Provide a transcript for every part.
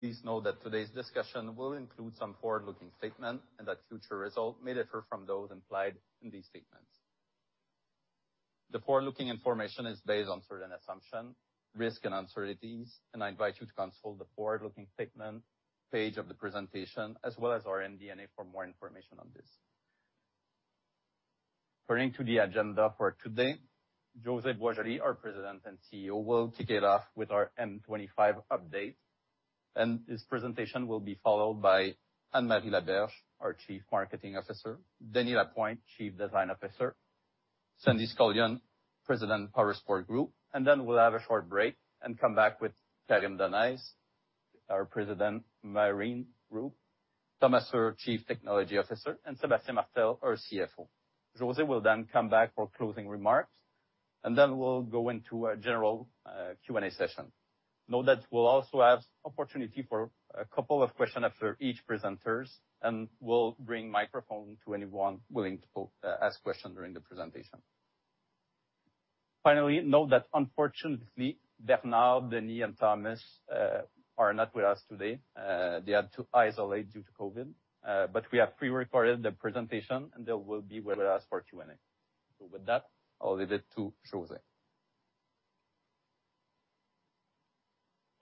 Please know that today's discussion will include some forward-looking statements, and that future results may differ from those implied in these statements. The forward-looking information is based on certain assumptions, risks, and uncertainties, and I invite you to consult the forward-looking statements page of the presentation, as well as our MD&A for more information on this. According to the agenda for today, José Boisjoli, our President and CEO, will kick it off with our M25 update. His presentation will be followed by Anne-Marie LaBerge, our Chief Marketing Officer; Denys Lapointe, Chief Design Officer; Sandy Scullion, President of Powersports Group. Then we'll have a short break and come back with Karim Donnez, our President, Marine Group; Thomas Uhr, Chief Technology Officer; and Sébastien Martel, our CFO. José Boisjoli will then come back for closing remarks, and then we'll go into a general Q&A session. Note that we'll also have opportunity for a couple of questions after each presenters, and we'll bring microphone to anyone willing to ask questions during the presentation. Finally, note that unfortunately, Bernard, Denys, and Thomas are not with us today. They had to isolate due to COVID, but we have pre-recorded their presentation, and they will be with us for Q&A. With that, I'll leave it to José.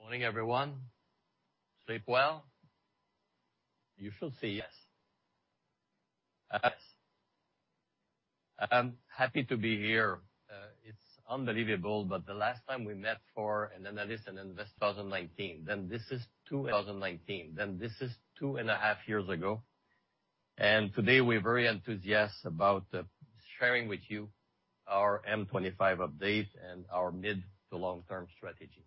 Morning, everyone. Sleep well? You should say yes. Yes. I'm happy to be here. It's unbelievable, but the last time we met for an Analyst and Investor Day 2019, this is two and a half years ago. Today, we're very enthusiastic about sharing with you our M25 update and our mid- to long-term strategy.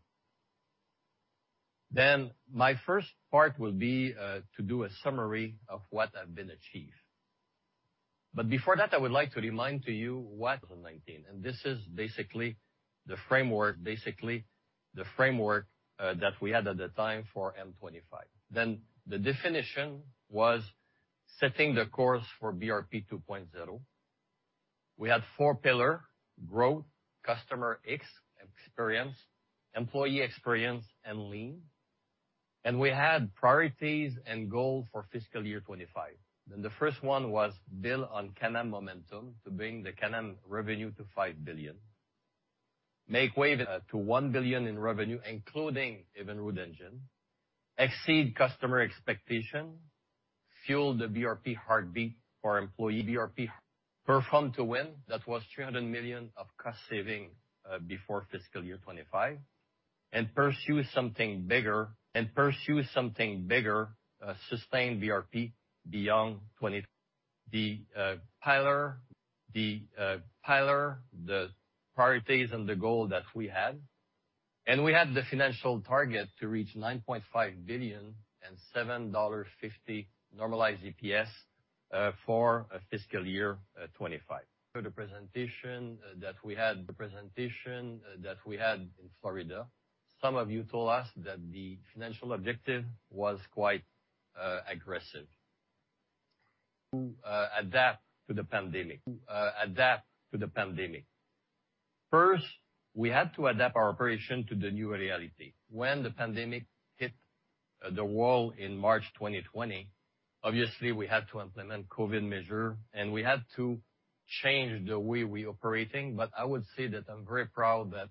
My first part will be to do a summary of what has been achieved. Before that, I would like to remind you what 2019, this is basically the framework that we had at the time for M25. The definition was setting the course for BRP 2.0. We had four pillars: growth, customer experience, employee experience, and lean. We had priorities and goals for fiscal year 2025. The first one was build on Can-Am momentum to bring the Can-Am revenue to 5 billion. Sea-Doo to 1 billion in revenue, including Evinrude engine. Exceed customer expectation. Fuel the BRP heartbeat for employee BRP. Perform to win. That was 300 million of cost saving before fiscal year 2025. Pursue something bigger, sustain BRP beyond 2025. The pillar, the priorities and the goal that we had. We had the financial target to reach 9.5 billion and 7.50 dollar normalized EPS for a fiscal year 2025. For the presentation that we had in Florida, some of you told us that the financial objective was quite aggressive. Adapt to the pandemic. First, we had to adapt our operation to the new reality. When the pandemic hit the wall in March 2020, obviously, we had to implement COVID measure, and we had to change the way we operating. But I would say that I'm very proud that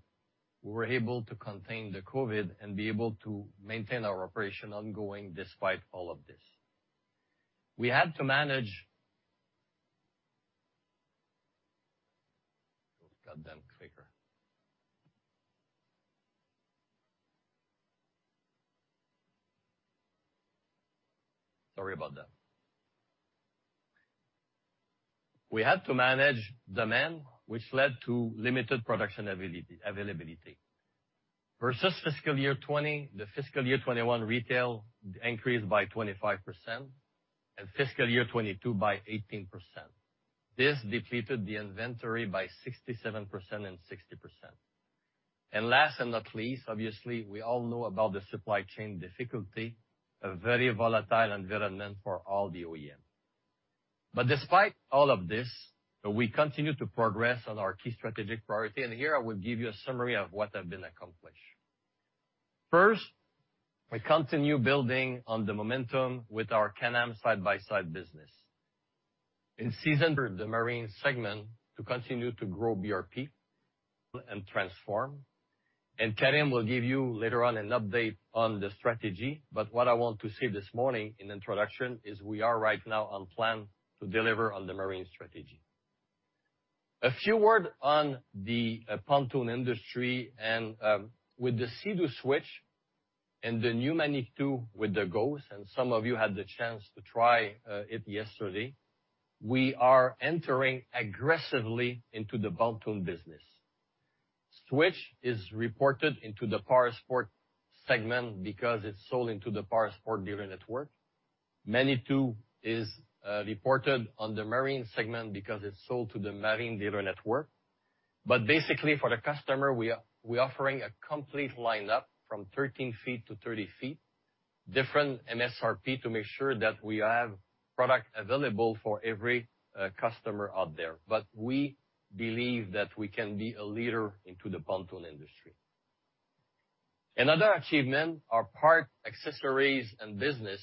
we were able to contain the COVID and be able to maintain our operation ongoing despite all of this. We had to manage. Oh, goddamn clicker. Sorry about that. We had to manage demand, which led to limited production availability. Versus fiscal year 2020, the fiscal year 2021 retail increased by 25%, and fiscal year 2022 by 18%. This depleted the inventory by 67% and 60%. Last and not least, obviously, we all know about the supply chain difficulty, a very volatile environment for all the OEM. Despite all of this, we continue to progress on our key strategic priority, and here I will give you a summary of what have been accomplished. First, we continue building on the momentum with our Can-Am side-by-side business. In season, the Marine segment to continue to grow BRP and transform. Karim will give you later on an update on the strategy. What I want to say this morning in introduction is we are right now on plan to deliver on the Marine strategy. A few words on the pontoon industry and with the Sea-Doo Switch and the new Manitou with the Ghost, and some of you had the chance to try it yesterday, we are entering aggressively into the pontoon business. Switch is reported into the Powersports segment because it's sold into the Powersports dealer network. Manitou is reported on the Marine segment because it's sold to the Marine dealer network. Basically, for the customer, we are offering a complete lineup from 13 ft to 30 ft, different MSRP to make sure that we have product available for every customer out there. We believe that we can be a leader into the pontoon industry. Another achievement, our parts, accessories, and business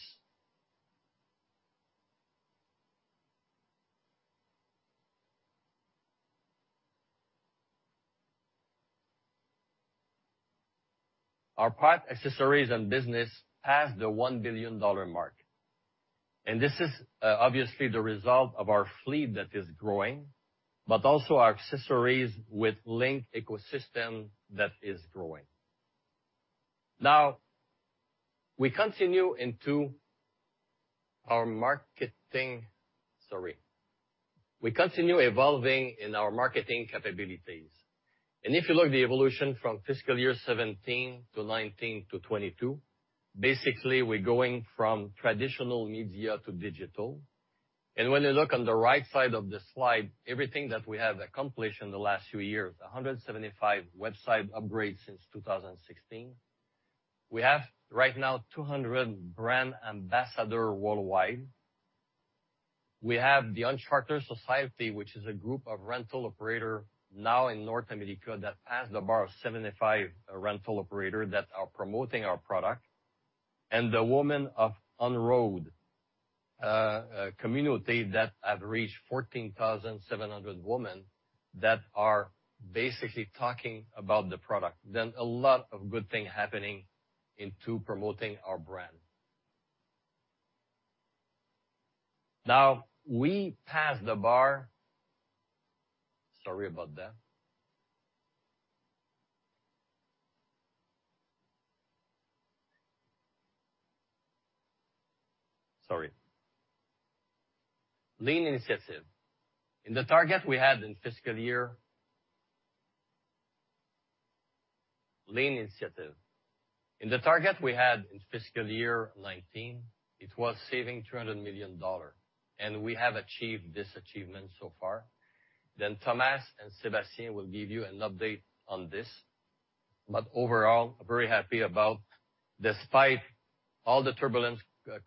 passed the 1 billion dollar mark. This is obviously the result of our fleet that is growing, but also our accessories with LinQ ecosystem that is growing. We continue evolving in our marketing capabilities. If you look the evolution from fiscal year 2017 to 2019 to 2022, basically, we're going from traditional media to digital. When you look on the right side of the slide, everything that we have accomplished in the last few years, 175 website upgrades since 2016. We have, right now, 200 brand ambassadors worldwide. We have the Uncharted Society, which is a group of rental operators now in North America that passed the bar of 75 rental operators that are promoting our product. The Women of On-Road community that has reached 14,700 women that are basically talking about the product. A lot of good things are happening in promoting our brand. We passed the bar for the Lean initiative. In the target we had in fiscal year 2019, it was saving 200 million dollars, and we have achieved this achievement so far. Thomas and Sébastien will give you an update on this. Overall, very happy, despite all the turbulence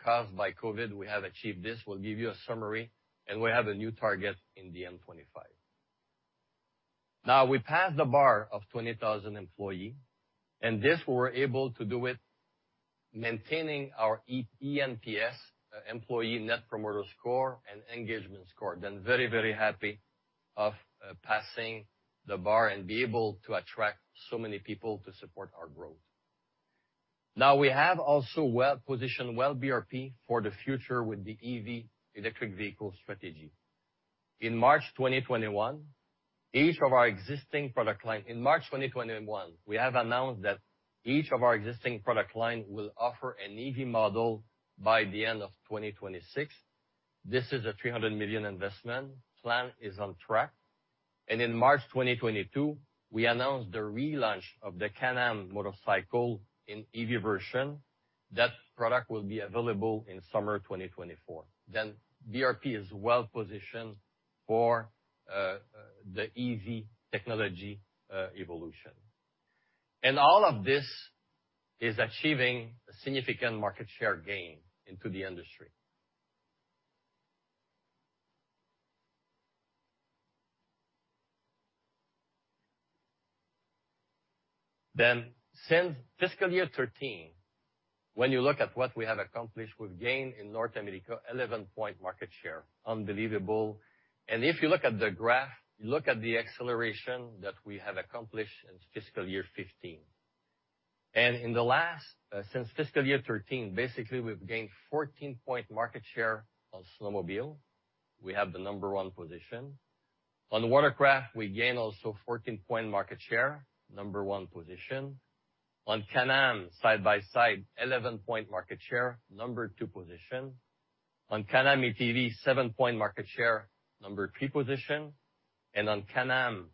caused by COVID, we have achieved this. We'll give you a summary, and we have a new target by the end of 2025. Now, we passed the bar of 20,000 employees, and this we were able to do it maintaining our eNPS, employee net promoter score and engagement score. Very, very happy about passing the bar and being able to attract so many people to support our growth. Now, we have also well positioned BRP for the future with the EV, electric vehicle strategy. In March 2021, we have announced that each of our existing product line will offer an EV model by the end of 2026. This is a 300 million investment. Plan is on track. In March 2022, we announced the relaunch of the Can-Am motorcycle in EV version. That product will be available in summer 2024. BRP is well positioned for the EV technology evolution. All of this is achieving a significant market share gain into the industry. Since fiscal year 2013, when you look at what we have accomplished, we've gained in North America 11% market share. Unbelievable. If you look at the graph, look at the acceleration that we have accomplished in fiscal year 2015. In the last since fiscal year 2013, basically we've gained 14 point market share on snowmobile. We have the number one position. On watercraft, we gain also 14 point market share, number one position. On Can-Am side-by-side, 11 point market share, number two position. On Can-Am ATV, 7 point market share, number three position. On Can-Am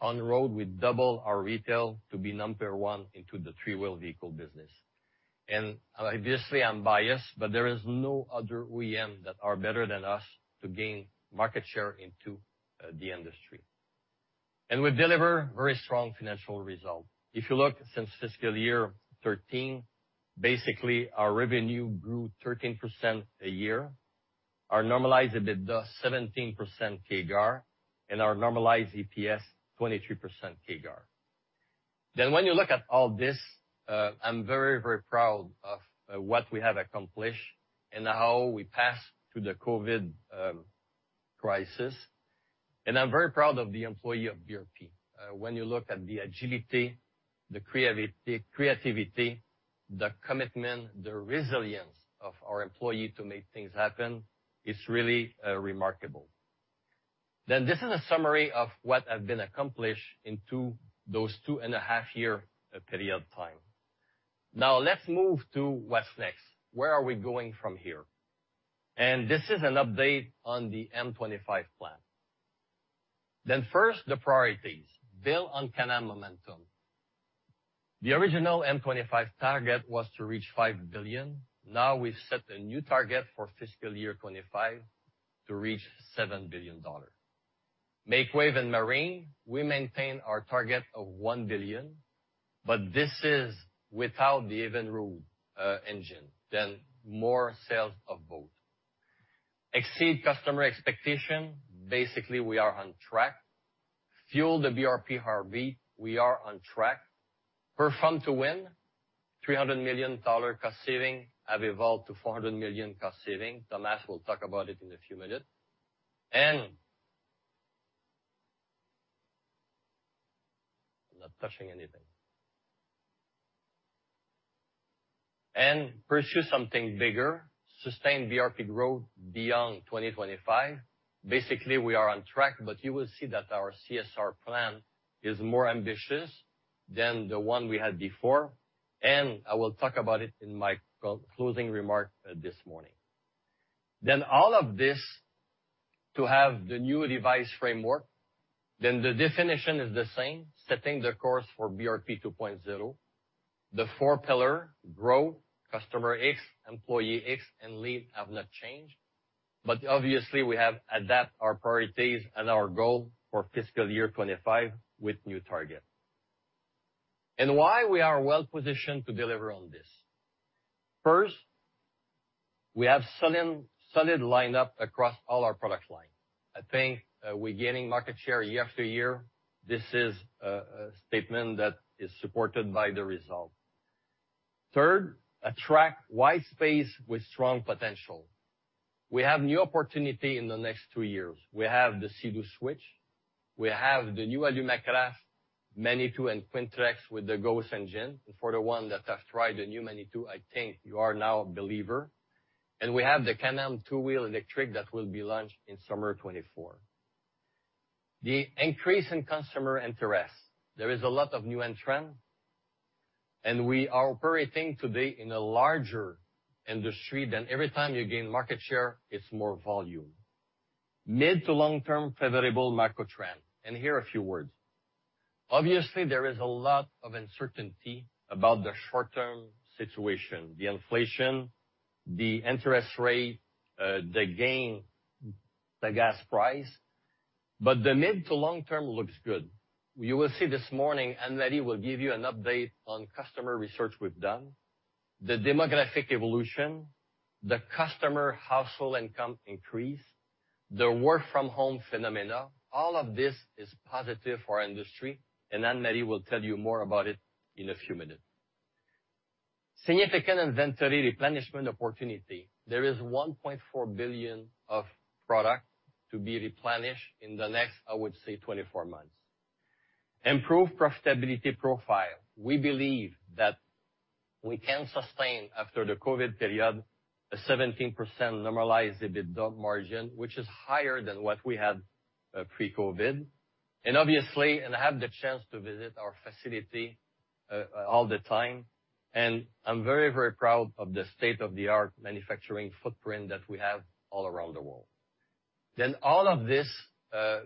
On-Road, we double our retail to be number one in the three-wheel vehicle business. Obviously, I'm biased, but there is no other OEM that are better than us to gain market share in the industry. We deliver very strong financial result. If you look since fiscal year 2013, basically, our revenue grew 13% a year. Our normalized EBITDA, 17% CAGR, and our normalized EPS, 23% CAGR. When you look at all this, I'm very, very proud of what we have accomplished and how we passed through the COVID crisis. I'm very proud of the employee of BRP. When you look at the agility, the creativity, the commitment, the resilience of our employee to make things happen, it's really remarkable. This is a summary of what have been accomplished in those two and a half years period of time. Now let's move to what's next. Where are we going from here? This is an update on the M25 plan. First, the priorities. Build on Can-Am momentum. The original M25 target was to reach 5 billion. Now we've set a new target for fiscal year 2025 to reach 7 billion dollars. Make waves in Marine, we maintain our target of 1 billion, but this is without the Evinrude engine, then more sales of boats. Exceed customer expectations, basically, we are on track. Fuel the BRP heartbeat, we are on track. Perform to win, 300 million dollar cost savings have evolved to 400 million cost savings. Thomas will talk about it in a few minutes. I'm not touching anything. Pursue something bigger, sustain BRP growth beyond 2025. Basically, we are on track, but you will see that our CSR plan is more ambitious than the one we had before, and I will talk about it in my closing remark this morning. All of this to have the new vision framework, the definition is the same, setting the course for BRP 2.0. The four pillars, growth, CX, employee X, and lead have not changed. But obviously, we have adapted our priorities and our goals for fiscal year 2025 with new targets. Why we are well-positioned to deliver on this. First, we have solid lineup across all our product lines. I think, we're gaining market share year after year. This is a statement that is supported by the results. Third, attractive white space with strong potential. We have new opportunity in the next two years. We have the Sea-Doo Switch. We have the new Alumacraft, Manitou, and Quintrex with the Ghost engine. For the one that has tried the new Manitou, I think you are now a believer. We have the Can-Am two-wheel electric that will be launched in summer 2024. The increase in customer interest. There is a lot of new trends, and we are operating today in a larger industry than ever. Every time you gain market share, it's more volume. Mid- to long-term favorable macro trend, and here a few words. Obviously, there is a lot of uncertainty about the short-term situation, the inflation, the interest rate, the yen, the gas price, but the mid- to long-term looks good. You will see this morning, Anne-Marie will give you an update on customer research we've done, the demographic evolution, the customer household income increase, the work from home phenomena. All of this is positive for our industry, and Anne-Marie will tell you more about it in a few minutes. Significant inventory replenishment opportunity. There is 1.4 billion of product to be replenished in the next, I would say, 24 months. Improved profitability profile. We believe that we can sustain, after the COVID period, a 17% normalized EBITDA margin, which is higher than what we had pre-COVID. Obviously, I have the chance to visit our facility all the time, and I'm very, very proud of the state-of-the-art manufacturing footprint that we have all around the world. All of this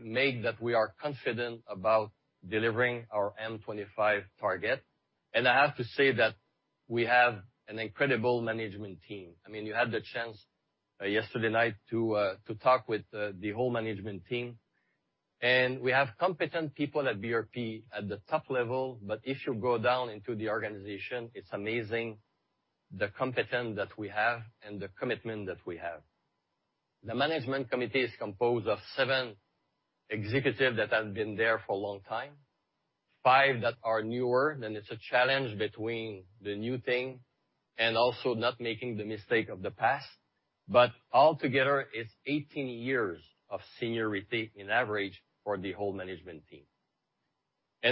makes that we are confident about delivering our M25 target. I have to say that we have an incredible management team. I mean, you had the chance yesterday night to talk with the whole management team. We have competent people at BRP at the top level, but if you go down into the organization, it's amazing the competence that we have and the commitment that we have. The Management Committee is composed of seven executives that have been there for a long time, five that are newer, and it's a challenge between the new thing and also not making the mistake of the past. Altogether, it's eighteen years of seniority in average for the whole management team.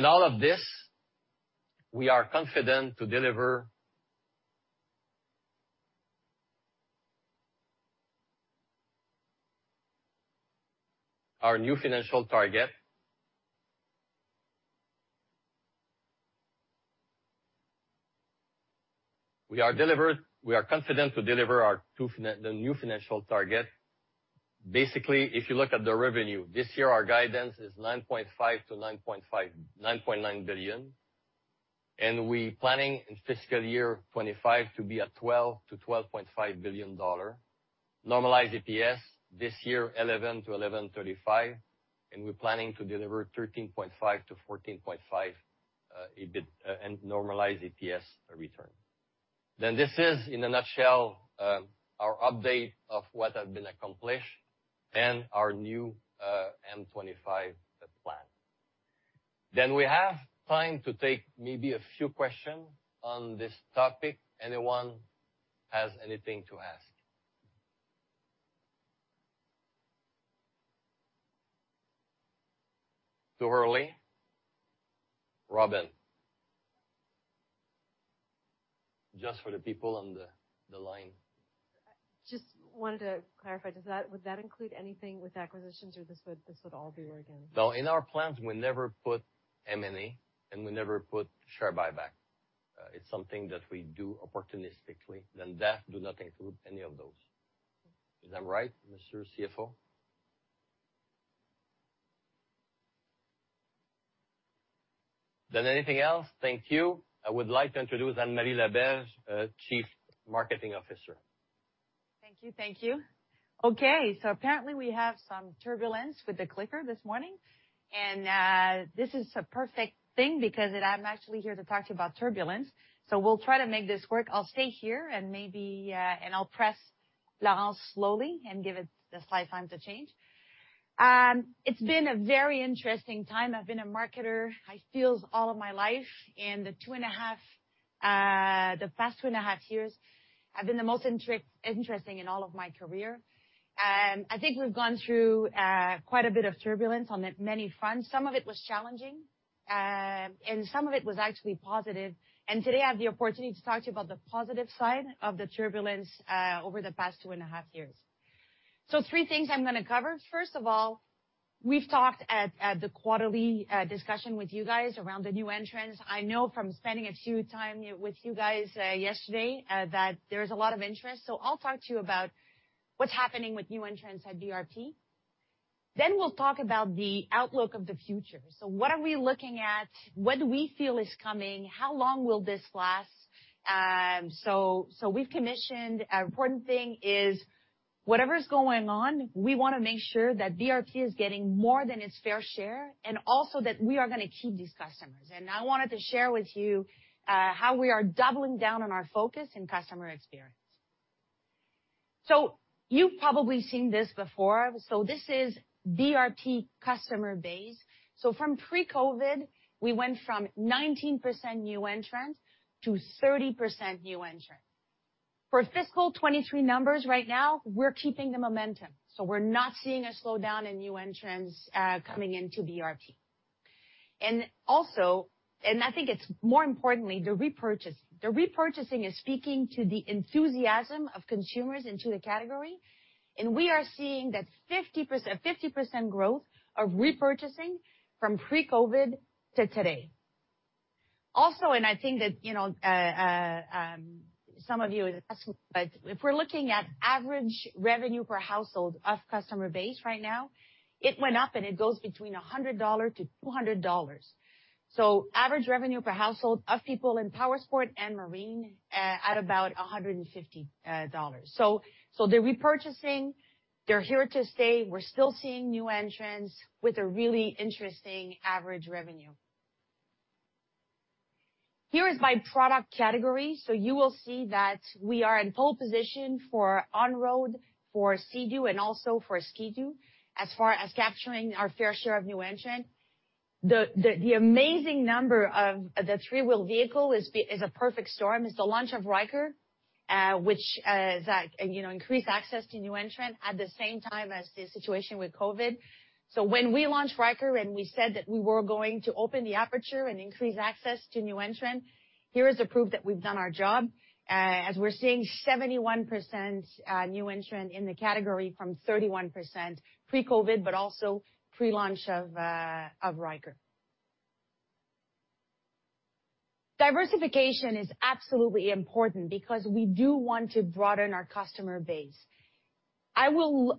All of this, we are confident to deliver the new financial target. Basically, if you look at the revenue, this year our guidance is 9.5 billion-9.9 billion. We're planning in fiscal year 2025 to be at 12 billion-12.5 billion dollar. Normalized EPS this year, 11x-11.35x, and we're planning to deliver 13.5x-14.5x, EBIT and normalized EPS return. This is, in a nutshell, our update of what have been accomplished and our new M25 plan. We have time to take maybe a few questions on this topic. Anyone has anything to ask? Too early? Robin? Just for the people on the line. Just wanted to clarify, would that include anything with acquisitions, or this would all be organic? No, in our plans, we never put M&A, and we never put share buyback. It's something that we do opportunistically, then that do not include any of those. Is that right, Mr. CFO? Anything else? Thank you. I would like to introduce Anne-Marie LaBerge, Chief Marketing Officer. Thank you. Okay, apparently we have some turbulence with the clicker this morning, and this is a perfect thing because I'm actually here to talk to you about turbulence. We'll try to make this work. I'll stay here and maybe and I'll press, longer, slowly and give it the slight time to change. It's been a very interesting time. I've been a marketer. I feel all of my life, and the past two and a half years have been the most interesting in all of my career. I think we've gone through quite a bit of turbulence on many fronts. Some of it was challenging, and some of it was actually positive. Today, I have the opportunity to talk to you about the positive side of the turbulence over the past two and a half years. Three things I'm gonna cover. First of all, we've talked at the quarterly discussion with you guys around the new entrants. I know from spending a few times with you guys yesterday that there's a lot of interest, so I'll talk to you about what's happening with new entrants at BRP. Then we'll talk about the outlook of the future. What are we looking at? What do we feel is coming? How long will this last? We've commissioned. An important thing is whatever is going on, we wanna make sure that BRP is getting more than its fair share, and also that we are gonna keep these customers. I wanted to share with you how we are doubling down on our focus in customer experience. You've probably seen this before. This is BRP customer base. From pre-COVID, we went from 19% new entrants to 30% new entrants. For fiscal 2023 numbers right now, we're keeping the momentum, so we're not seeing a slowdown in new entrants coming into BRP. I think it's more importantly, the repurchase. The repurchasing is speaking to the enthusiasm of consumers into the category, and we are seeing that 50% growth of repurchasing from pre-COVID to today. I think that some of you know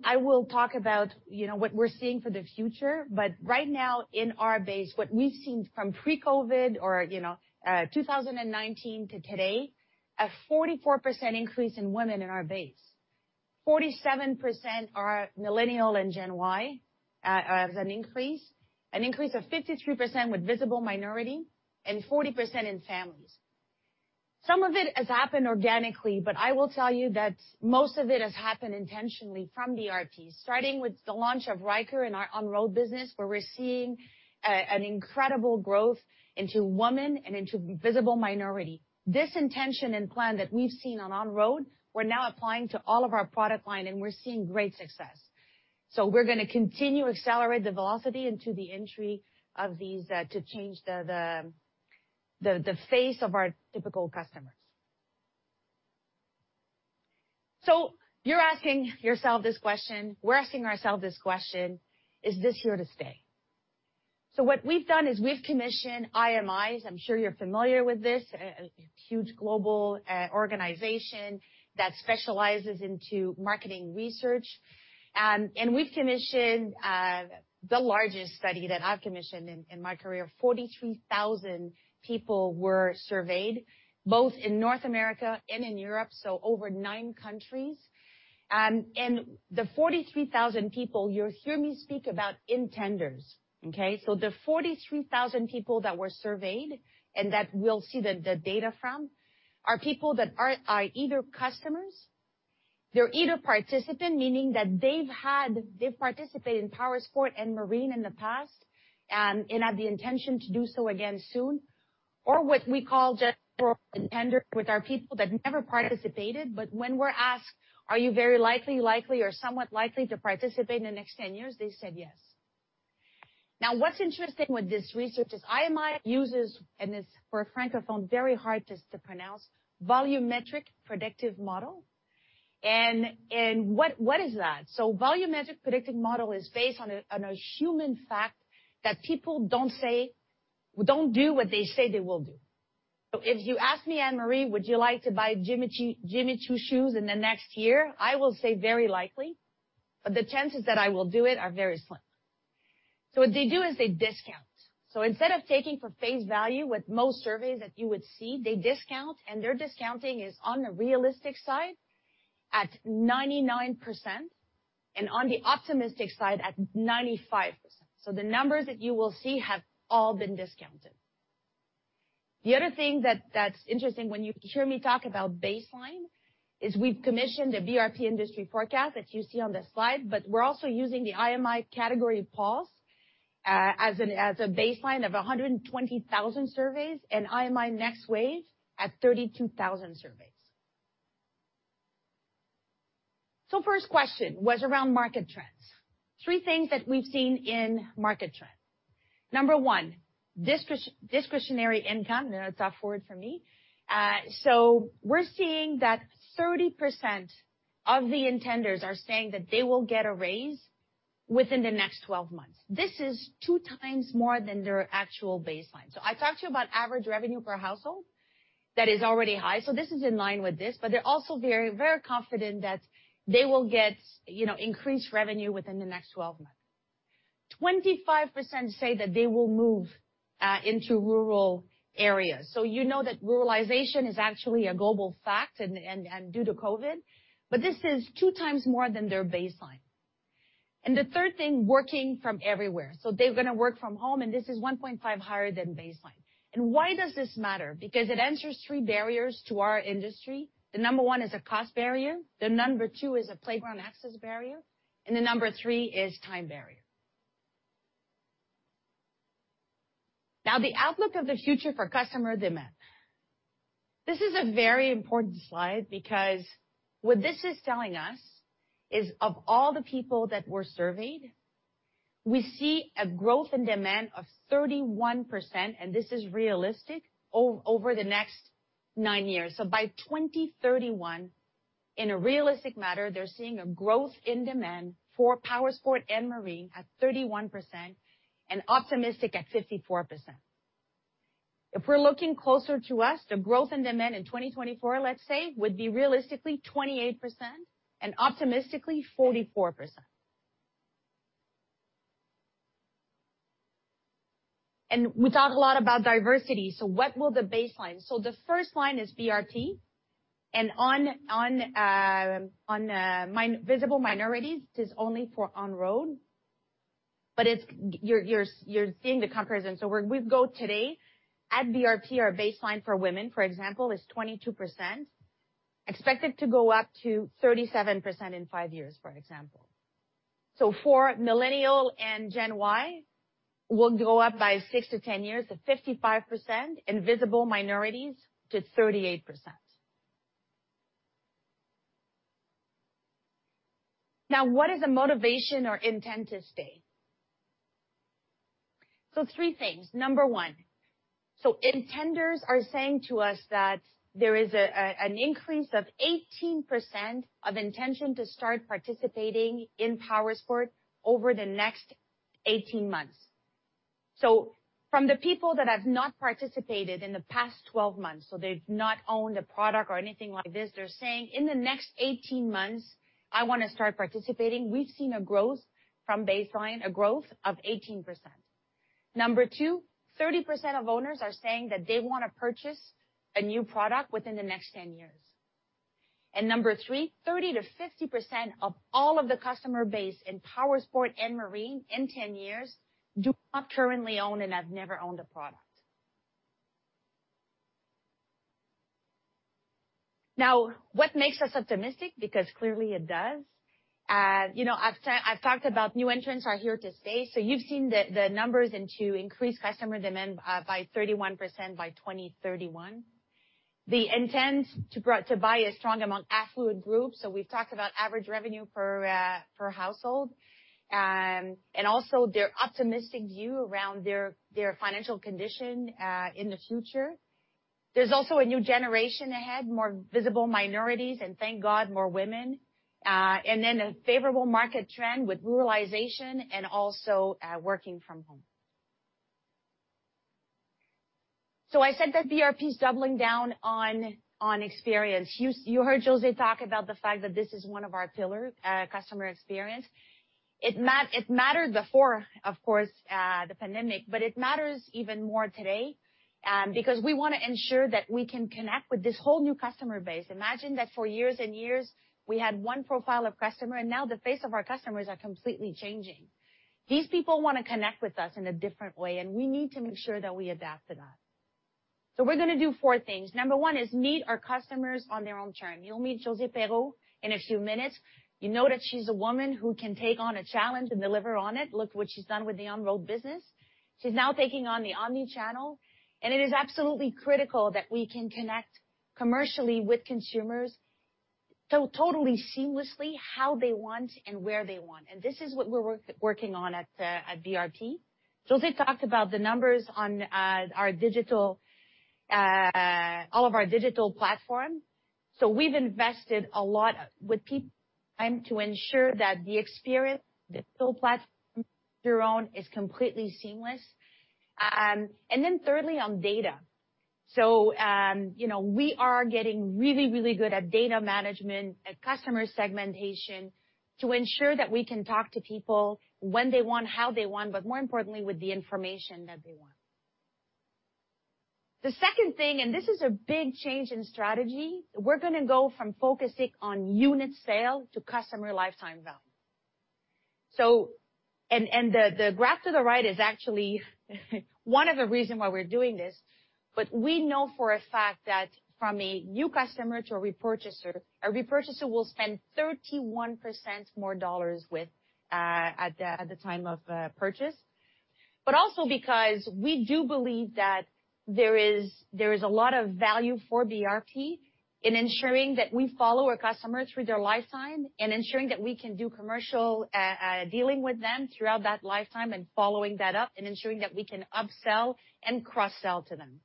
what's interesting with this research is IMI uses, and it's for a Francophone, very hard to pronounce, volumetric predictive model. What is that? Volumetric predictive model is based on a human factor that people don't do what they say they will do. If you ask me, "Anne-Marie, would you like to buy Jimmy Choo shoes in the next year?" I will say, "Very likely," but the chances that I will do it are very slim. What they do is they discount. Instead of taking at face value with most surveys that you would see, they discount, and their discounting is on the realistic side at 99%, and on the optimistic side at 95%. The numbers that you will see have all been discounted. The other thing that's interesting when you hear me talk about baseline is we've commissioned a BRP industry forecast that you see on the slide, but we're also using the IMI category pulse as a baseline of 120,000 surveys, and IMI next wave at 32,000 surveys. First question was around market trends. Three things that we've seen in market trends. Number one, discretionary income. I know that's a tough word for me. We're seeing that 30% of the intenders are saying that they will get a raise within the next 12 months. This is 2x more than their actual baseline. I talked to you about average revenue per household that is already high. This is in line with this, but they're also very, very confident that they will get, you know, increased revenue within the next 12 months. 25% say that they will move into rural areas. You know that ruralization is actually a global fact and due to COVID, but this is 2x more than their baseline. The third thing, working from everywhere. They're gonna work from home, and this is 1.5x higher than baseline. Why does this matter? Because it answers three barriers to our industry. The number one is a cost barrier, the number two is a playground access barrier, and the number three is time barrier. Now, the outlook of the future for customer demand. This is a very important slide because what this is telling us is of all the people that were surveyed, we see a growth in demand of 31%, and this is realistic, over the next nine years. By 2031, in a realistic matter, they're seeing a growth in demand for Powersports and Marine at 31% and optimistic at 54%. If we're looking closer to us, the growth in demand in 2024, let's say, would be realistically 28% and optimistically 44%. We talk a lot about diversity, what will the baseline? The first line is BRP, and on minority visible minorities is only for on-road, but it's you're seeing the comparison. Where we go today at BRP, our baseline for women, for example, is 22%. Expected to go up to 37% in five years, for example. For Millennials and Gen Y, we'll go up by six to 10 years to 55%, and visible minorities to 38%. Now, what is a motivation or intent to stay? Three things. Number one, intenders are saying to us that there is an increase of 18% of intention to start participating in Powersports over the next 18 months. From the people that have not participated in the past 12 months, they've not owned a product or anything like this, they're saying, "In the next 18 months, I wanna start participating," we've seen a growth from baseline, a growth of 18%. Number two, 30% of owners are saying that they wanna purchase a new product within the next 10 years. Number three, 30%-50% of all of the customer base in Powersports and Marine in 10 years do not currently own and have never owned a product. Now, what makes us optimistic? Because clearly it does. You know, I've talked about new entrants are here to stay. You've seen the numbers and to increase customer demand by 31% by 2031. The intent to buy is strong among affluent groups. We've talked about average revenue per household. And also their optimistic view around their financial condition in the future. There's also a new generation ahead, more visible minorities, and thank God, more women. And then a favorable market trend with ruralization and also working from home. I said that BRP's doubling down on experience. You heard José talk about the fact that this is one of our pillar customer experience. It mattered before, of course, the pandemic, but it matters even more today, because we wanna ensure that we can connect with this whole new customer base. Imagine that for years and years, we had one profile of customer, and now the face of our customers are completely changing. These people wanna connect with us in a different way, and we need to make sure that we adapt to that. We're gonna do four things. Number one is meet our customers on their own term. You'll meet Josée Perreault in a few minutes. You know that she's a woman who can take on a challenge and deliver on it. Look what she's done with the on-road business. She's now taking on the Omnichannel, and it is absolutely critical that we can connect commercially with consumers so totally seamlessly how they want and where they want. This is what we're working on at BRP. José talked about the numbers on our digital, all of our digital platform. We've invested a lot with people to ensure that the experience, the platform is completely seamless. Thirdly, on data. You know, we are getting really, really good at data management, at customer segmentation to ensure that we can talk to people when they want, how they want, but more importantly, with the information that they want. The second thing, this is a big change in strategy, we're gonna go from focusing on unit sale to customer lifetime value. The graph to the right is actually one of the reasons why we're doing this, but we know for a fact that from a new customer to a repurchaser, a repurchaser will spend 31% more dollars with, at the time of purchase. Also because we do believe that there is a lot of value for BRP in ensuring that we follow a customer through their lifetime and ensuring that we can do commercial dealing with them throughout that lifetime and following that up and ensuring that we can upsell and cross-sell to them.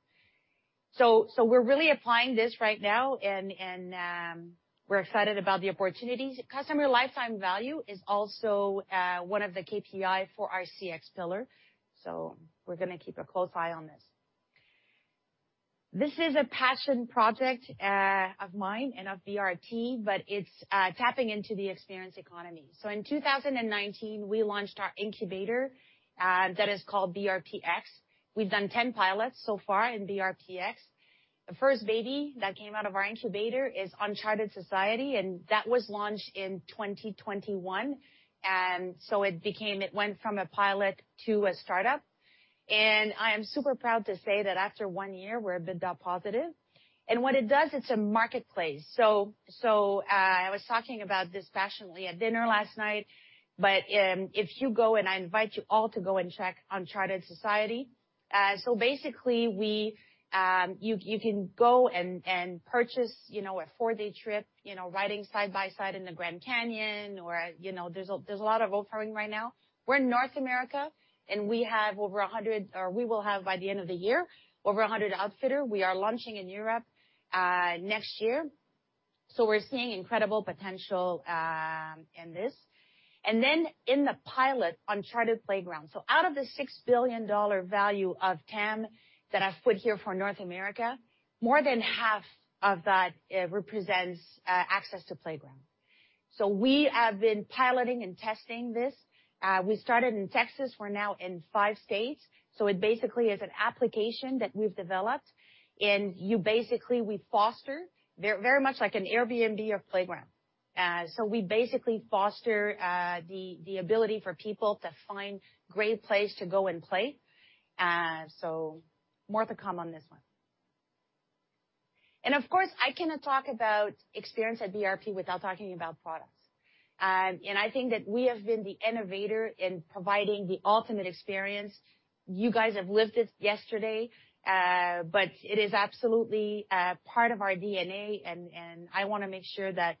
We're really applying this right now and, we're excited about the opportunities. Customer lifetime value is also one of the KPI for our CX pillar, so we're gonna keep a close eye on this. This is a passion project of mine and of BRP, but it's tapping into the experience economy. In 2019, we launched our incubator that is called BRP-X. We've done 10 pilots so far in BRP-X. The first baby that came out of our incubator is Uncharted Society, and that was launched in 2021. It went from a pilot to a startup. I am super proud to say that after one year we're EBITDA positive. What it does, it's a marketplace. I was talking about this passionately at dinner last night, but if you go, and I invite you all to go and check Uncharted Society. Basically we, you can go and purchase, you know, a four-day trip, you know, riding side-by-side in the Grand Canyon or, you know, there's a lot of offerings right now. We're in North America, and we have over 100, or we will have by the end of the year over 100 outfitters. We are launching in Europe next year, so we're seeing incredible potential in this. Then in the pilot Uncharted Playground. Out of the 6 billion dollar value of TAM that I've put here for North America, more than half of that represents access to playground. We have been piloting and testing this. We started in Texas. We're now in five states. It basically is an application that we've developed. We foster very, very much like an Airbnb of playground. So we basically foster the ability for people to find great place to go and play. So more to come on this one. Of course, I cannot talk about experience at BRP without talking about products. I think that we have been the innovator in providing the ultimate experience. You guys have lived it yesterday. But it is absolutely part of our DNA, and I wanna make sure that,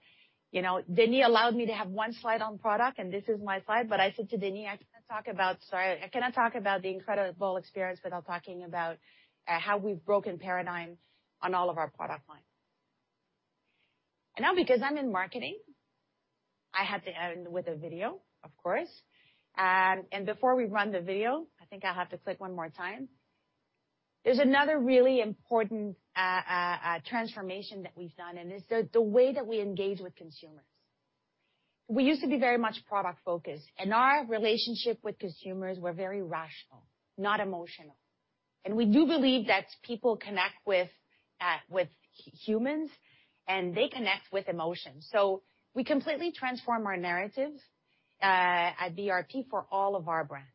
you know, Denys allowed me to have one slide on product, and this is my slide. I said to Denys, "I cannot talk about the incredible experience without talking about how we've broken paradigm on all of our product line." Now, because I'm in marketing, I have to end with a video, of course. Before we run the video, I think I have to click one more time. There's another really important transformation that we've done, and it's the way that we engage with consumers. We used to be very much product-focused, and our relationship with consumers were very rational, not emotional. We do believe that people connect with humans, and they connect with emotion. We completely transform our narrative at BRP for all of our brands.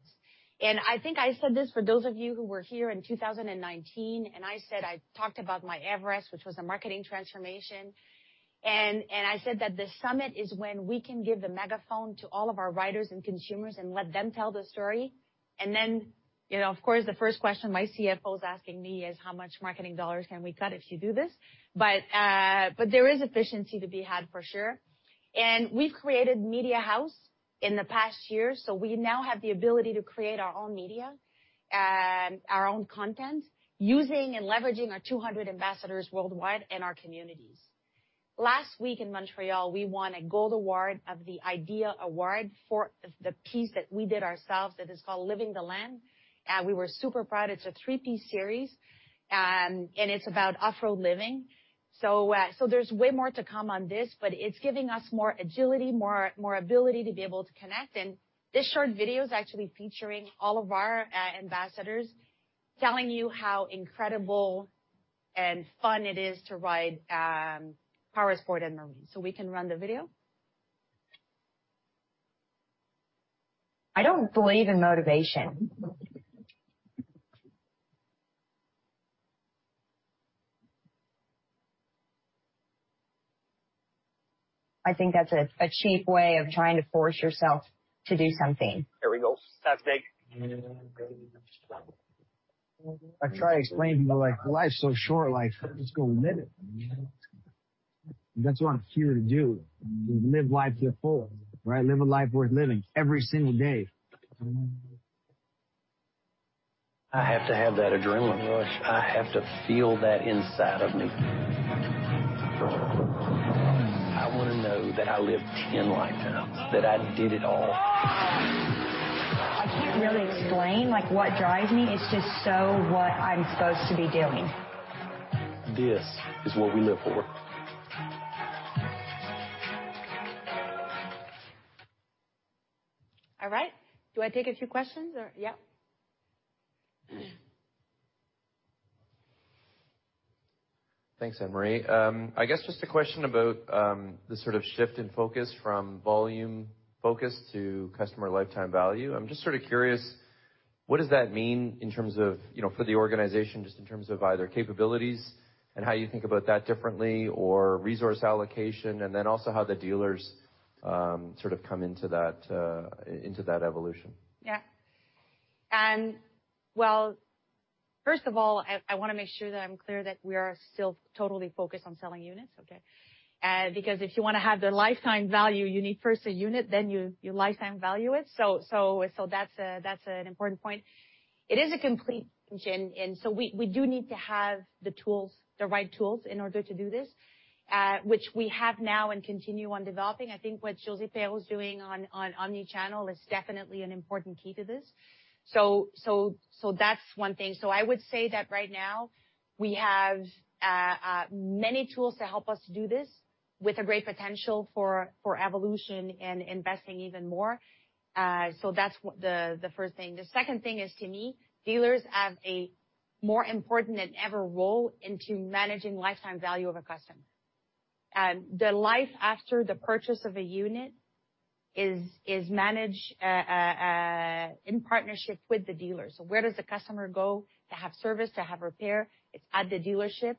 I think I said this for those of you who were here in 2019, and I said I talked about my Everest, which was a marketing transformation. I said that the summit is when we can give the megaphone to all of our riders and consumers and let them tell the story. Then, you know, of course, the first question my CFO's asking me is, "How much marketing dollars can we cut if you do this?" There is efficiency to be had for sure. We've created media house in the past year, so we now have the ability to create our own media, our own content, using and leveraging our 200 ambassadors worldwide and our communities. Last week in Montreal, we won a Gold IDEA Award for the piece that we did ourselves that is called Living the Land. We were super proud. It's a three-piece series, and it's about off-road living. There's way more to come on this, but it's giving us more agility, more ability to be able to connect. This short video is actually featuring all of our ambassadors telling you how incredible and fun it is to ride Powersports and Marine. We can run the video. I don't believe in motivation. I think that's a cheap way of trying to force yourself to do something. There we go. Soundstage. I try to explain to people like, life's so short. Like, let's go live it, you know. That's what I'm here to do, is live life to the fullest, right? Live a life worth living every single day. I have to have that adrenaline rush. I have to feel that inside of me. I wanna know that I lived 10 lifetimes, that I did it all. I can't really explain, like, what drives me. It's just so what I'm supposed to be doing. This is what we live for. All right. Do I take a few questions? Yeah. Thanks, Anne-Marie. I guess just a question about the sort of shift in focus from volume focus to customer lifetime value. I'm just sorta curious, what does that mean in terms of, you know, for the organization, just in terms of either capabilities and how you think about that differently, or resource allocation, and then also how the dealers sort of come into that evolution. Well, first of all, I wanna make sure that I'm clear that we are still totally focused on selling units, okay? Because if you wanna have the lifetime value, you need first a unit, then you lifetime value it. That's an important point. It is a complete change, and so we do need to have the tools, the right tools in order to do this, which we have now and continue on developing. I think what Josée Perreault's doing on Omnichannel is definitely an important key to this. That's one thing. I would say that right now we have many tools to help us do this with a great potential for evolution and investing even more. That's the first thing. The second thing is, to me, dealers have a more important than ever role in managing lifetime value of a customer. The life after the purchase of a unit is managed in partnership with the dealers. Where does the customer go to have service, to have repair? It's at the dealership.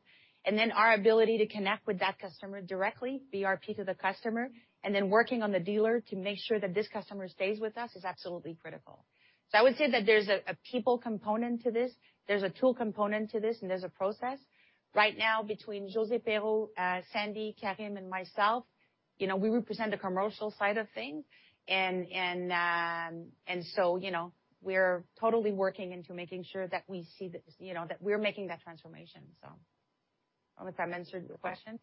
Our ability to connect with that customer directly, BRP to the customer, and then working on the dealer to make sure that this customer stays with us is absolutely critical. I would say that there's a people component to this, there's a tool component to this, and there's a process. Right now, between Josée Perreault, Sandy, Karim, and myself, you know, we represent the commercial side of things. You know, we're totally working into making sure that we see this, you know, that we're making that transformation so. I hope that answered the question.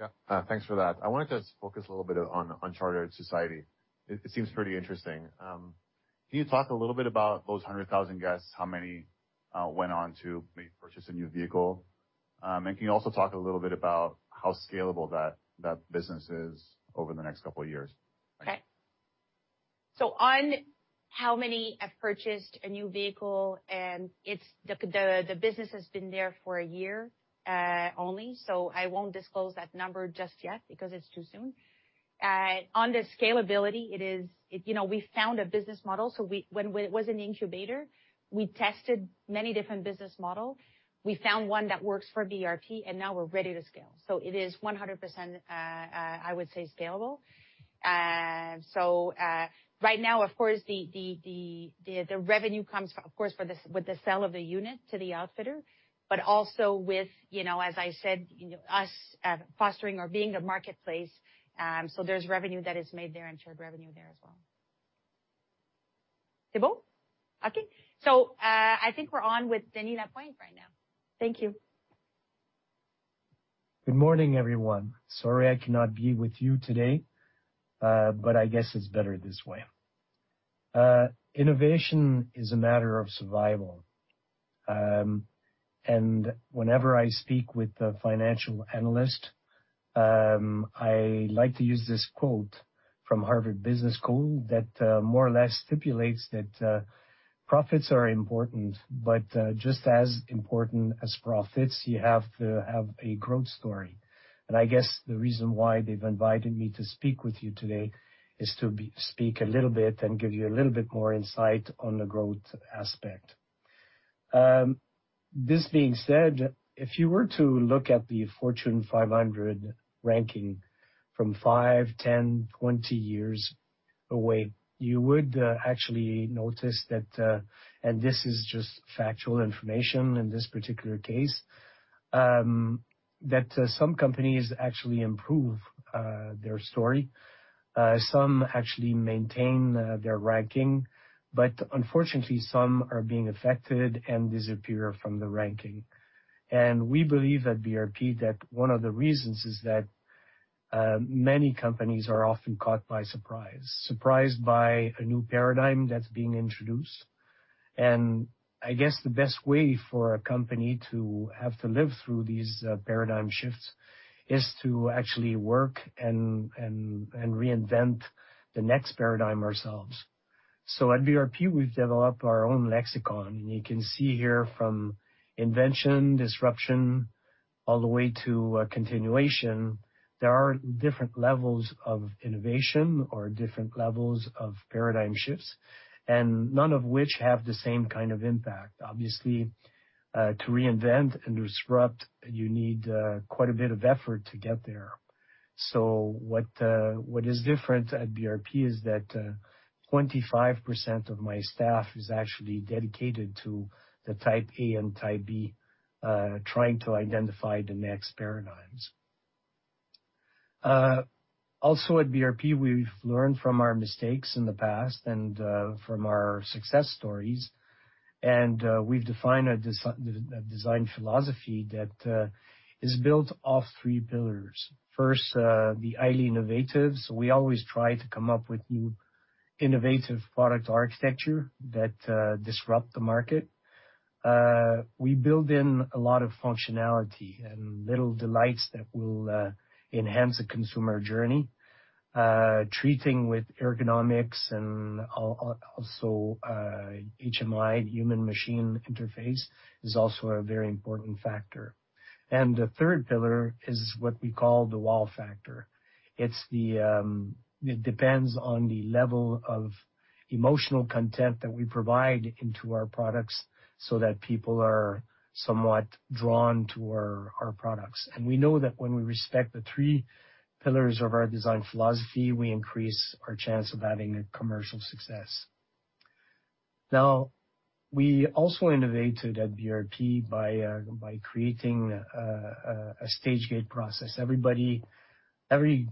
Yeah. Thanks for that. I wanted to focus a little bit on Uncharted Society. It seems pretty interesting. Can you talk a little bit about those 100,000 guests, how many went on to maybe purchase a new vehicle? And can you also talk a little bit about how scalable that business is over the next couple years? Okay. On how many have purchased a new vehicle and it's the business has been there for a year only, so I won't disclose that number just yet because it's too soon. On the scalability, it is, you know, we found a business model, so when it was in the incubator, we tested many different business model. We found one that works for BRP, and now we're ready to scale. It is 100%, I would say, scalable. Right now, of course, the revenue comes, of course, from the sale of the unit to the outfitter, but also with, you know, as I said, you know, us fostering or being the marketplace. There's revenue that is made there and shared revenue there as well. Okay. I think we're on with Denys Lapointe right now. Thank you. Good morning, everyone. Sorry I cannot be with you today, but I guess it's better this way. Innovation is a matter of survival. Whenever I speak with a financial analyst, I like to use this quote from Harvard Business School that more or less stipulates that profits are important, but just as important as profits, you have to have a growth story. I guess the reason why they've invited me to speak with you today is to speak a little bit and give you a little bit more insight on the growth aspect. This being said, if you were to look at the Fortune 500 ranking from five, 10, 20 years away, you would actually notice that, and this is just factual information in this particular case, that some companies actually improve their story. Some actually maintain their ranking. But unfortunately, some are being affected and disappear from the ranking. We believe at BRP that one of the reasons is that many companies are often caught by surprise. Surprised by a new paradigm that's being introduced. I guess the best way for a company to have to live through these paradigm shifts is to actually work and reinvent the next paradigm ourselves. At BRP, we've developed our own lexicon. You can see here from invention, disruption, all the way to continuation, there are different levels of innovation or different levels of paradigm shifts, and none of which have the same kind of impact. Obviously, to reinvent and disrupt, you need quite a bit of effort to get there. What is different at BRP is that 25% of my staff is actually dedicated to the Type A and Type B, trying to identify the next paradigms. Also at BRP, we've learned from our mistakes in the past and from our success stories, and we've defined a design philosophy that is built off three pillars. First, the highly innovative, so we always try to come up with new innovative product architecture that disrupt the market. We build in a lot of functionality and little delights that will enhance the consumer journey. Treating with ergonomics and also HMI, Human Machine Interface, is also a very important factor. The third pillar is what we call the wow factor. It's the level of emotional content that we provide into our products so that people are somewhat drawn to our products. We know that when we respect the three pillars of our design philosophy, we increase our chance of having a commercial success. We also innovated at BRP by creating a stage-gate process. Every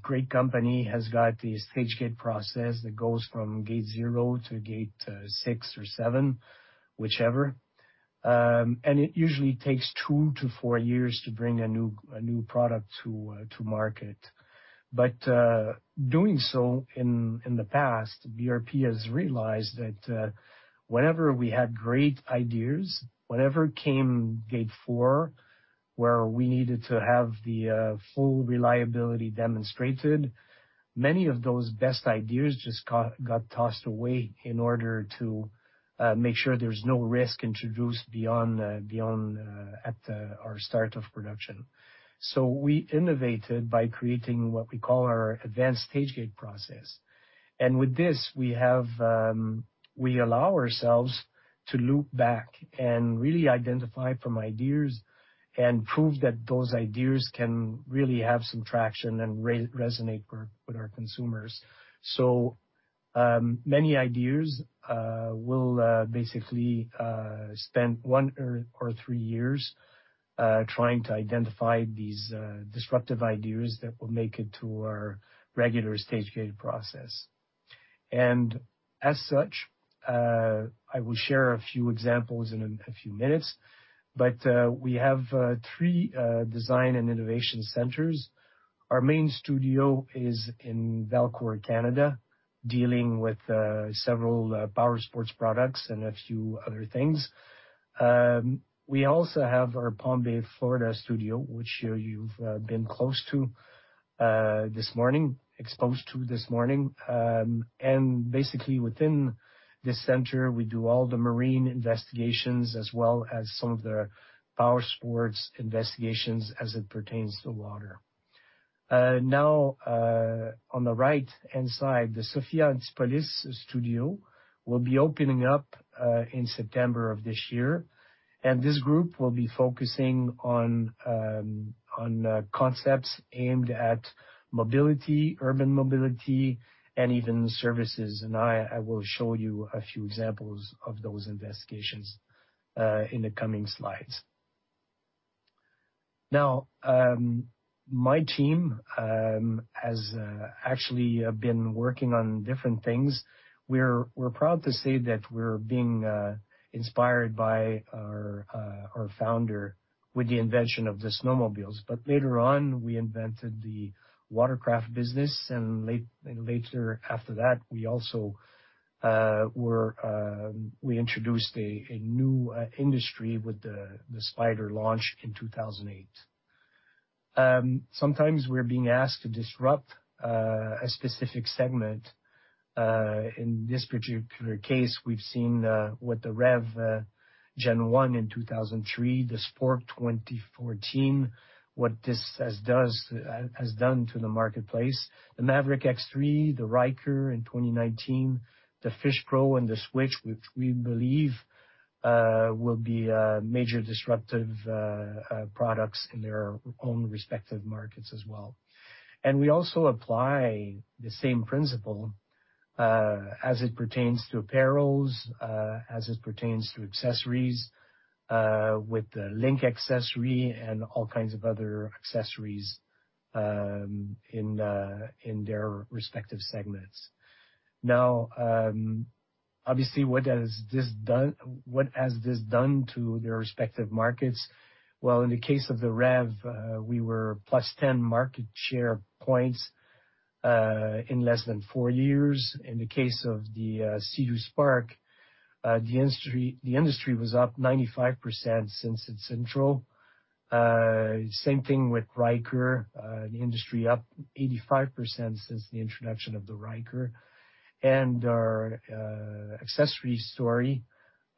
great company has got a stage-gate process that goes from gate zero to gate six or seven, whichever. It usually takes two to four years to bring a new product to market. In the past, BRP has realized that whenever we had great ideas, when we came to gate four, where we needed to have the full reliability demonstrated, many of those best ideas just got tossed away in order to make sure there's no risk introduced beyond our start of production. We innovated by creating what we call our advanced stage-gate process. With this, we allow ourselves to loop back and really identify from ideas and prove that those ideas can really have some traction and resonate with our consumers. Many ideas will basically spend one or three years trying to identify these disruptive ideas that will make it to our regular stage-gate process. As such, I will share a few examples in a few minutes, but we have three design and innovation centers. Our main studio is in Valcourt, Canada, dealing with several Powersports products and a few other things. We also have our Palm Bay, Florida studio, which you've been close to, exposed to this morning. Basically, within this center, we do all the Marine investigations as well as some of the Powersports investigations as it pertains to water. Now, on the right-hand side, the Sophia Antipolis studio will be opening up in September of this year, and this group will be focusing on concepts aimed at mobility, urban mobility, and even services. I will show you a few examples of those investigations in the coming slides. Now, my team has actually been working on different things. We're proud to say that we're being inspired by our founder with the invention of the snowmobiles. But later on, we invented the watercraft business, and later after that, we also introduced a new industry with the Spyder launch in 2008. Sometimes we're being asked to disrupt a specific segment. In this particular case, we've seen with the REV Gen1 in 2003, the Spark 2014, what this has done to the marketplace. The Maverick X3, the Ryker in 2019, the FishPro, and the Switch, which we believe will be major disruptive products in their own respective markets as well. We also apply the same principle as it pertains to apparel as it pertains to accessories with the LinQ accessory and all kinds of other accessories in their respective segments. Now, obviously, what has this done to their respective markets? Well, in the case of the REV, we were +10 market share points in less than four years. In the case of the Sea-Doo Spark, the industry was up 95% since its intro. Same thing with Ryker. The industry up 85% since the introduction of the Ryker. Our accessories story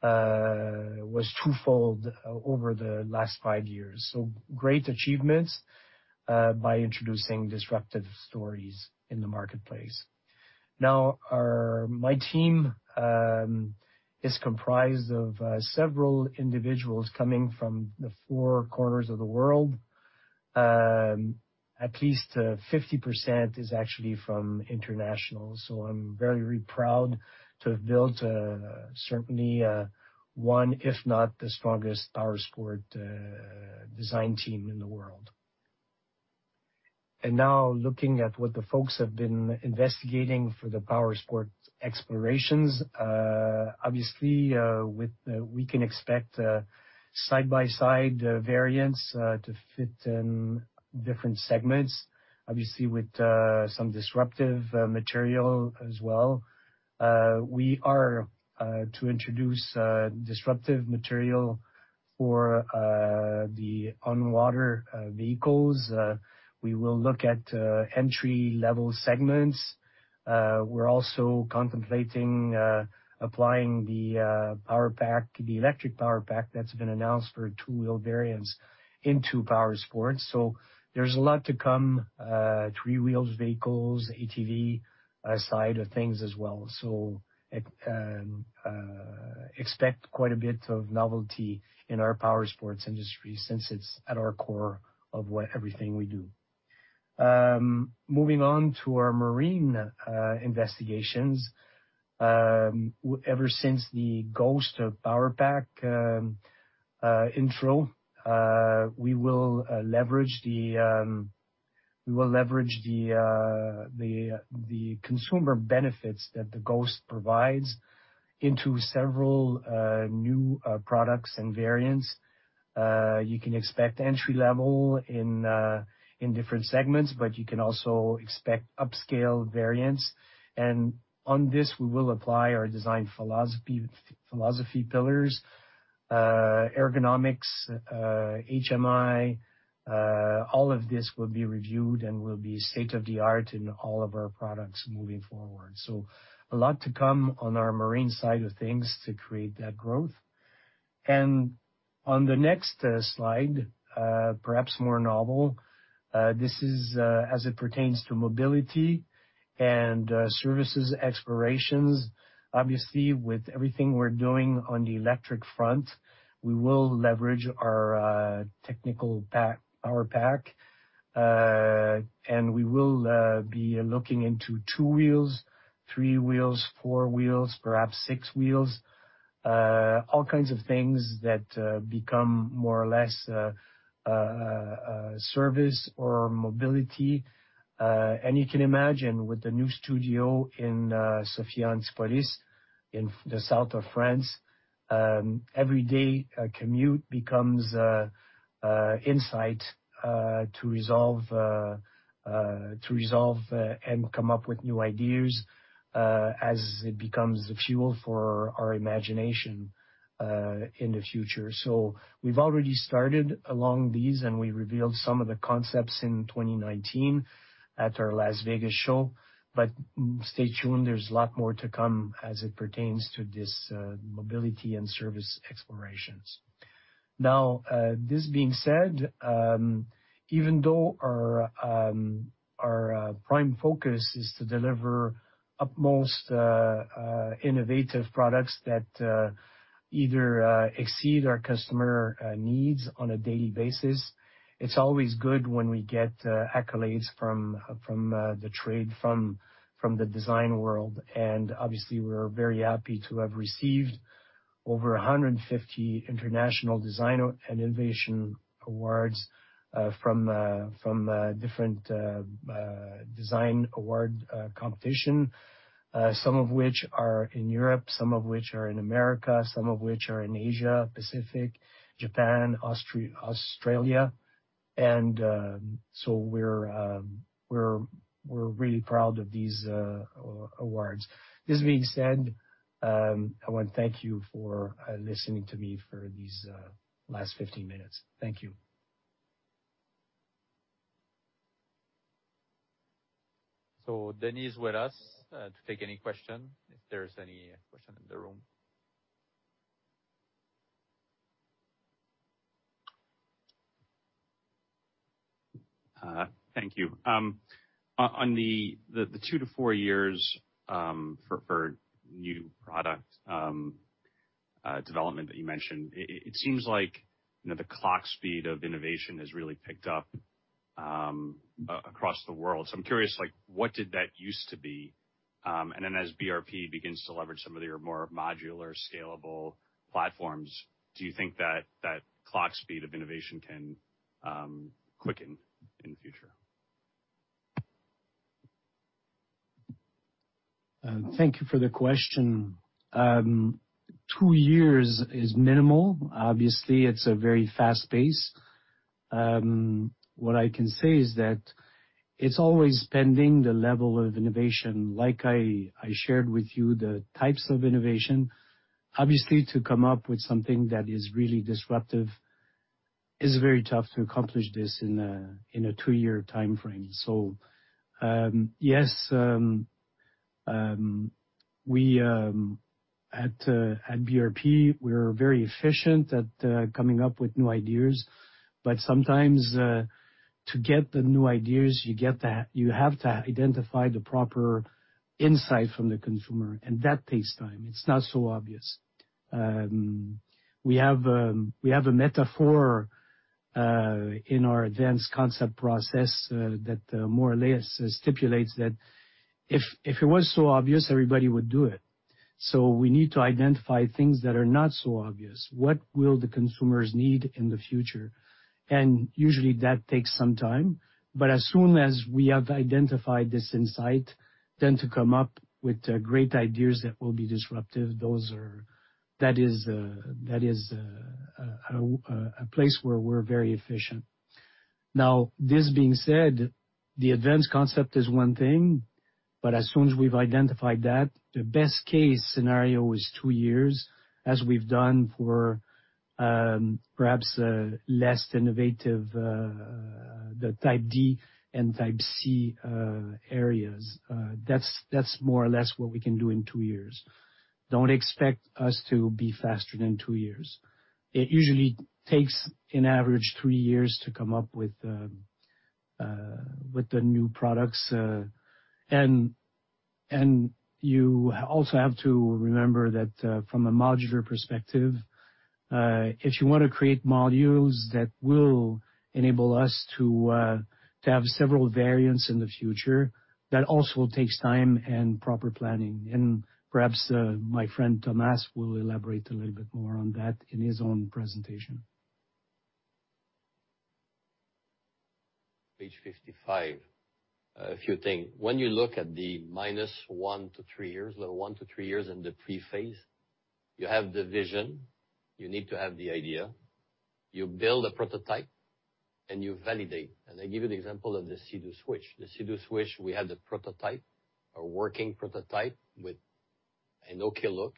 was twofold over the last five years. Great achievements by introducing disruptive stories in the marketplace. My team is comprised of several individuals coming from the four corners of the world. At least 50% is actually from international, so I'm very proud to have built certainly one, if not the strongest Powersports design team in the world. Now looking at what the folks have been investigating for the Powersports explorations, obviously we can expect side-by-side variants to fit in different segments, obviously with some disruptive material as well. We are to introduce disruptive material. For the on-water vehicles, we will look at entry-level segments. We're also contemplating applying the power pack, the electric power pack that's been announced for two-wheeled variants into Powersports. There's a lot to come, three-wheeled vehicles, ATV side of things as well. Expect quite a bit of novelty in our Powersports industry since it's at our core of what everything we do. Moving on to our Marine investigations. Ever since the Ghost Power Pack intro, we will leverage the consumer benefits that the Ghost provides into several new products and variants. You can expect entry-level in different segments, but you can also expect upscale variants. On this, we will apply our design philosophy pillars, ergonomics, HMI. All of this will be reviewed and will be state-of-the-art in all of our products moving forward. A lot to come on our Marine side of things to create that growth. On the next slide, perhaps more novel, this is as it pertains to mobility and services explorations. Obviously, with everything we're doing on the electric front, we will leverage our technical pack, power pack. We will be looking into two-wheels, three-wheels, four-wheels, perhaps six-wheels, all kinds of things that become more or less service or mobility. You can imagine with the new studio in Sophia Antipolis in the south of France, every day a commute becomes an insight to resolve and come up with new ideas as it becomes the fuel for our imagination in the future. We've already started along these, and we revealed some of the concepts in 2019 at our Las Vegas show. Stay tuned, there's a lot more to come as it pertains to this mobility and service explorations. Now, this being said, even though our prime focus is to deliver utmost innovative products that either exceed our customer needs on a daily basis, it's always good when we get accolades from the trade, from the design world. Obviously, we're very happy to have received over 150 international design and innovation awards from different design award competitions, some of which are in Europe, some of which are in America, some of which are in Asia, Pacific, Japan, Australia. We're really proud of these awards. This being said, I wanna thank you for listening to me for these last 15 minutes. Thank you. Denys is with us to take any question, if there's any question in the room. Thank you. On the two to four years for new product development that you mentioned, it seems like, you know, the clock speed of innovation has really picked up across the world. I'm curious, like, what did that used to be? As BRP begins to leverage some of your more modular scalable platforms, do you think that clock speed of innovation can quicken in the future? Thank you for the question. Two years is minimal. Obviously, it's a very fast pace. What I can say is that it's always pending the level of innovation, like I shared with you the types of innovation. Obviously, to come up with something that is really disruptive is very tough to accomplish this in a two-year timeframe. Yes, we at BRP are very efficient at coming up with new ideas. Sometimes, to get the new ideas, you have to identify the proper insight from the consumer, and that takes time. It's not so obvious. We have a metaphor in our advanced concept process that more or less stipulates that if it was so obvious, everybody would do it. We need to identify things that are not so obvious. What will the consumers need in the future? Usually, that takes some time. As soon as we have identified this insight, then to come up with great ideas that will be disruptive. That is a place where we're very efficient. Now, this being said, the advanced concept is one thing. As soon as we've identified that, the best case scenario is two years, as we've done for perhaps less innovative the Type D and Type C areas. That's more or less what we can do in two years. Don't expect us to be faster than two years. It usually takes an average three years to come up with the new products. You also have to remember that, from a modular perspective, if you wanna create modules that will enable us to have several variants in the future, that also takes time and proper planning. Perhaps, my friend, Thomas, will elaborate a little bit more on that in his own presentation. Page 55. A few things. When you look at the one to three years in the pre-phase, you have the vision, you need to have the idea, you build a prototype, and you validate. I give you the example of the Sea-Doo Switch. The Sea-Doo Switch, we had the prototype, a working prototype with an okay look.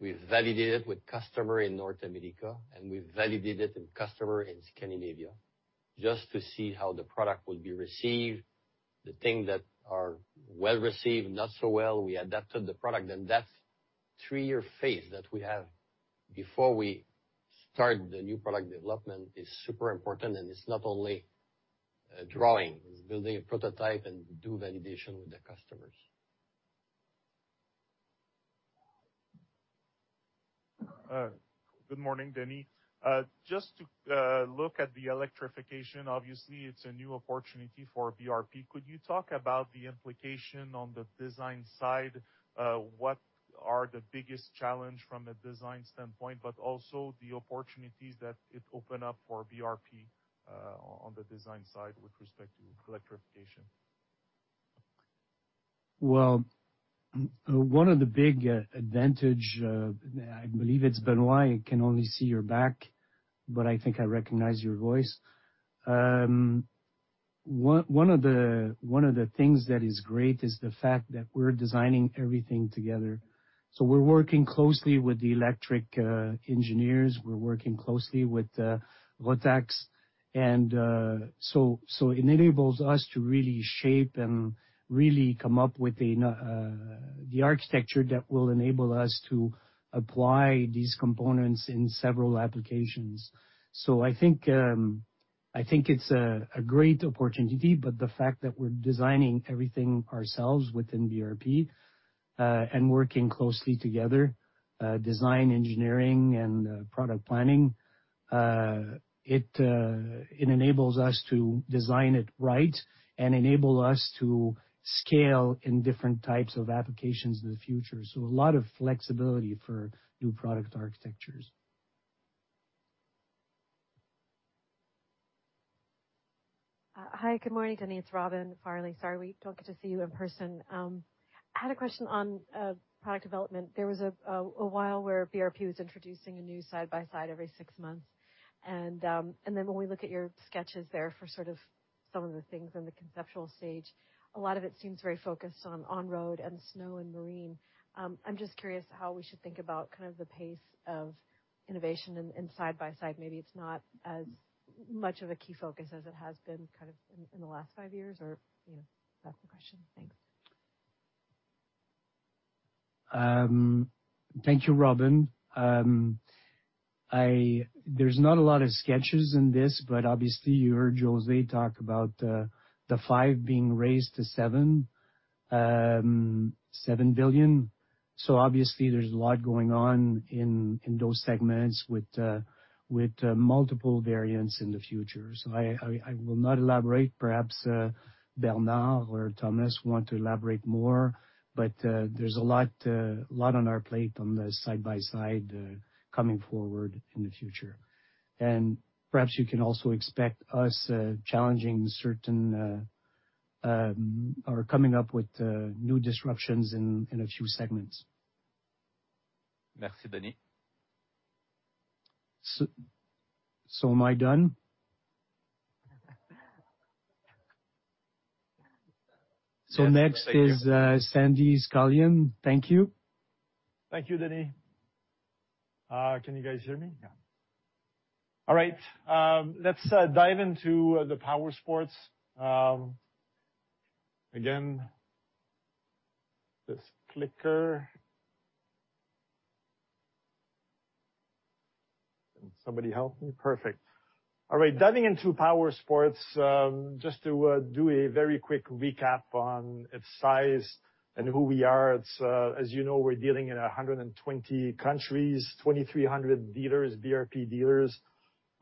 We validate it with customers in North America, and we validate it with customers in Scandinavia just to see how the product will be received. The things that are well-received, not so well, we adapted the product. That three-year phase that we have before we start the new product development is super important, and it's not only drawing. It's building a prototype and do validation with the customers. Good morning, Denys. Just to look at the electrification, obviously it's a new opportunity for BRP. Could you talk about the implication on the design side? What are the biggest challenge from a design standpoint, but also the opportunities that it open up for BRP, on the design side with respect to electrification? Well, one of the big advantage, I believe it's Benoit, I can only see your back, but I think I recognize your voice. One of the things that is great is the fact that we're designing everything together. We're working closely with the electrical engineers. We're working closely with Rotax. It enables us to really shape and really come up with the architecture that will enable us to apply these components in several applications. I think it's a great opportunity, but the fact that we're designing everything ourselves within BRP and working closely together, design, engineering, and product planning, it enables us to design it right and enable us to scale in different types of applications in the future. A lot of flexibility for new product architectures. Hi. Good morning, Denys. It's Robin Farley. Sorry we don't get to see you in person. I had a question on product development. There was a while where BRP was introducing a new side-by-side every six months. Then when we look at your sketches there for sort of some of the things in the conceptual stage, a lot of it seems very focused on Road and Snow and Marine. I'm just curious how we should think about kind of the pace of innovation in side-by-side. Maybe it's not as much of a key focus as it has been kind of in the last five years, or you know. That's the question. Thanks. Thank you, Robin. There's not a lot of sketches in this, but obviously you heard José talk about the 5 billion being raised to 7 billion. Obviously there's a lot going on in those segments with multiple variants in the future. I will not elaborate. Perhaps Bernard or Thomas want to elaborate more, but there's a lot on our plate on the side-by-side coming forward in the future. Perhaps you can also expect us challenging certain or coming up with new disruptions in a few segments. Merci, Denys. Am I done? Yes. Thank you. Next is Sandy Scullion. Thank you. Thank you, Denys. Can you guys hear me? Yeah. All right. Let's dive into the Powersports. Again, this clicker. Can somebody help me? Perfect. All right. Diving into Powersports, just to do a very quick recap on its size and who we are. It's as you know, we're dealing in 120 countries, 2,300 dealers, BRP dealers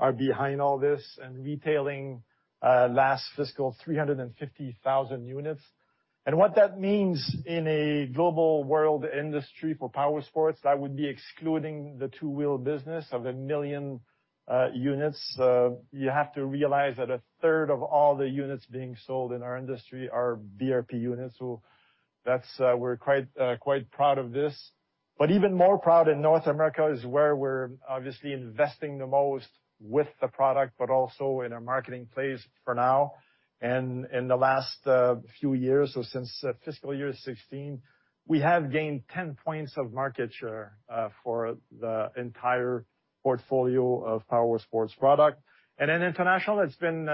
are behind all this, and retailing last fiscal 350,000 units. What that means in a global world industry for Powersports, that would be excluding the two-wheel business of 1 million units. You have to realize that a third of all the units being sold in our industry are BRP units. That's where we're quite proud of this. Even more proud in North America is where we're obviously investing the most with the product, but also in our marketing place for now. In the last few years, or since fiscal year 2016, we have gained 10 points of market share for the entire portfolio of Powersports product. In international, it's been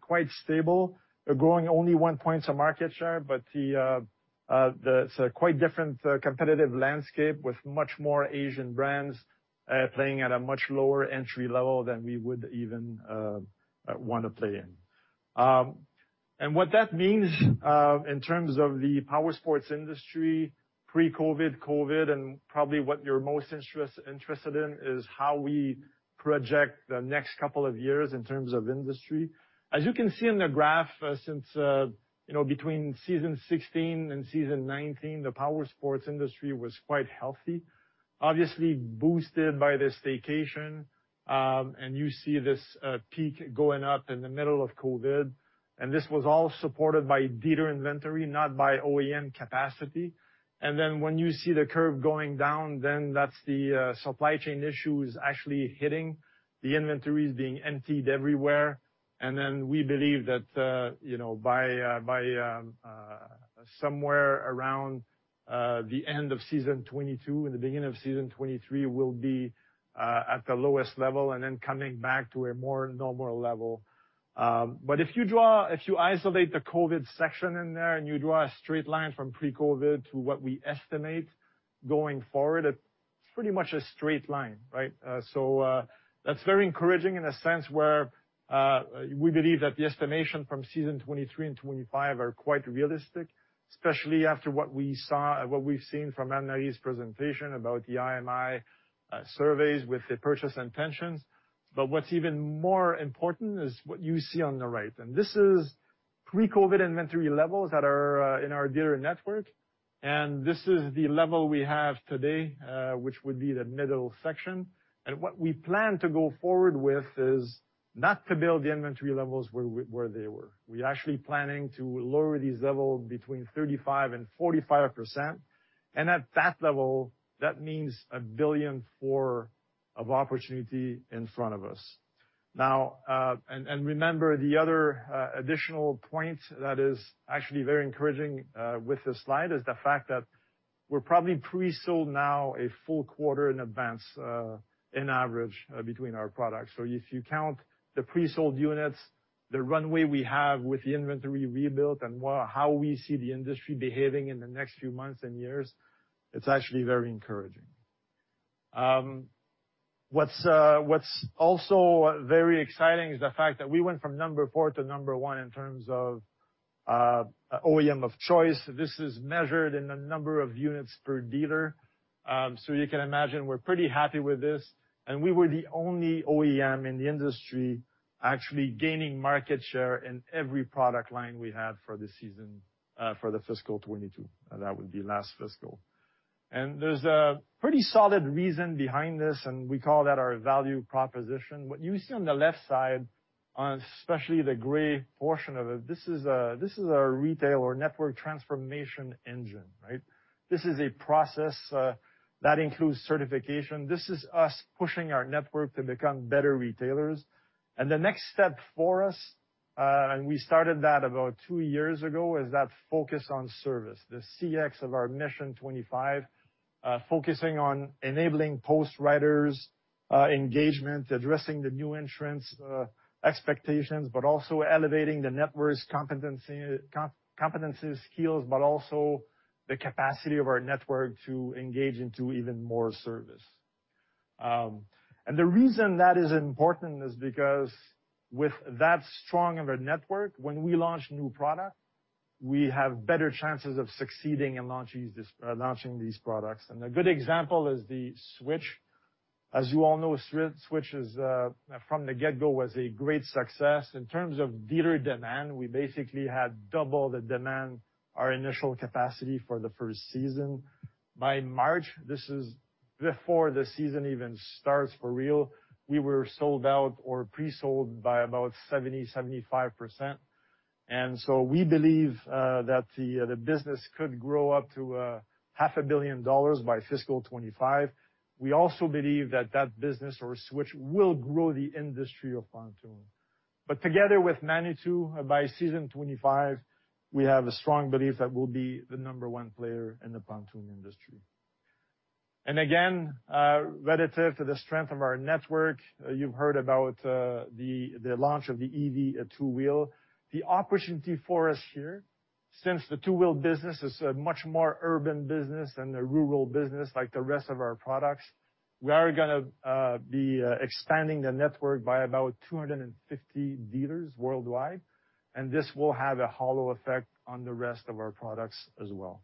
quite stable. We're growing only 1 point of market share, but quite different competitive landscape with much more Asian brands playing at a much lower entry level than we would even want to play in. What that means in terms of the Powersports industry, pre-COVID, COVID, and probably what you're most interested in is how we project the next couple of years in terms of industry. As you can see in the graph, since you know, between Season 16 and Season 19, the Powersports industry was quite healthy, obviously boosted by the staycation. You see this peak going up in the middle of COVID, and this was all supported by dealer inventory, not by OEM capacity. When you see the curve going down, then that's the supply chain issues actually hitting. The inventory is being emptied everywhere. We believe that you know, by somewhere around the end of Season 2022 and the beginning of Season 2023, we'll be at the lowest level and then coming back to a more normal level. If you isolate the COVID section in there, and you draw a straight line from pre-COVID to what we estimate going forward, it's pretty much a straight line, right? That's very encouraging in a sense where we believe that the estimation from Season 2023 and 2025 are quite realistic, especially after what we've seen from Anne-Marie's presentation about the IMI surveys with the purchase intentions. What's even more important is what you see on the right, and this is pre-COVID inventory levels that are in our dealer network. This is the level we have today, which would be the middle section. What we plan to go forward with is not to build the inventory levels where they were. We're actually planning to lower these levels between 35% and 45%. At that level, that means 1 billion of opportunity in front of us. Remember the other additional point that is actually very encouraging with this slide is the fact that we're probably pre-sold now a full quarter in advance, on average, between our products. If you count the pre-sold units, the runway we have with the inventory rebuilt and how we see the industry behaving in the next few months and years, it's actually very encouraging. What's also very exciting is the fact that we went from number four to number one in terms of OEM of choice. This is measured in the number of units per dealer. You can imagine we're pretty happy with this. We were the only OEM in the industry actually gaining market share in every product line we had for the season, for the fiscal 2022. That would be last fiscal. There's a pretty solid reason behind this, and we call that our value proposition. What you see on the left side, especially the gray portion of it, this is our retail or network transformation engine, right? This is a process that includes certification. This is us pushing our network to become better retailers. The next step for us, and we started that about two years ago, is that focus on service. The CX of our Mission 25, focusing on enabling post-riders' engagement, addressing the new insurance expectations, but also elevating the network's competencies skills, but also the capacity of our network to engage into even more service. The reason that is important is because with that strong of a network, when we launch new product, we have better chances of succeeding in launching these products. A good example is the Switch. As you all know, Switch, from the get-go, was a great success. In terms of dealer demand, we basically had double the demand our initial capacity for the first season. By March, this is before the season even starts for real, we were sold out or pre-sold by about 70%, 75%. We believe that the business could grow up to half a billion dollars by fiscal 2025. We also believe that business or Switch will grow the industry of pontoon. Together with Manitou, by Season 2025, we have a strong belief that we'll be the number one player in the pontoon industry. Relative to the strength of our network, you've heard about the launch of the EV two-wheel. The opportunity for us here, since the two-wheel business is a much more urban business than a rural business like the rest of our products, we are gonna be expanding the network by about 250 dealers worldwide, and this will have a halo effect on the rest of our products as well.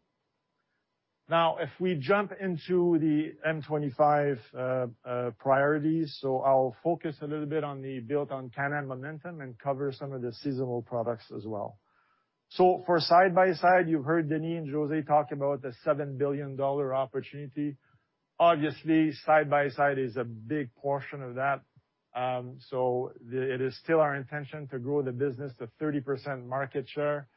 Now, if we jump into the M25 priorities, I'll focus a little bit on the built on Can-Am momentum and cover some of the seasonal products as well. For side-by-side, you've heard Denys and José talk about the 7 billion dollar opportunity. Obviously, side-by-side is a big portion of that. It is still our intention to grow the business to 30% market share.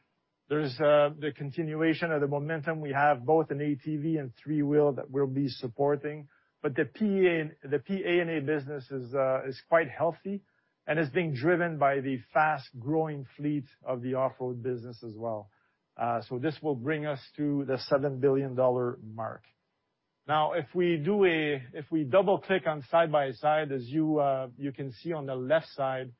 There is the continuation of the momentum we have both in ATV and three-wheel that we'll be supporting. The PA&A business is quite healthy and is being driven by the fast-growing fleet of the off-road business as well. This will bring us to the 7 billion dollar mark. If we double-click on side-by-side, as you can see on the left side,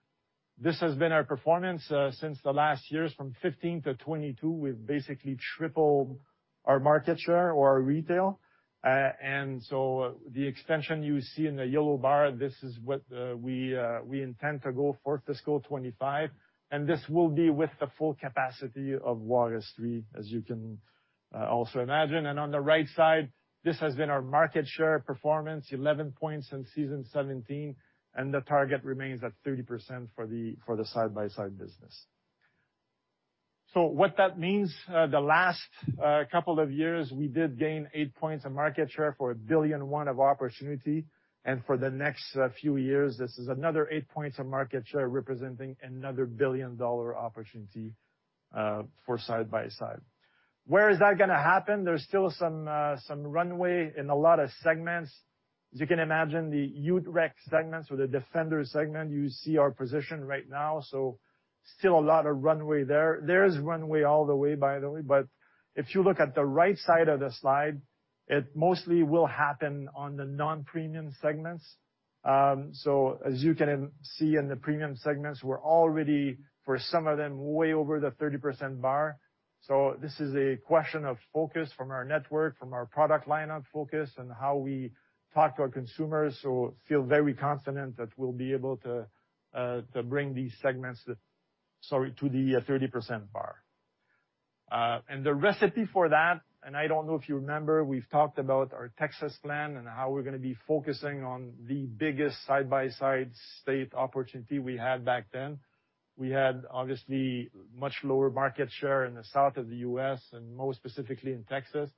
this has been our performance since the last years from 2015 to 2022. We've basically tripled our market share or our retail. The extension you see in the yellow bar, this is what we intend to go for fiscal 2025, and this will be with the full capacity of Juárez Three, as you can also imagine. On the right side, this has been our market share performance, 11 points since 2017, and the target remains at 30% for the side-by-side business. What that means, the last couple of years, we did gain 8 points of market share for 1.1 billion of opportunity. For the next few years, this is another 8 points of market share representing another billion-dollar opportunity for side-by-side. Where is that gonna happen? There's still some runway in a lot of segments. As you can imagine, the Rec/Ute segments or the Defender segment, you see our position right now. Still a lot of runway there. There is runway all the way, by the way. If you look at the right side of the slide, it mostly will happen on the non-premium segments. As you can see in the premium segments, we're already, for some of them, way over the 30% bar. This is a question of focus from our network, from our product lineup focus and how we talk to our consumers. I feel very confident that we'll be able to to bring these segments, sorry, to the 30% bar. The recipe for that, and I don't know if you remember, we've talked about our Texas plan and how we're gonna be focusing on the biggest side-by-side state opportunity we had back then. We had obviously much lower market share in the South of the U.S., and more specifically in Texas.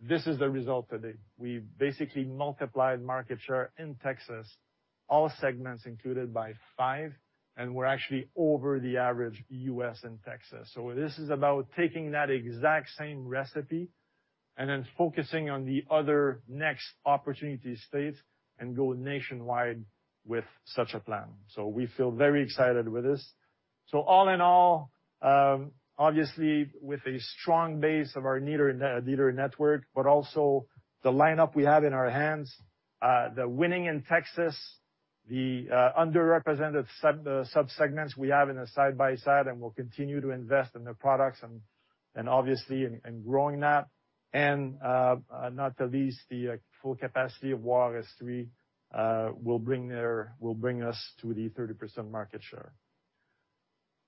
This is the result today. We basically multiplied market share in Texas, all segments included, by five, and we're actually over the average U.S. and Texas. This is about taking that exact same recipe and then focusing on the other next opportunity states and go nationwide with such a plan. We feel very excited with this. All in all, obviously, with a strong base of our dealer network, but also the lineup we have in our hands, the winning in Texas, the underrepresented subsegments we have in the side-by-side, and we'll continue to invest in the products and obviously in growing that. Not the least, the full capacity of Juárez Three will bring us to the 30% market share.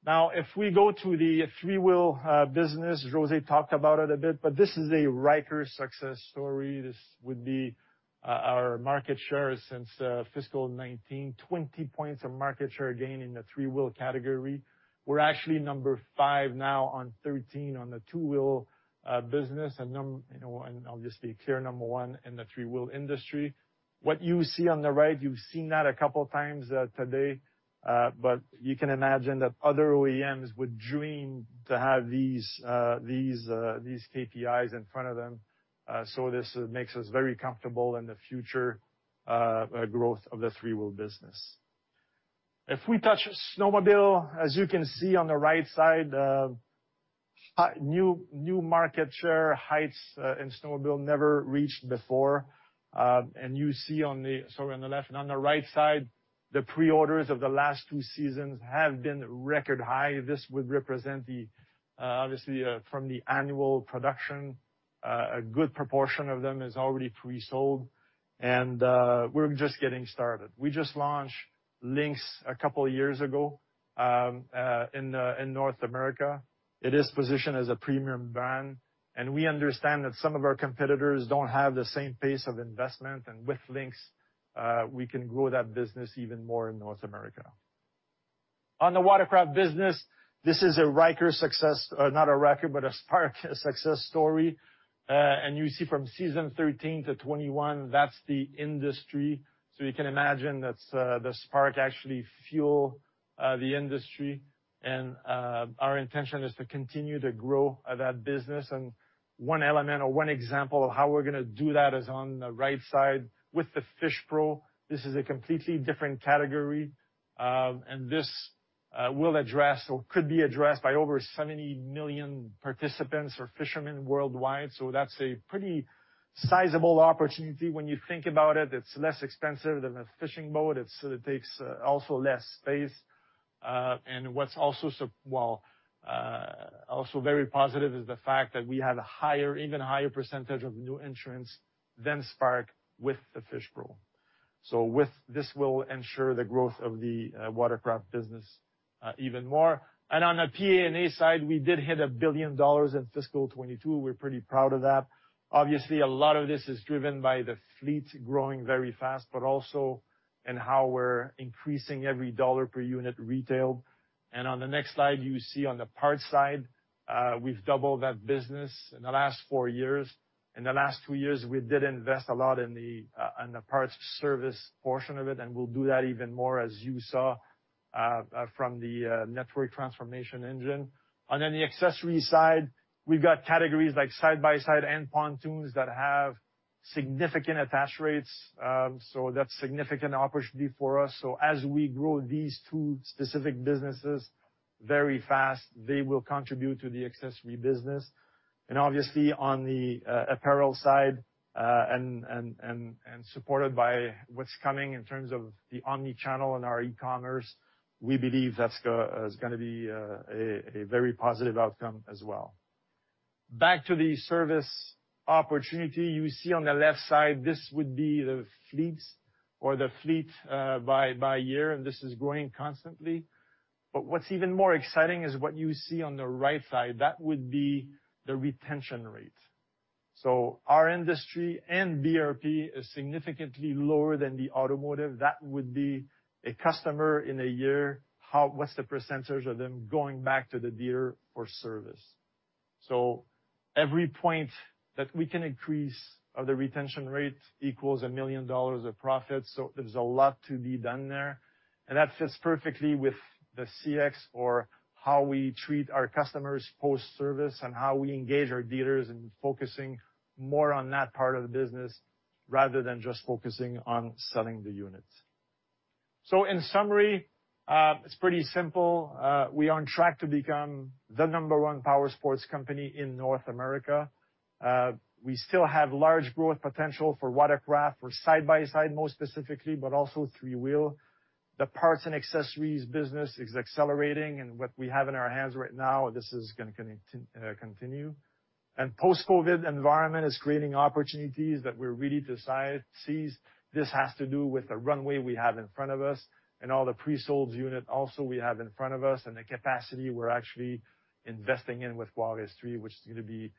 Now, if we go to the three-wheel business, José talked about it a bit, but this is a Ryker success story. This would be our market share since fiscal 2019, 20 points of market share gain in the three-wheel category. We're actually number five now on 13 on the two-wheel business and you know, and obviously clear number one in the three-wheel industry. What you see on the right, you've seen that a couple of times today, but you can imagine that other OEMs would dream to have these KPIs in front of them. This makes us very comfortable in the future growth of the three-wheel business. If we touch snowmobile, as you can see on the right side, new market share heights in snowmobile never reached before. You see on the left. On the right side, the pre-orders of the last two seasons have been record high. This would represent the, obviously, from the annual production, a good proportion of them is already pre-sold and, we're just getting started. We just launched Lynx a couple of years ago, in North America. It is positioned as a premium brand, and we understand that some of our competitors don't have the same pace of investment. With Lynx, we can grow that business even more in North America. On the Watercraft business, this is a Spark success story. You see from Season 13 to 21, that's the industry. You can imagine that, the Spark actually fueled the industry. Our intention is to continue to grow that business. One element or one example of how we're gonna do that is on the right side with the FishPro. This is a completely different category. This will address or could be addressed by over 70 million participants or fishermen worldwide. That's a pretty sizable opportunity when you think about it. It's less expensive than a fishing boat. It takes also less space. Also very positive is the fact that we have a higher percentage of new entrants than Spark with the FishPro. With this will ensure the growth of the watercraft business even more. On the PA&A side, we did hit 1 billion dollars in fiscal 2022. We're pretty proud of that. Obviously, a lot of this is driven by the fleet growing very fast, but also in how we're increasing every dollar per unit retail. On the next slide, you see on the parts side, we've doubled that business in the last four years. In the last two years, we did invest a lot in the parts service portion of it, and we'll do that even more as you saw from the network transformation engine. The accessory side, we've got categories like side-by-side and pontoons that have significant attach rates, so that's significant opportunity for us. As we grow these two specific businesses very fast, they will contribute to the accessory business. Obviously on the apparel side, and supported by what's coming in terms of the Omnichannel and our e-commerce, we believe that's is gonna be a very positive outcome as well. Back to the service opportunity. You see on the left side, this would be the fleets or the fleet by year, and this is growing constantly. What's even more exciting is what you see on the right side. That would be the retention rate. Our industry and BRP is significantly lower than the automotive. That would be a customer in a year, what's the percentage of them going back to the dealer for service. Every point that we can increase of the retention rate equals 1 million dollars of profit, so there's a lot to be done there. That fits perfectly with the CX or how we treat our customers post-service and how we engage our dealers in focusing more on that part of the business rather than just focusing on selling the units. In summary, it's pretty simple. We are on track to become the number one Powersports company in North America. We still have large growth potential for Watercraft or side-by-side, more specifically, but also three-wheel. The parts and accessories business is accelerating, and what we have in our hands right now, this is gonna continue. Post-COVID environment is creating opportunities that we're ready to seize. This has to do with the runway we have in front of us and all the presold unit also we have in front of us and the capacity we're actually investing in with Valcourt, which is gonna be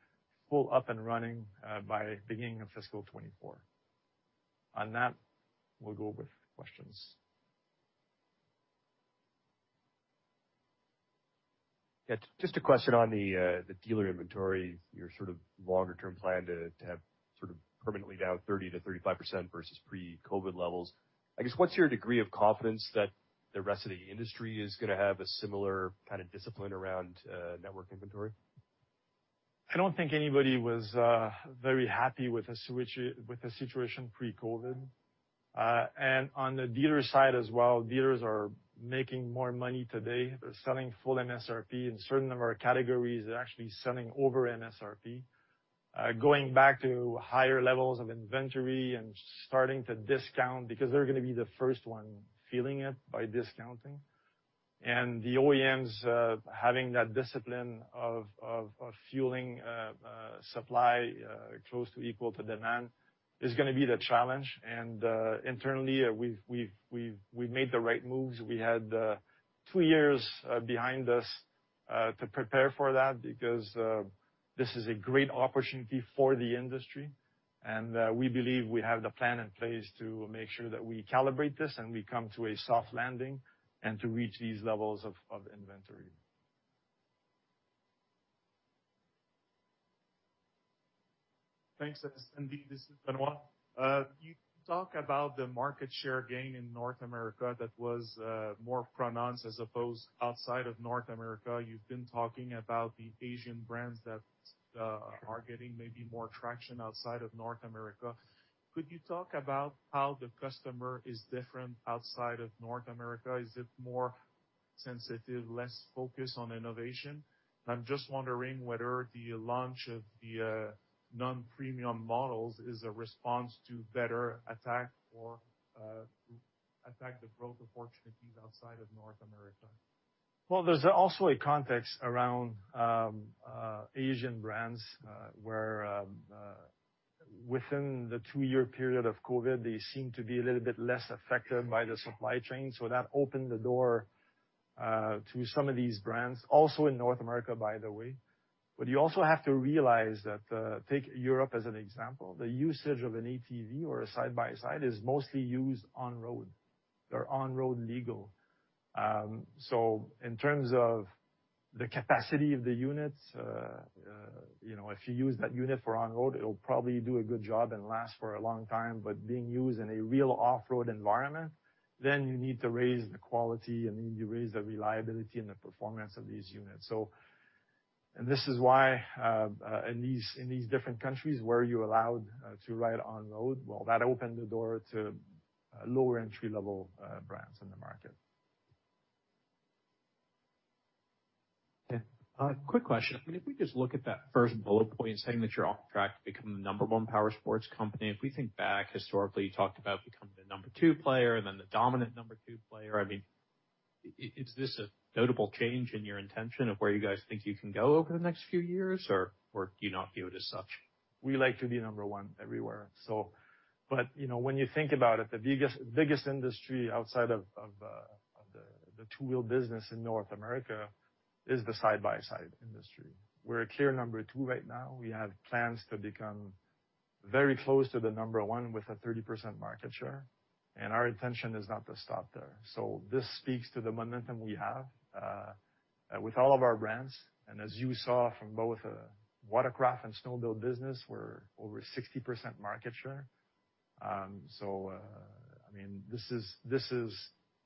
full up and running by beginning of fiscal 2024. On that, we'll go with questions. Yeah. Just a question on the dealer inventory, your sort of longer term plan to have sort of permanently down 30%-35% versus pre-COVID levels. I guess, what's your degree of confidence that the rest of the industry is gonna have a similar kind of discipline around network inventory? I don't think anybody was very happy with the situation pre-COVID. On the dealer side as well, dealers are making more money today. They're selling full MSRP. In certain of our categories, they're actually selling over MSRP. Going back to higher levels of inventory and starting to discount because they're gonna be the first one feeling it by discounting. The OEMs having that discipline of fueling supply close to equal to demand is gonna be the challenge. Internally, we've made the right moves. We had two years behind us to prepare for that because this is a great opportunity for the industry. We believe we have the plan in place to make sure that we calibrate this and we come to a soft landing and to reach these levels of inventory. Thanks, Sandy. This is Benoit. You talk about the market share gain in North America that was more pronounced as opposed outside of North America. You've been talking about the Asian brands that are getting maybe more traction outside of North America. Could you talk about how the customer is different outside of North America? Is it more sensitive, less focused on innovation? I'm just wondering whether the launch of the non-premium models is a response to better attack the growth opportunities outside of North America. Well, there's also a context around Asian brands, where within the two-year period of COVID, they seem to be a little bit less affected by the supply chain. That opened the door to some of these brands, also in North America, by the way. You also have to realize that take Europe as an example, the usage of an ATV or a side-by-side is mostly used on-road. They're on-road legal. In terms of the capacity of the units, you know, if you use that unit for on-road, it'll probably do a good job and last for a long time. Being used in a real off-road environment, you need to raise the quality and you raise the reliability and the performance of these units. This is why, in these different countries where you're allowed to ride on road, well, that opened the door to lower entry-level brands in the market. Okay. Quick question. I mean, if we just look at that first bullet point saying that you're on track to become the number one Powersports company, if we think back historically, you talked about becoming the number two player and then the dominant number two player. I mean, is this a notable change in your intention of where you guys think you can go over the next few years, or do you not view it as such? We like to be number one everywhere. But, you know, when you think about it, the biggest industry outside of the two-wheel business in North America is the side-by-side industry. We're a clear number two right now. We have plans to become very close to the number one with a 30% market share, and our intention is not to stop there. This speaks to the momentum we have with all of our brands. As you saw from both Watercraft and Snowmobile business, we're over 60% market share. This is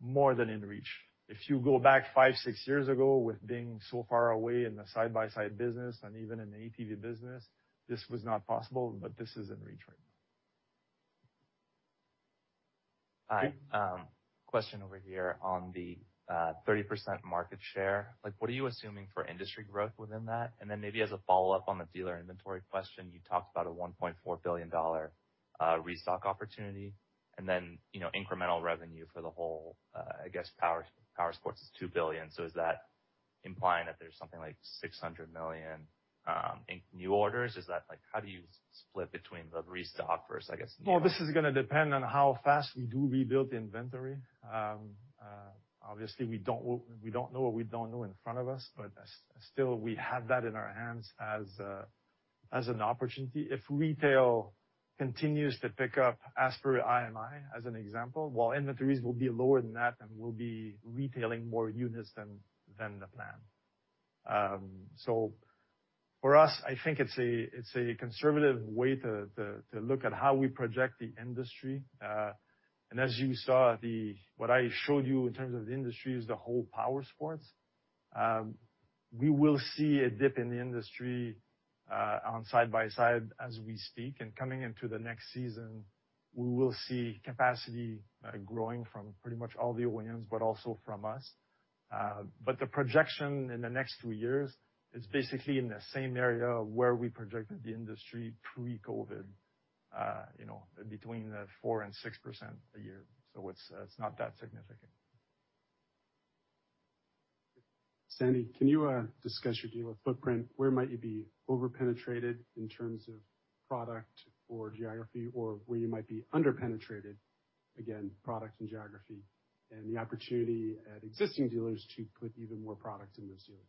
more than in reach. If you go back five, six years ago with being so far away in the side-by-side business and even in the ATV business, this was not possible, but this is in reach right now. Hi. Yeah. Question over here on the 30% market share. Like, what are you assuming for industry growth within that? Then maybe as a follow-up on the dealer inventory question, you talked about a 1.4 billion dollar restock opportunity, and then, you know, incremental revenue for the whole, I guess Powersports is 2 billion. So is that implying that there's something like 600 million in new orders? Is that like, how do you split between the restock versus, I guess, new? No, this is gonna depend on how fast we do rebuild the inventory. Obviously we don't know what we don't know in front of us, but still, we have that in our hands as an opportunity. If retail continues to pick up as per IMI, as an example, while inventories will be lower than that and we'll be retailing more units than the plan. For us, I think it's a conservative way to look at how we project the industry. As you saw. What I showed you in terms of the industry is the whole Powersports. We will see a dip in the industry on side-by-side as we speak, and coming into the next season, we will see capacity growing from pretty much all the OEMs, but also from us. The projection in the next two years is basically in the same area where we projected the industry pre-COVID, you know, between 4% and 6% a year. It's not that significant. Sandy, can you discuss your dealer footprint? Where might you be over-penetrated in terms of product or geography, or where you might be under-penetrated, again, product and geography, and the opportunity at existing dealers to put even more product in those dealers?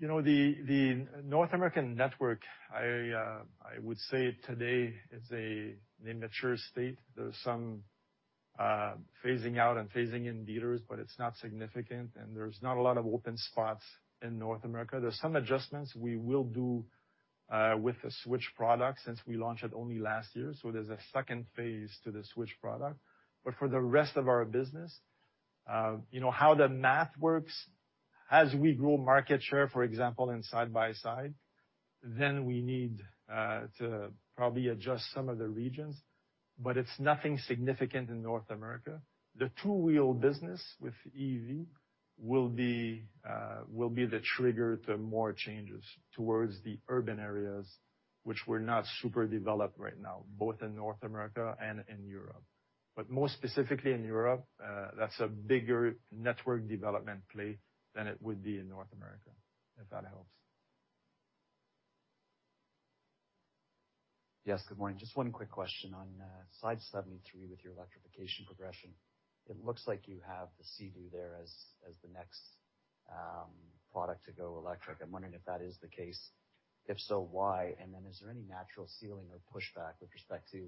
You know, the North American network, I would say today is in a mature state. There's some phasing out and phasing in dealers, but it's not significant, and there's not a lot of open spots in North America. There's some adjustments we will do with the Switch product since we launched it only last year, so there's a second phase to the Switch product. For the rest of our business, you know how the math works, as we grow market share, for example, in side-by-side, then we need to probably adjust some of the regions, but it's nothing significant in North America. The two-wheel business with EV will be the trigger to more changes towards the urban areas, which we're not super developed right now, both in North America and in Europe. More specifically in Europe, that's a bigger network development play than it would be in North America, if that helps. Yes, good morning. Just one quick question on slide 73 with your electrification progression. It looks like you have the Sea-Doo there as the next product to go electric. I'm wondering if that is the case. If so, why? And then is there any natural ceiling or pushback with respect to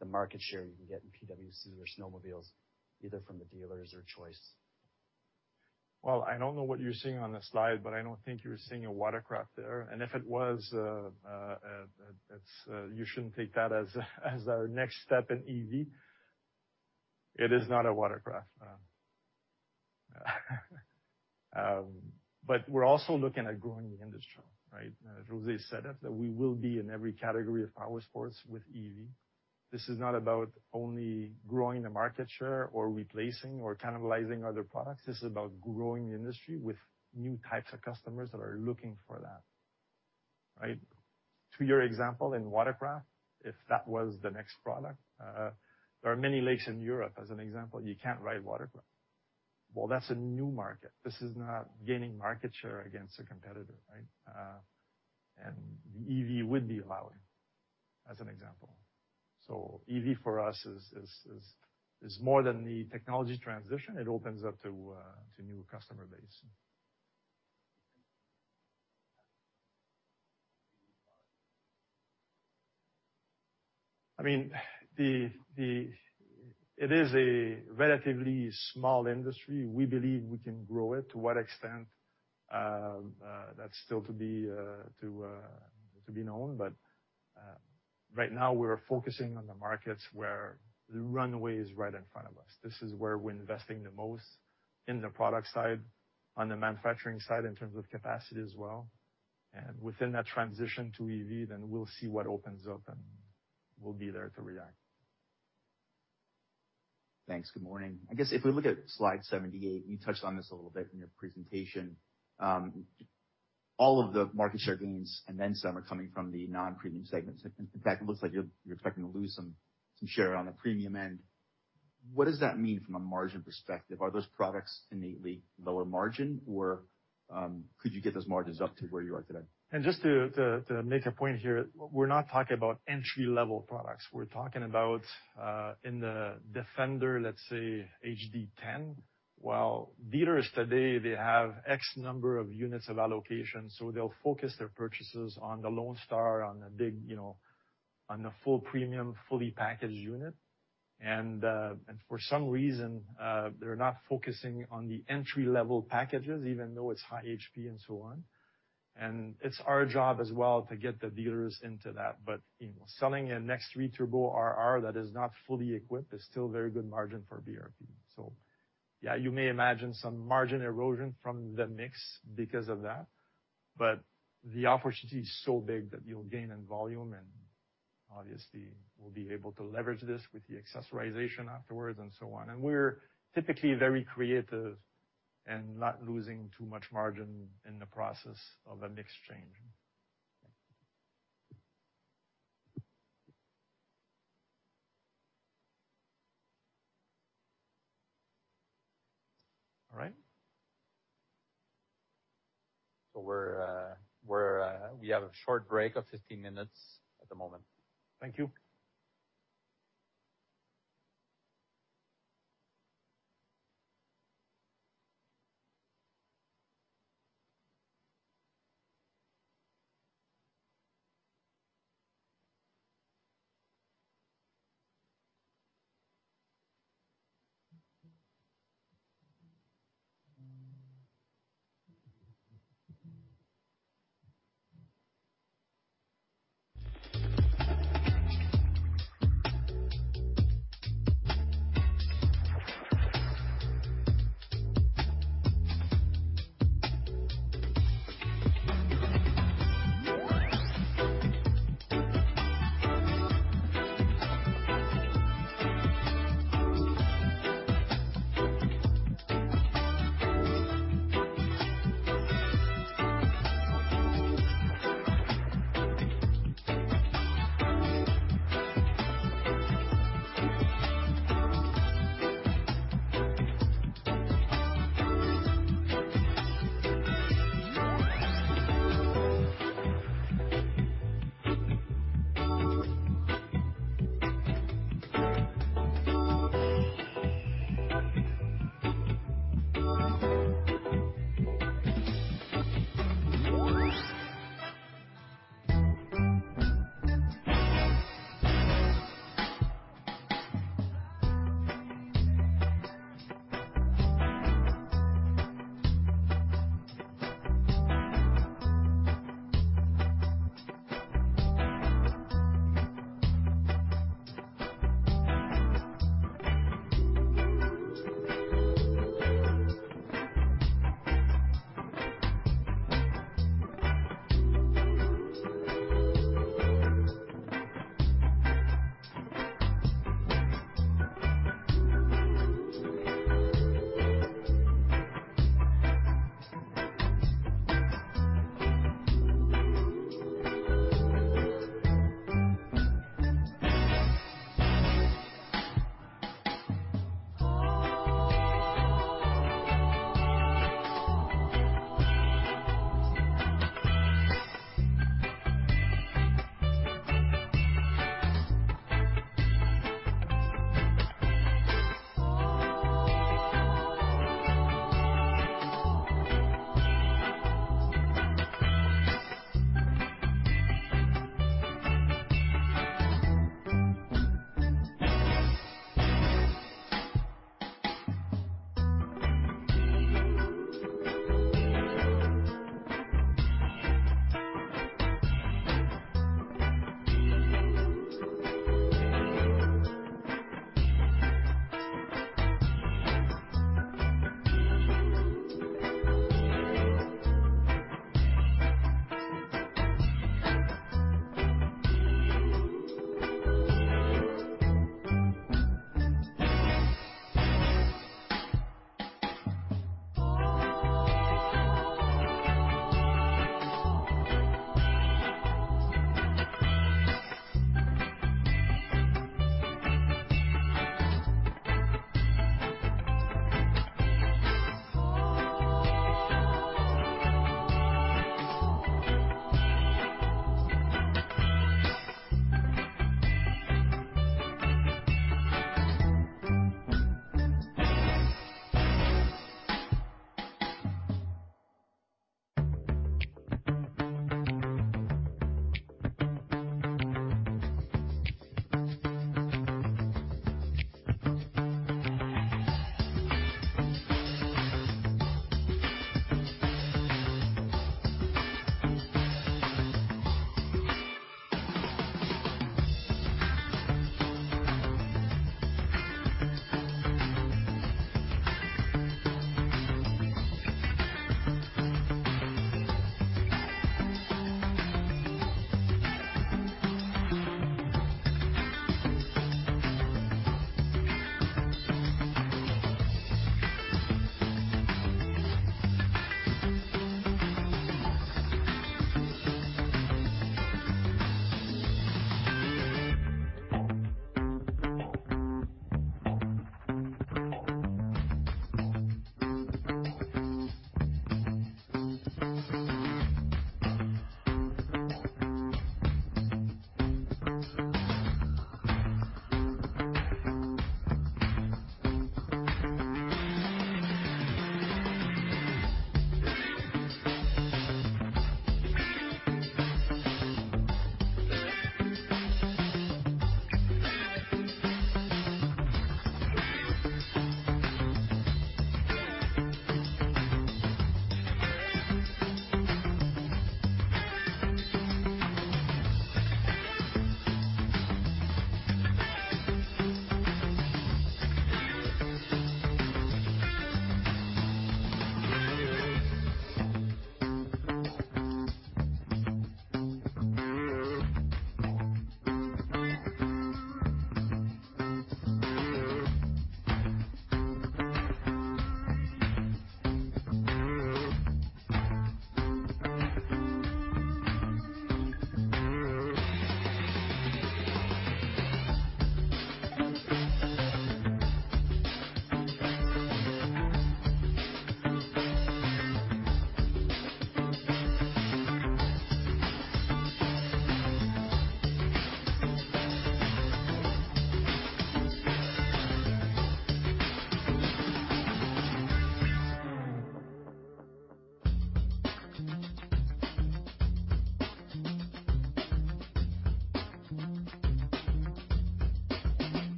the market share you can get in PWC or snowmobiles, either from the dealers or choice? Well, I don't know what you're seeing on the slide, but I don't think you're seeing a watercraft there. If it was, it's you shouldn't take that as our next step in EV. It is not a watercraft. We're also looking at growing the industry, right? As José said it, that we will be in every category of Powersports with EV. This is not about only growing the market share or replacing or cannibalizing other products. This is about growing the industry with new types of customers that are looking for that, right? To your example, in watercraft, if that was the next product, there are many lakes in Europe, as an example, you can't ride watercraft. Well, that's a new market. This is not gaining market share against a competitor, right? EV would be allowing, as an example. EV for us is more than the technology transition. It opens up to new customer base. I mean, it is a relatively small industry. We believe we can grow it. To what extent, that's still to be known. Right now we're focusing on the markets where the runway is right in front of us. This is where we're investing the most in the product side, on the manufacturing side in terms of capacity as well. Within that transition to EV, then we'll see what opens up, and we'll be there to react. Thanks. Good morning. I guess if we look at slide 78, and you touched on this a little bit in your presentation, all of the market share gains and then some are coming from the non-premium segments. In fact, it looks like you're expecting to lose some share on the premium end. What does that mean from a margin perspective? Are those products innately lower margin, or could you get those margins up to where you are today? Just to make a point here, we're not talking about entry-level products. We're talking about in the Defender, let's say HD10, while dealers today, they have X number of units of allocation, so they'll focus their purchases on the Lone Star, on the big, you know, on the full premium, fully packaged unit. For some reason, they're not focusing on the entry-level packages, even though it's high HP and so on. It's our job as well to get the dealers into that. You know, selling a Maverick X3 Turbo RR that is not fully equipped is still very good margin for BRP. Yeah, you may imagine some margin erosion from the mix because of that, but the opportunity is so big that you'll gain in volume, and obviously we'll be able to leverage this with the accessorization afterwards and so on. We're typically very creative and not losing too much margin in the process of a mix change. All right. We have a short break of 15 minutes at the moment. Thank you.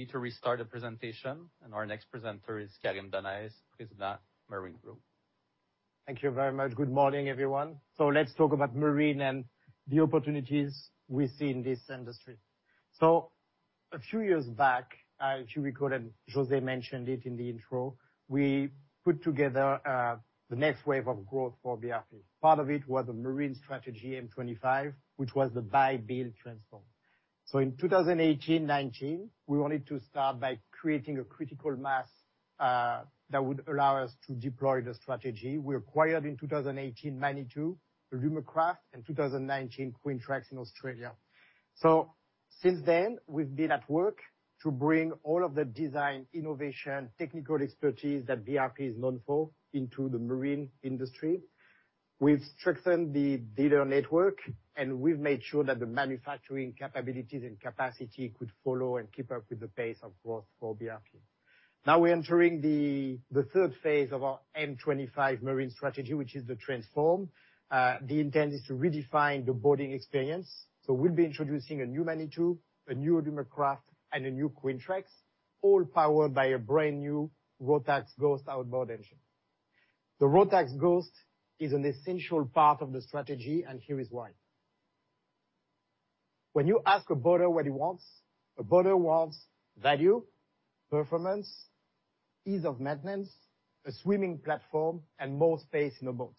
We are ready to restart the presentation, and our next presenter is Karim Donnez, President, Marine Group. Thank you very much. Good morning, everyone. Let's talk about Marine and the opportunities we see in this industry. A few years back, if you recall, and José mentioned it in the intro, we put together the next wave of growth for BRP. Part of it was a Marine strategy M25, which was the buy build transform. In 2018, 2019, we wanted to start by creating a critical mass that would allow us to deploy the strategy. We acquired in 2018, Manitou, Alumacraft, in 2019, Quintrex in Australia. Since then, we've been at work to bring all of the design, innovation, technical expertise that BRP is known for into the Marine industry. We've strengthened the dealer network, and we've made sure that the manufacturing capabilities and capacity could follow and keep up with the pace of growth for BRP. Now we're entering the third phase of our M25 Marine strategy, which is the transform. The intent is to redefine the boating experience. We'll be introducing a new Manitou, a new Alumacraft, and a new Quintrex, all powered by a brand new Rotax Ghost outboard engine. The Rotax Ghost is an essential part of the strategy, and here is why. When you ask a boater what he wants, a boater wants value, performance, ease of maintenance, a swimming platform, and more space in a boat.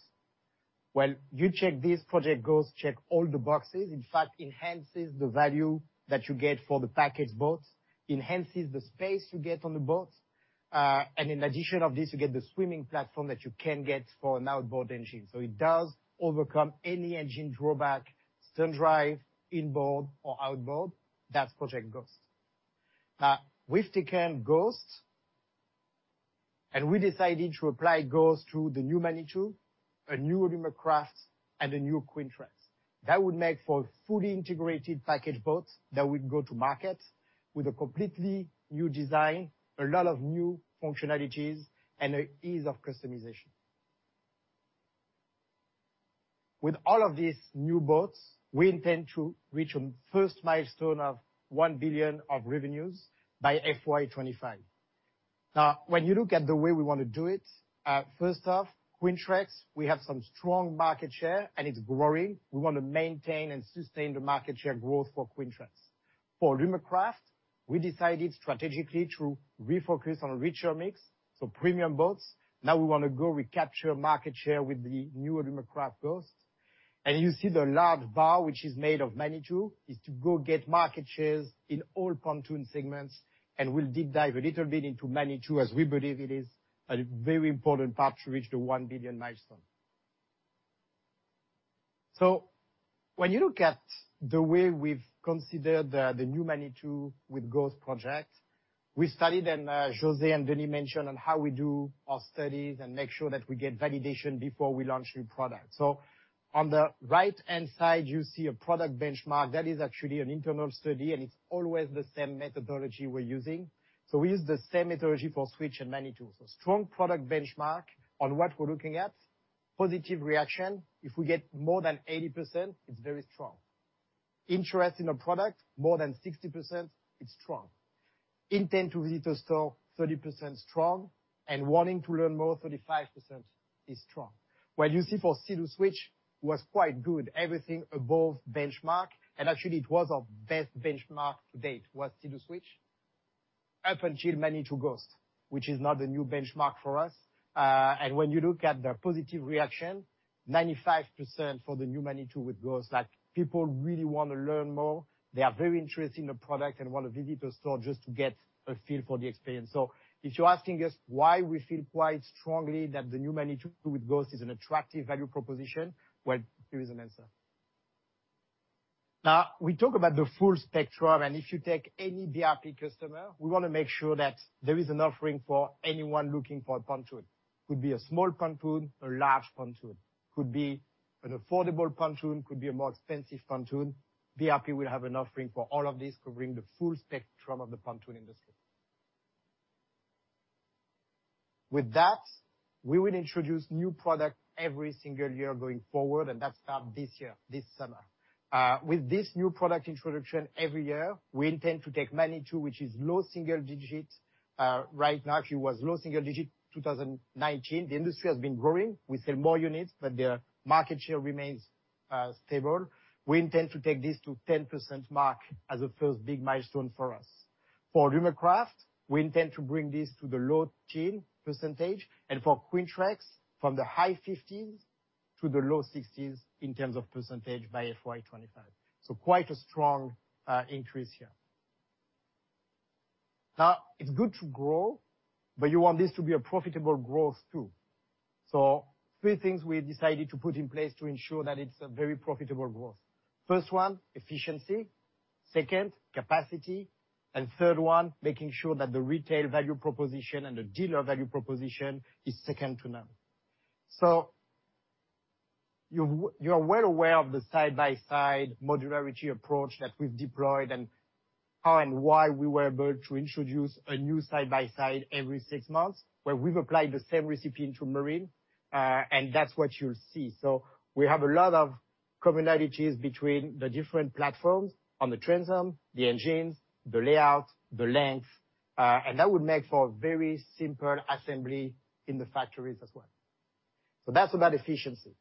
Well, you check this project Ghost checks all the boxes. In fact, enhances the value that you get for the package boats, enhances the space you get on the boats. In addition to this, you get the swimming platform that you can get for an outboard engine. It does overcome any engine drawback, stern drive, inboard or outboard. That's project Ghost. With the current Ghost and we decided to apply Ghost to the new Manitou, a new Alumacraft, and a new Quintrex. That would make for a fully integrated package boat that would go to market with a completely new design, a lot of new functionalities, and an ease of customization. With all of these new boats, we intend to reach a first milestone of 1 billion in revenues by FY 2025. Now, when you look at the way we wanna do it, first off, Quintrex, we have some strong market share, and it's growing. We wanna maintain and sustain the market share growth for Quintrex. For Alumacraft, we decided strategically to refocus on richer mix, so premium boats. Now we wanna go recapture market share with the new Alumacraft Ghost. You see the large bar which is made of Manitou is to go get market shares in all pontoon segments, and we'll deep dive a little bit into Manitou as we believe it is a very important part to reach the 1 billion milestone. When you look at the way we've considered the new Manitou with Ghost project, we studied, and José and Denys mentioned on how we do our studies and make sure that we get validation before we launch new products. On the right-hand side, you see a product benchmark. That is actually an internal study, and it's always the same methodology we're using. We use the same methodology for Switch and Manitou. Strong product benchmark on what we're looking at. Positive reaction. If we get more than 80%, it's very strong. Interest in a product more than 60%, it's strong. Intent to visit a store 30% strong, and wanting to learn more 35% is strong. Well, you see for Sea-Doo Switch was quite good, everything above benchmark, and actually it was our best benchmark to date, was Sea-Doo Switch, up until Manitou Ghost, which is now the new benchmark for us. When you look at the positive reaction, 95% for the new Manitou with Ghost, like, people really wanna learn more. They are very interested in the product and wanna visit a store just to get a feel for the experience. If you're asking us why we feel quite strongly that the new Manitou with Ghost is an attractive value proposition, well, here is an answer. Now, we talk about the full spectrum, and if you take any BRP customer, we wanna make sure that there is an offering for anyone looking for a pontoon. Could be a small pontoon, a large pontoon. Could be an affordable pontoon, could be a more expensive pontoon. BRP will have an offering for all of these covering the full spectrum of the pontoon industry. With that, we will introduce new product every single year going forward, and that start this year, this summer. With this new product introduction every year, we intend to take Manitou, which is low single digits, right now. Actually it was low single digit 2019. The industry has been growing. We sell more units, but their market share remains stable. We intend to take this to 10% mark as a first big milestone for us. For Alumacraft, we intend to bring this to the low teen percentage, and for Quintrex from the high 50s to the low 60s in terms of percentage by FY 2025. Quite a strong increase here. Now, it's good to grow, but you want this to be a profitable growth too. Three things we have decided to put in place to ensure that it's a very profitable growth. First one, efficiency. Second, capacity. Third one, making sure that the retail value proposition and the dealer value proposition is second to none. You're well aware of the side-by-side modularity approach that we've deployed and how and why we were able to introduce a new side-by-side every six months, where we've applied the same recipe into Marine. That's what you'll see. We have a lot of commonalities between the different platforms on the transom, the engines, the layout, the length, and that would make for a very simple assembly in the factories as well. That's about efficiency.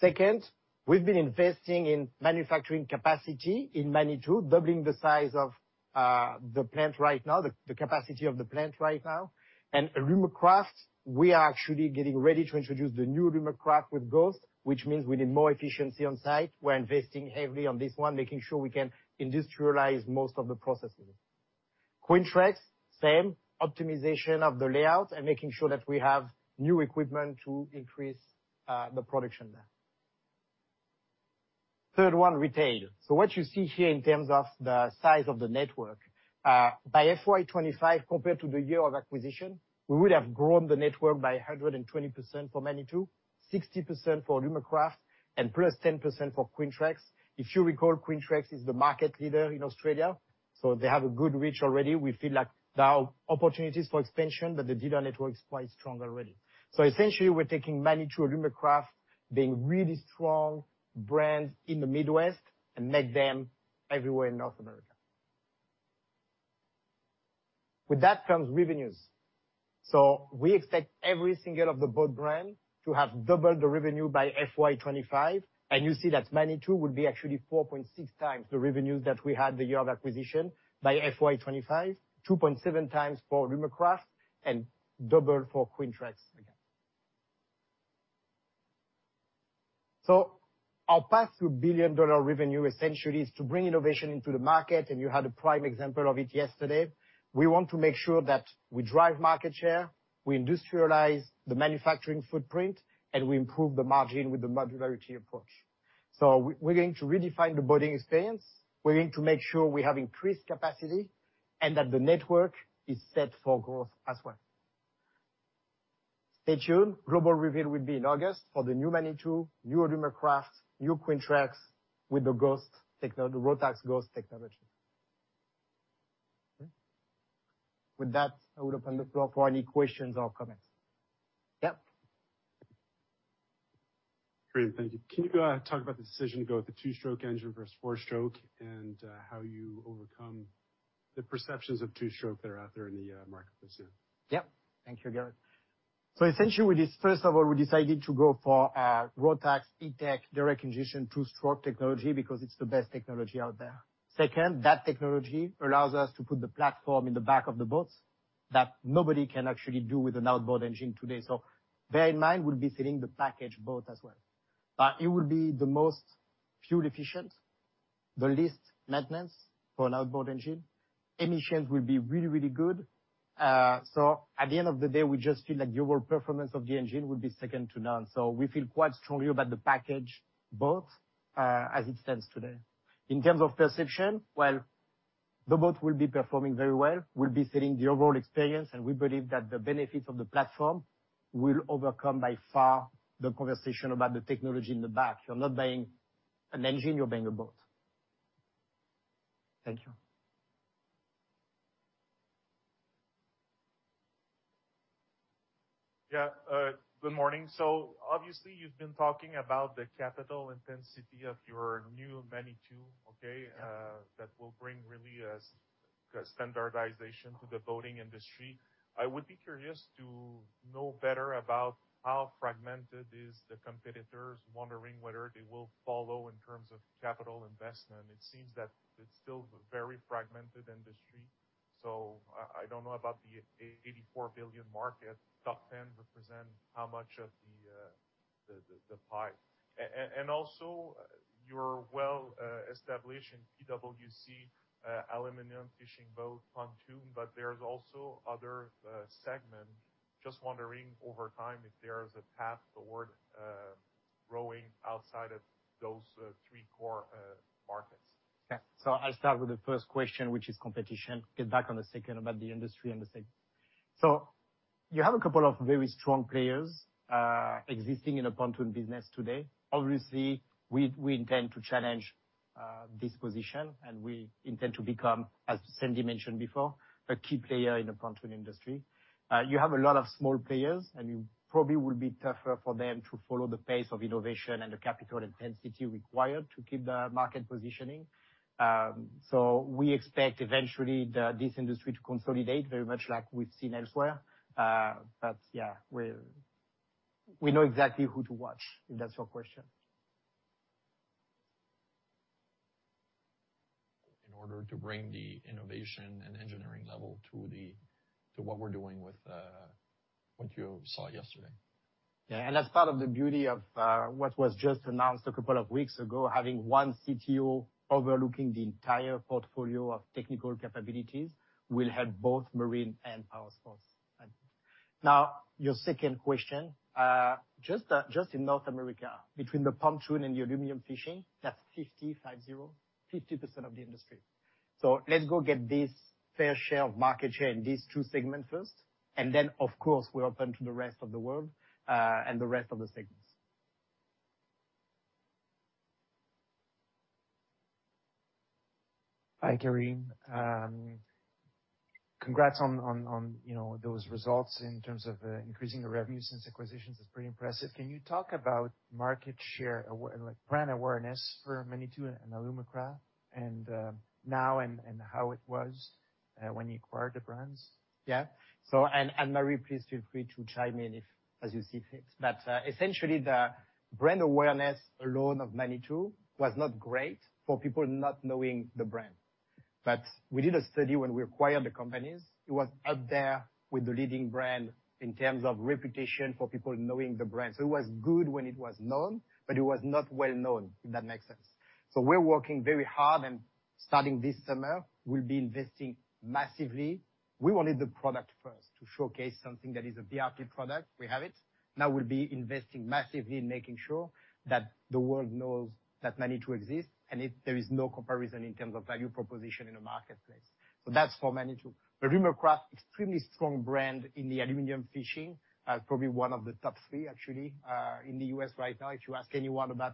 Second, we've been investing in manufacturing capacity in Manitou, doubling the capacity of the plant right now. Alumacraft, we are actually getting ready to introduce the new Alumacraft with Ghost, which means we need more efficiency on site. We're investing heavily on this one, making sure we can industrialize most of the processes. Quintrex, same. Optimization of the layout and making sure that we have new equipment to increase the production there. Third one, retail. What you see here in terms of the size of the network by FY 2025 compared to the year of acquisition, we would have grown the network by 120% for Manitou, 60% for Alumacraft, and +10% for Quintrex. If you recall, Quintrex is the market leader in Australia, so they have a good reach already. We feel like there are opportunities for expansion, but the dealer network is quite strong already. Essentially, we're taking Manitou, Alumacraft, being really strong brands in the Midwest, and make them everywhere in North America. With that comes revenues. We expect every single one of the boat brands to have doubled the revenue by FY 2025, and you see that Manitou will be actually 4.6x the revenues that we had the year of acquisition by FY 2025, 2.7x for Alumacraft, and double for Quintrex again. Our path to billion-dollar revenue essentially is to bring innovation into the market, and you had a prime example of it yesterday. We want to make sure that we drive market share, we industrialize the manufacturing footprint, and we improve the margin with the modularity approach. We're going to redefine the boating experience. We're going to make sure we have increased capacity and that the network is set for growth as well. Stay tuned. Global reveal will be in August for the new Manitou, new Alumacraft, new Quintrex, with the Rotax Ghost technology. Okay. With that, I will open the floor for any questions or comments. Yeah. Great. Thank you. Can you talk about the decision to go with the two-stroke engine versus four-stroke, and how you overcome the perceptions of two-stroke that are out there in the marketplace? Yeah. Thank you, Garrett. Essentially, first of all, we decided to go for Rotax E-TEC direct injection two-stroke technology because it's the best technology out there. Second, that technology allows us to put the platform in the back of the boats that nobody can actually do with an outboard engine today. Bear in mind, we'll be fitting the package boat as well. But it will be the most fuel efficient, the least maintenance for an outboard engine. Emissions will be really, really good. At the end of the day, we just feel like the overall performance of the engine will be second to none. We feel quite strongly about the package boat as it stands today. In terms of perception, well, the boat will be performing very well. We'll be selling the overall experience, and we believe that the benefits of the platform will overcome by far the conversation about the technology in the back. You're not buying an engine, you're buying a boat. Thank you. Yeah. Good morning. Obviously you've been talking about the capital intensity of your new Manitou, okay? Yeah. That will bring really a standardization to the boating industry. I would be curious to know better about how fragmented is the competitors, wondering whether they will follow in terms of capital investment. It seems that it's still a very fragmented industry, so I don't know about the 84 billion market, top ten represent how much of the pie. Also, you're well established in PWC, aluminum fishing boat pontoon, but there's also other segments. Just wondering over time if there's a path toward growing outside of those three core markets. Yeah. I'll start with the first question, which is competition. I'll get back to that in a second about the industry and the segment. You have a couple of very strong players existing in the pontoon business today. Obviously, we intend to challenge this position, and we intend to become, as Sandy mentioned before, a key player in the pontoon industry. You have a lot of small players, and it will probably be tougher for them to follow the pace of innovation and the capital intensity required to keep the market positioning. We expect eventually this industry to consolidate very much like we've seen elsewhere. Yeah, we know exactly who to watch, if that's your question. In order to bring the innovation and engineering level to what we're doing with what you saw yesterday. Yeah. That's part of the beauty of what was just announced a couple of weeks ago, having one CTO overlooking the entire portfolio of technical capabilities will help both Marine and Powersports. Now your second question. Just in North America, between the pontoon and the aluminum fishing, that's 50, five zero, 50% of the industry. Let's go get this fair share of market share in these two segments first, and then of course we're open to the rest of the world, and the rest of the segments. Hi, Karim. Congrats on you know those results in terms of increasing the revenue since acquisitions is pretty impressive. Can you talk about market share like brand awareness for Manitou and Alumacraft and now and how it was when you acquired the brands? Anne-Marie, please feel free to chime in if as you see fit. Essentially, the brand awareness alone of Manitou was not great for people not knowing the brand. We did a study when we acquired the companies. It was up there with the leading brand in terms of reputation for people knowing the brand. It was good when it was known, but it was not well known, if that makes sense. We're working very hard, and starting this summer we'll be investing massively. We wanted the product first to showcase something that is a BRP product. We have it. Now we'll be investing massively in making sure that the world knows that Manitou exists, and there is no comparison in terms of value proposition in the marketplace. That's for Manitou. Alumacraft, extremely strong brand in the aluminum fishing, probably one of the top three actually, in the U.S. right now. If you ask anyone about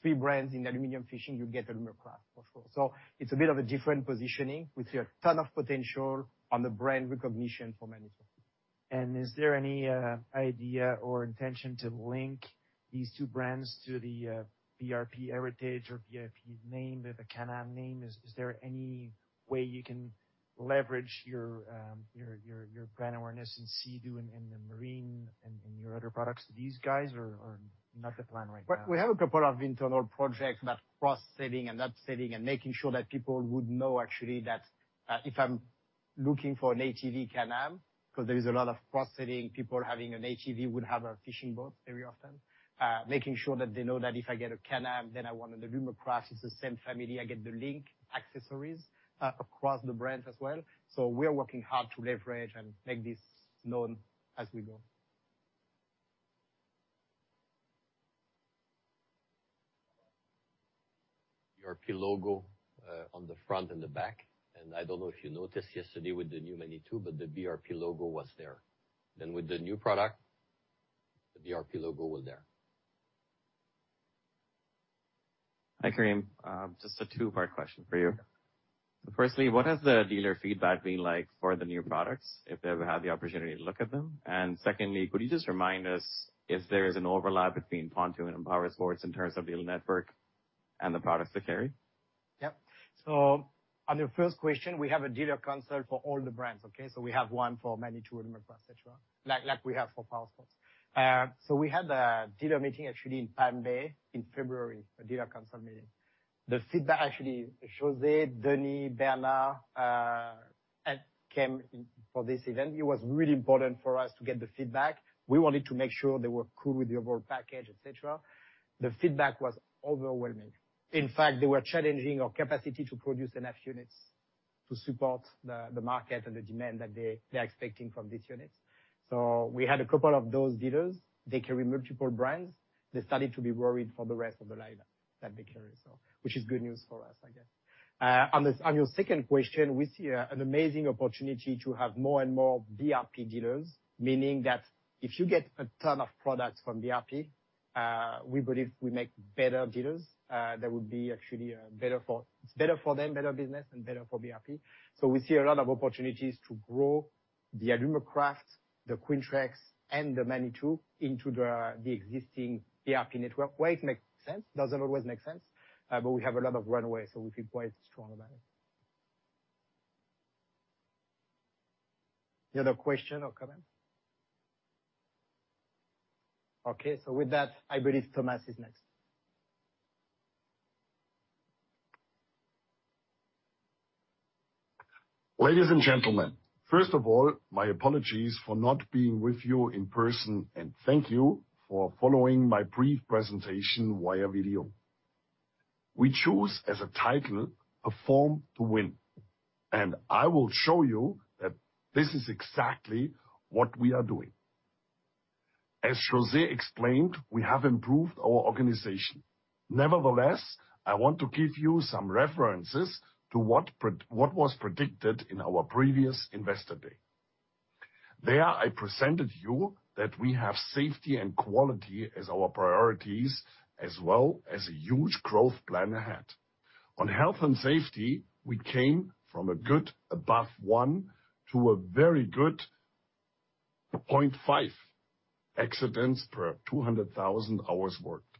three brands in aluminum fishing, you'll get Alumacraft for sure. It's a bit of a different positioning. We see a ton of potential on the brand recognition for Manitou. Is there any idea or intention to link these two brands to the BRP heritage or BRP name or the Can-Am name? Is there any way you can leverage your brand awareness in Sea-Doo and in the Marine and your other products to these guys, or not the plan right now? We have a couple of internal projects about cross-selling and upselling and making sure that people would know actually that if I'm looking for an ATV Can-Am, 'cause there is a lot of cross-selling, people having an ATV would have a fishing boat very often. Making sure that they know that if I get a Can-Am, then I want an Alumacraft. It's the same family. I get the LinQ accessories across the brands as well. We are working hard to leverage and make this known as we go. BRP logo on the front and the back. I don't know if you noticed yesterday with the new Manitou, but the BRP logo was there. With the new product, the BRP logo was there. Hi, Karim. Just a two-part question for you. Firstly, what has the dealer feedback been like for the new products, if they've had the opportunity to look at them? Secondly, could you just remind us if there is an overlap between pontoon and Powersports in terms of dealer network and the products they carry? Yep. On your first question, we have a dealer council for all the brands, okay? We have one for Manitou, etc. Like we have for Powersports. We had a dealer meeting, actually, in Palm Bay in February, a dealer council meeting. The feedback, actually. José, Denys, Bernard came for this event. It was really important for us to get the feedback. We wanted to make sure they were cool with the overall package, etc. The feedback was overwhelming. In fact, they were challenging our capacity to produce enough units to support the market and the demand that they are expecting from these units. We had a couple of those dealers. They carry multiple brands. They started to be worried for the rest of the lineup that they carry. Which is good news for us, I guess. On your second question, we see an amazing opportunity to have more and more BRP dealers, meaning that if you get a ton of products from BRP, we believe we make better dealers. That would actually be better for them, better business, and better for BRP. We see a lot of opportunities to grow the Alumacraft, the Quintrex, and the Manitou into the existing BRP network. Where it makes sense. Doesn't always make sense, but we have a lot of runway, so we feel quite strong about it. Any other question or comment? Okay. With that, I believe Thomas is next. Ladies and gentlemen, first of all, my apologies for not being with you in person, and thank you for following my brief presentation via video. We choose as a title, Perform to Win, and I will show you that this is exactly what we are doing. As José explained, we have improved our organization. Nevertheless, I want to give you some references to what was predicted in our previous Investor Day. There, I presented you that we have safety and quality as our priorities, as well as a huge growth plan ahead. On health and safety, we came from a good above one to a very good 0.5 accidents per 200,000 hours worked.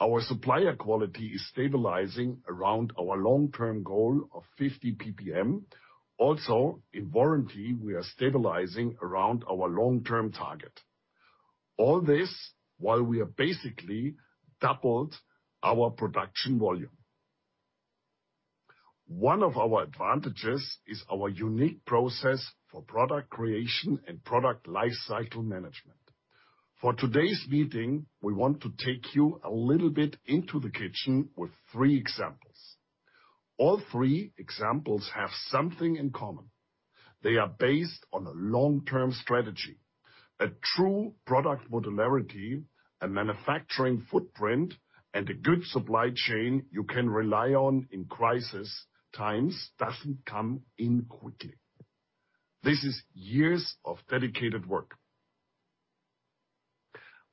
Our supplier quality is stabilizing around our long-term goal of 50 PPM. Also, in warranty, we are stabilizing around our long-term target. All this while we have basically doubled our production volume. One of our advantages is our unique process for product creation and product lifecycle management. For today's meeting, we want to take you a little bit into the kitchen with three examples. All three examples have something in common. They are based on a long-term strategy. A true product modularity, a manufacturing footprint, and a good supply chain you can rely on in crisis times doesn't come in quickly. This is years of dedicated work.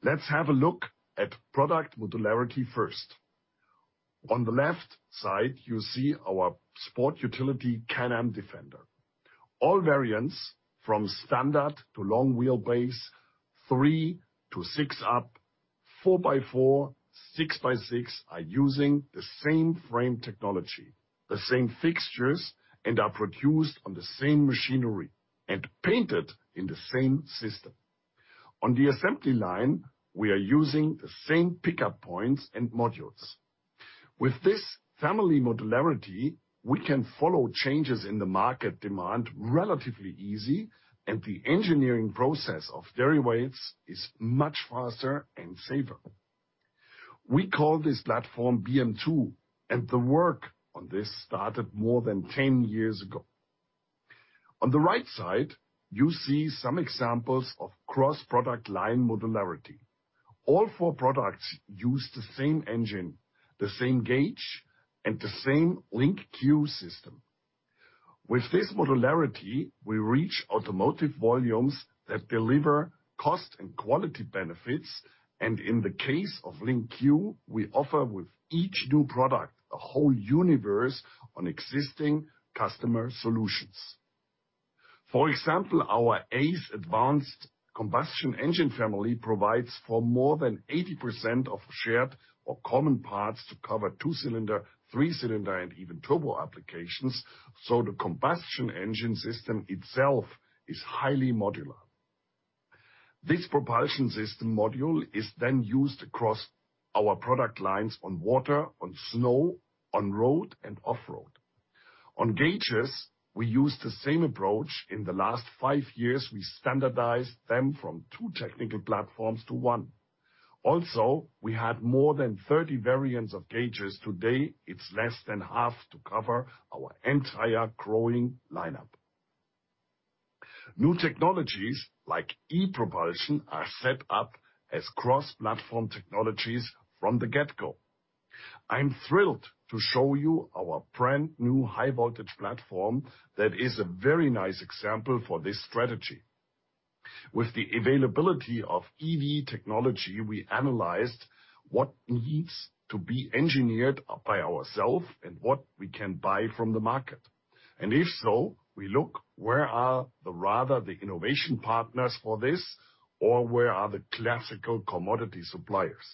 Let's have a look at product modularity first. On the left side, you see our sport utility Can-Am Defender. All variants, from standard to long wheelbase, three to six up, four-by-four, six-by-six, are using the same frame technology, the same fixtures, and are produced on the same machinery, and painted in the same system. On the assembly line, we are using the same pickup points and modules. With this family modularity, we can follow changes in the market demand relatively easy, and the engineering process of derivatives is much faster and safer. We call this platform BM2, and the work on this started more than 10 years ago. On the right side, you see some examples of cross-product line modularity. All four products use the same engine, the same gauge, and the same LinQ system. With this modularity, we reach automotive volumes that deliver cost and quality benefits. In the case of LinQ, we offer with each new product a whole universe on existing customer solutions. For example, our ACE Advanced Combustion Engine Family provides for more than 80% of shared or common parts to cover two-cylinder, three-cylinder, and even turbo applications. The combustion engine system itself is highly modular. This propulsion system module is then used across our product lines on water, on snow, on road, and off-road. On gauges, we use the same approach. In the last five years, we standardized them from two technical platforms to one. Also, we had more than 30 variants of gauges. Today, it's less than half to cover our entire growing lineup. New technologies like e-propulsion are set up as cross-platform technologies from the get-go. I'm thrilled to show you our brand-new high voltage platform that is a very nice example for this strategy. With the availability of EV technology, we analyzed what needs to be engineered by ourselves and what we can buy from the market. If so, we look where are the innovation partners for this, or where are the classical commodity suppliers.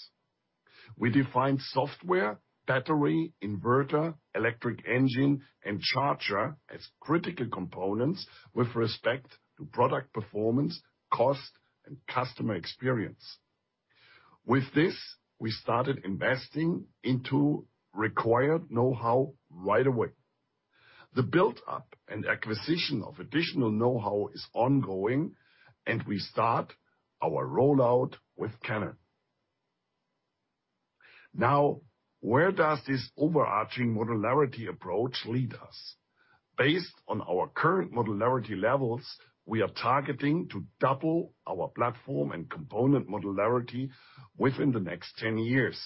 We defined software, battery, inverter, electric engine, and charger as critical components with respect to product performance, cost, and customer experience. With this, we started investing into required know-how right away. The build-up and acquisition of additional know-how is ongoing, and we start our rollout with Can-Am. Now, where does this overarching modularity approach lead us? Based on our current modularity levels, we are targeting to double our platform and component modularity within the next 10 years.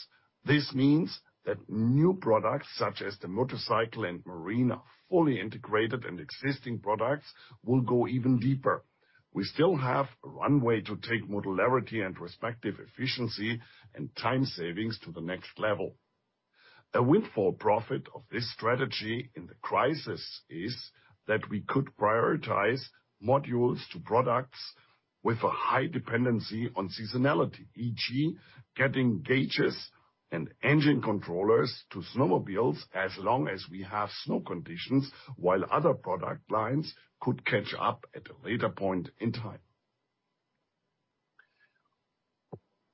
This means that new products, such as the Motorcycle and Marine, are fully integrated, and existing products will go even deeper. We still have a runway to take modularity and respective efficiency and time savings to the next level. A windfall profit of this strategy in the crisis is that we could prioritize modules to products with a high dependency on seasonality, e.g., getting gauges and engine controllers to snowmobiles as long as we have snow conditions, while other product lines could catch up at a later point in time.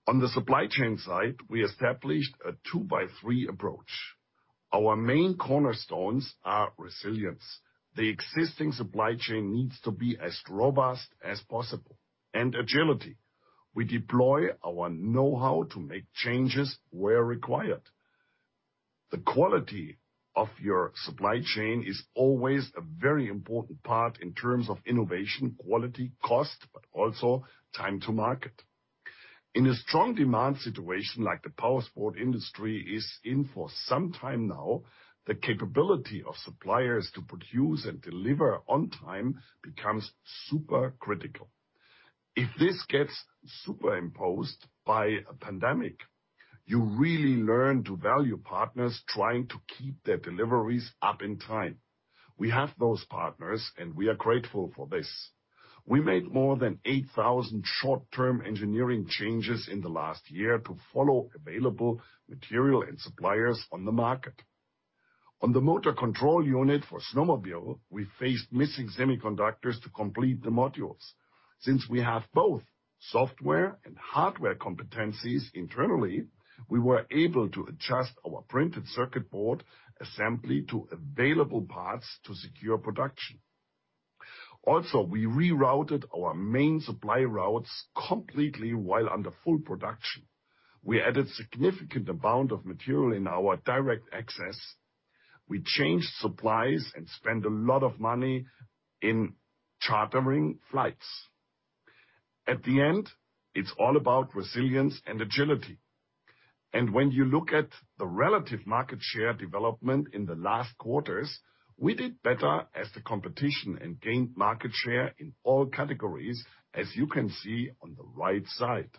On the supply chain side, we established a two-by-three approach. Our main cornerstones are resilience. The existing supply chain needs to be as robust as possible and agility. We deploy our know-how to make changes where required. The quality of your supply chain is always a very important part in terms of innovation, quality, cost, but also time to market. In a strong demand situation, like the Powersports industry is in for some time now, the capability of suppliers to produce and deliver on time becomes super critical. If this gets superimposed by a pandemic, you really learn to value partners trying to keep their deliveries on time. We have those partners, and we are grateful for this. We made more than 8,000 short-term engineering changes in the last year to follow available material and suppliers on the market. On the motor control unit for snowmobile, we faced missing semiconductors to complete the modules. Since we have both software and hardware competencies internally, we were able to adjust our printed circuit board assembly to available parts to secure production. Also, we rerouted our main supply routes completely while under full production. We added significant amount of material in our direct access. We changed supplies and spent a lot of money in chartering flights. At the end, it's all about resilience and agility. When you look at the relative market share development in the last quarters, we did better than the competition and gained market share in all categories, as you can see on the right side.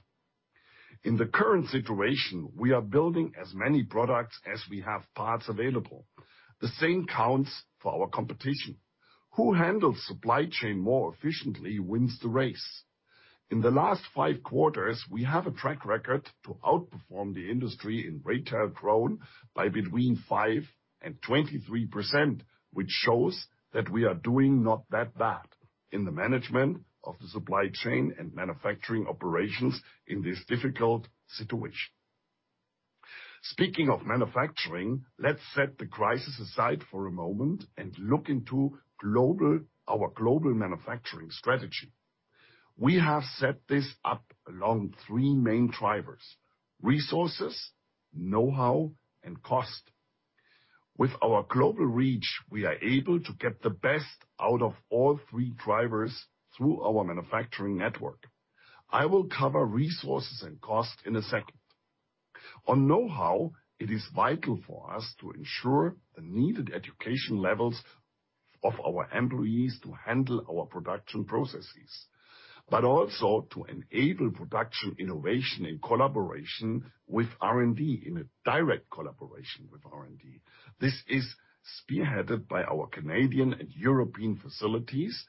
In the current situation, we are building as many products as we have parts available. The same counts for our competition. Who handles supply chain more efficiently wins the race. In the last five quarters, we have a track record to outperform the industry in retail growth by between 5% and 23%, which shows that we are doing not that bad in the management of the supply chain and manufacturing operations in this difficult situation. Speaking of manufacturing, let's set the crisis aside for a moment and look into our global manufacturing strategy. We have set this up along three main drivers, resources, know-how, and cost. With our global reach, we are able to get the best out of all three drivers through our manufacturing network. I will cover resources and cost in a second. On know-how, it is vital for us to ensure the needed education levels of our employees to handle our production processes, but also to enable production innovation in collaboration with R&D, in a direct collaboration with R&D. This is spearheaded by our Canadian and European facilities,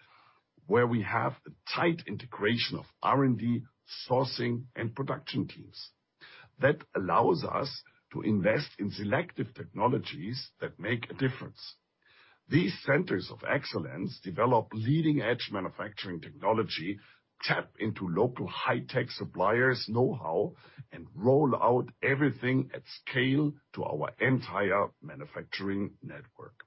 where we have a tight integration of R&D, sourcing, and production teams. That allows us to invest in selective technologies that make a difference. These centers of excellence develop leading-edge manufacturing technology, tap into local high-tech suppliers' know-how, and roll out everything at scale to our entire manufacturing network.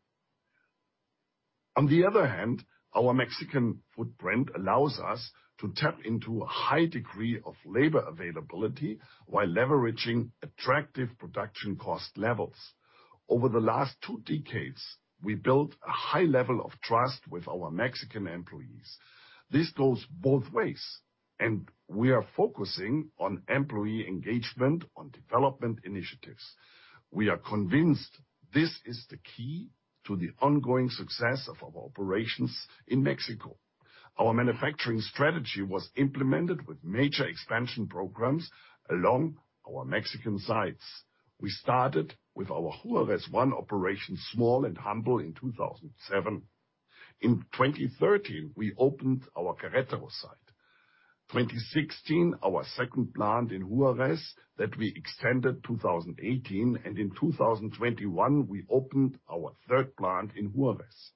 On the other hand, our Mexican footprint allows us to tap into a high degree of labor availability while leveraging attractive production cost levels. Over the last two decades, we built a high level of trust with our Mexican employees. This goes both ways, and we are focusing on employee engagement on development initiatives. We are convinced this is the key to the ongoing success of our operations in Mexico. Our manufacturing strategy was implemented with major expansion programs along our Mexican sites. We started with our Juárez One operation, small and humble in 2007. In 2013, we opened our Querétaro site. 2016, our second plant in Juárez that we extended 2018, and in 2021, we opened our third plant in Juárez.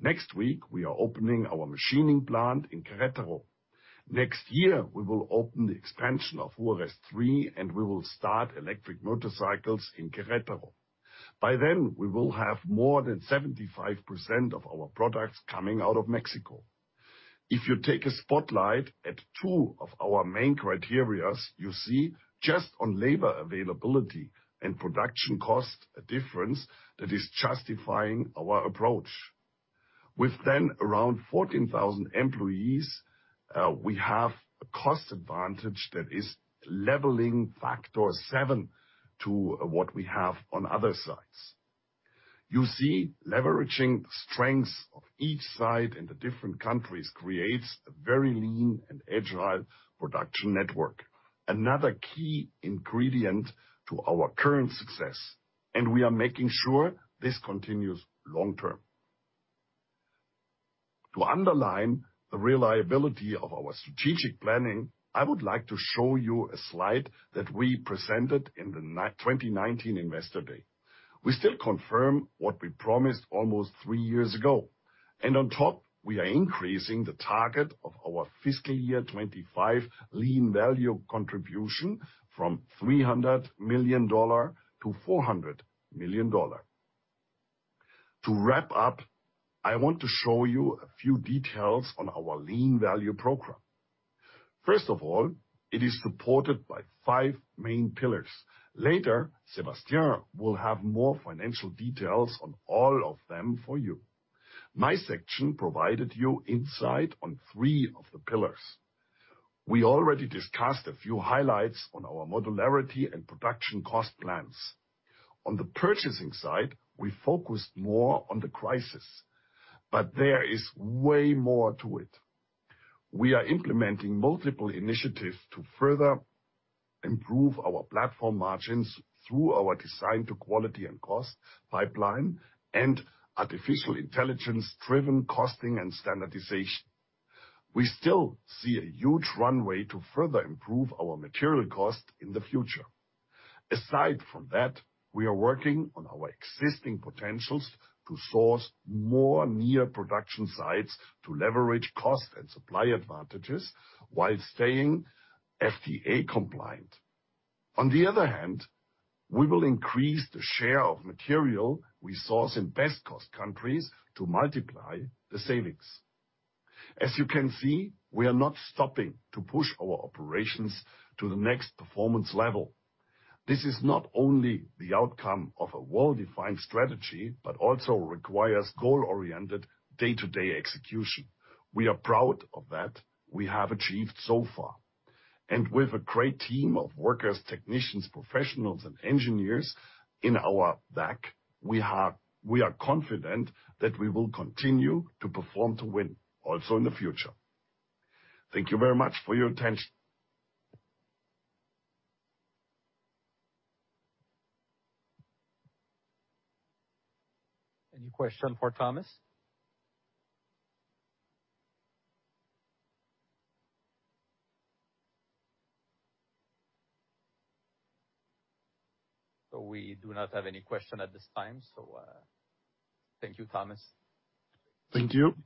Next week, we are opening our machining plant in Querétaro. Next year, we will open the expansion of Juárez Three, and we will start electric motorcycles in Querétaro. By then, we will have more than 75% of our products coming out of Mexico. If you put the spotlight on two of our main criteria, you see just on labor availability and production cost, a difference that is justifying our approach. We then have around 14,000 employees. We have a cost advantage that is a leveraging factor of seven to what we have on other sites. You see, leveraging strengths of each site in the different countries creates a very lean and agile production network. Another key ingredient to our current success, and we are making sure this continues long term. To underline the reliability of our strategic planning, I would like to show you a slide that we presented in the 2019 Investor Day. We still confirm what we promised almost three years ago. On top, we are increasing the target of our fiscal year 2025 lean value contribution from 300 million-400 million dollar. To wrap up, I want to show you a few details on our lean value program. First of all, it is supported by five main pillars. Later, Sébastien will have more financial details on all of them for you. My section provided you insight on three of the pillars. We already discussed a few highlights on our modularity and production cost plans. On the purchasing side, we focused more on the crisis, but there is way more to it. We are implementing multiple initiatives to further improve our platform margins through our design to quality and cost pipeline and artificial intelligence-driven costing and standardization. We still see a huge runway to further improve our material cost in the future. Aside from that, we are working on our existing potentials to source more near production sites to leverage cost and supply advantages while staying FDA compliant. On the other hand, we will increase the share of material we source in best-cost countries to multiply the savings. As you can see, we are not stopping to push our operations to the next performance level. This is not only the outcome of a well-defined strategy, but also requires goal-oriented day-to-day execution. We are proud of that we have achieved so far. With a great team of workers, technicians, professionals, and engineers in our back, we are confident that we will continue to perform to win also in the future. Thank you very much for your attention. Any question for Thomas? We do not have any question at this time. Thank you, Thomas. Thank you.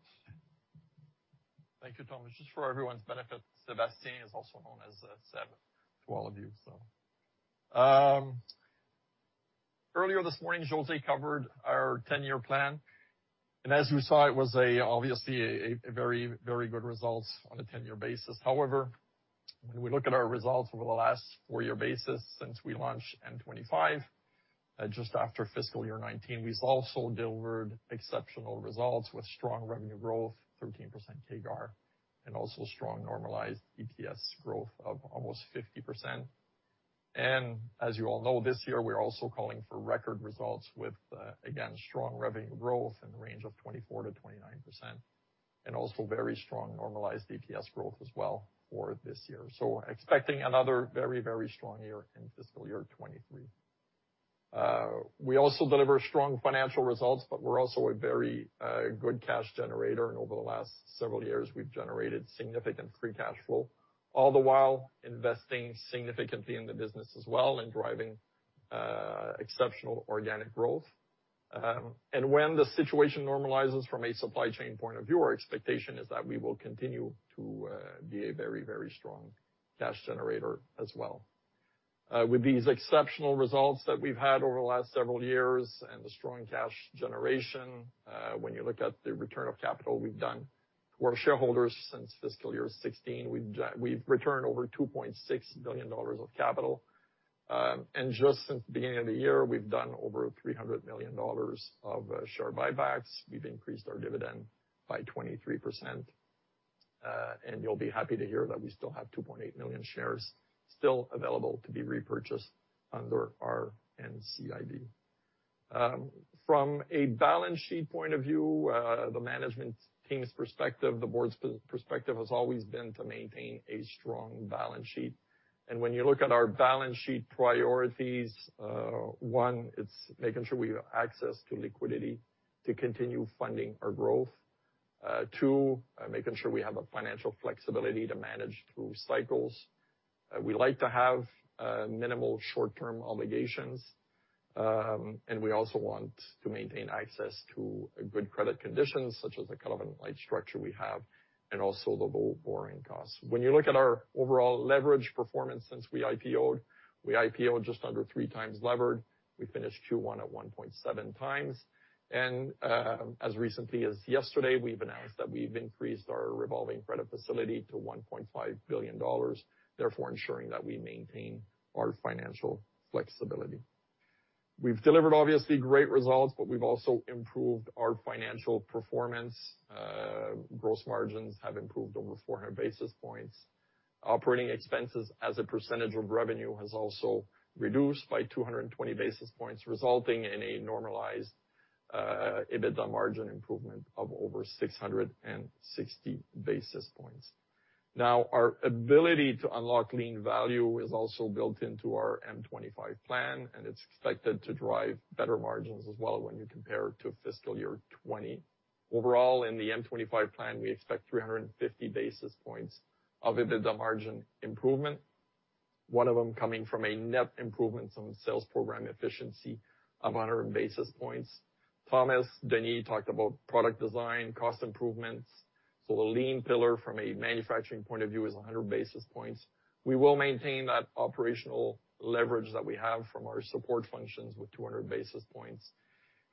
Thank you, Thomas. Just for everyone's benefit, Sébastien is also known as Seb to all of you. Earlier this morning, José covered our 10-year plan. As you saw, it was obviously a very good results on a 10-year basis. However, when we look at our results over the last 4-year basis since we launched M25 just after fiscal year 2019, we've also delivered exceptional results with strong revenue growth, 13% CAGR, and also strong normalized EPS growth of almost 50%. As you all know, this year, we're also calling for record results with again strong revenue growth in the range of 24%-29%, and also very strong normalized EPS growth as well for this year. Expecting another very strong year in fiscal year 2023. We also deliver strong financial results, but we're also a very good cash generator, and over the last several years, we've generated significant free cash flow, all the while investing significantly in the business as well and driving exceptional organic growth. When the situation normalizes from a supply chain point of view, our expectation is that we will continue to be a very, very strong cash generator as well. With these exceptional results that we've had over the last several years and the strong cash generation, when you look at the return of capital we've done to our shareholders since fiscal year 2016, we've returned over 2.6 billion dollars of capital. Just since the beginning of the year, we've done over 300 million dollars of share buybacks. We've increased our dividend by 23%. You'll be happy to hear that we still have 2.8 million shares still available to be repurchased under our NCIB. From a balance sheet point of view, the management team's perspective, the board's perspective has always been to maintain a strong balance sheet. When you look at our balance sheet priorities, one, it's making sure we have access to liquidity to continue funding our growth. Two, making sure we have financial flexibility to manage through cycles. We like to have minimal short-term obligations, and we also want to maintain access to good credit conditions, such as the covenant-like structure we have and also the low borrowing costs. When you look at our overall leverage performance since we IPO'd, we IPO'd just under 3x levered. We finished Q1 at 1.7x. As recently as yesterday, we've announced that we've increased our revolving credit facility to 1.5 billion dollars, therefore ensuring that we maintain our financial flexibility. We've delivered obviously great results, but we've also improved our financial performance. Gross margins have improved over 400 basis points. Operating expenses as a percentage of revenue has also reduced by 220 basis points, resulting in a normalized EBITDA margin improvement of over 660 basis points. Now, our ability to unlock lean value is also built into our M25 plan, and it's expected to drive better margins as well when you compare to fiscal year 2020. Overall, in the M25 plan, we expect 350 basis points of EBITDA margin improvement, one of them coming from a net improvements on sales program efficiency of 100 basis points. Thomas, Denys talked about product design, cost improvements. The lean pillar from a manufacturing point of view is 100 basis points. We will maintain that operational leverage that we have from our support functions with 200 basis points.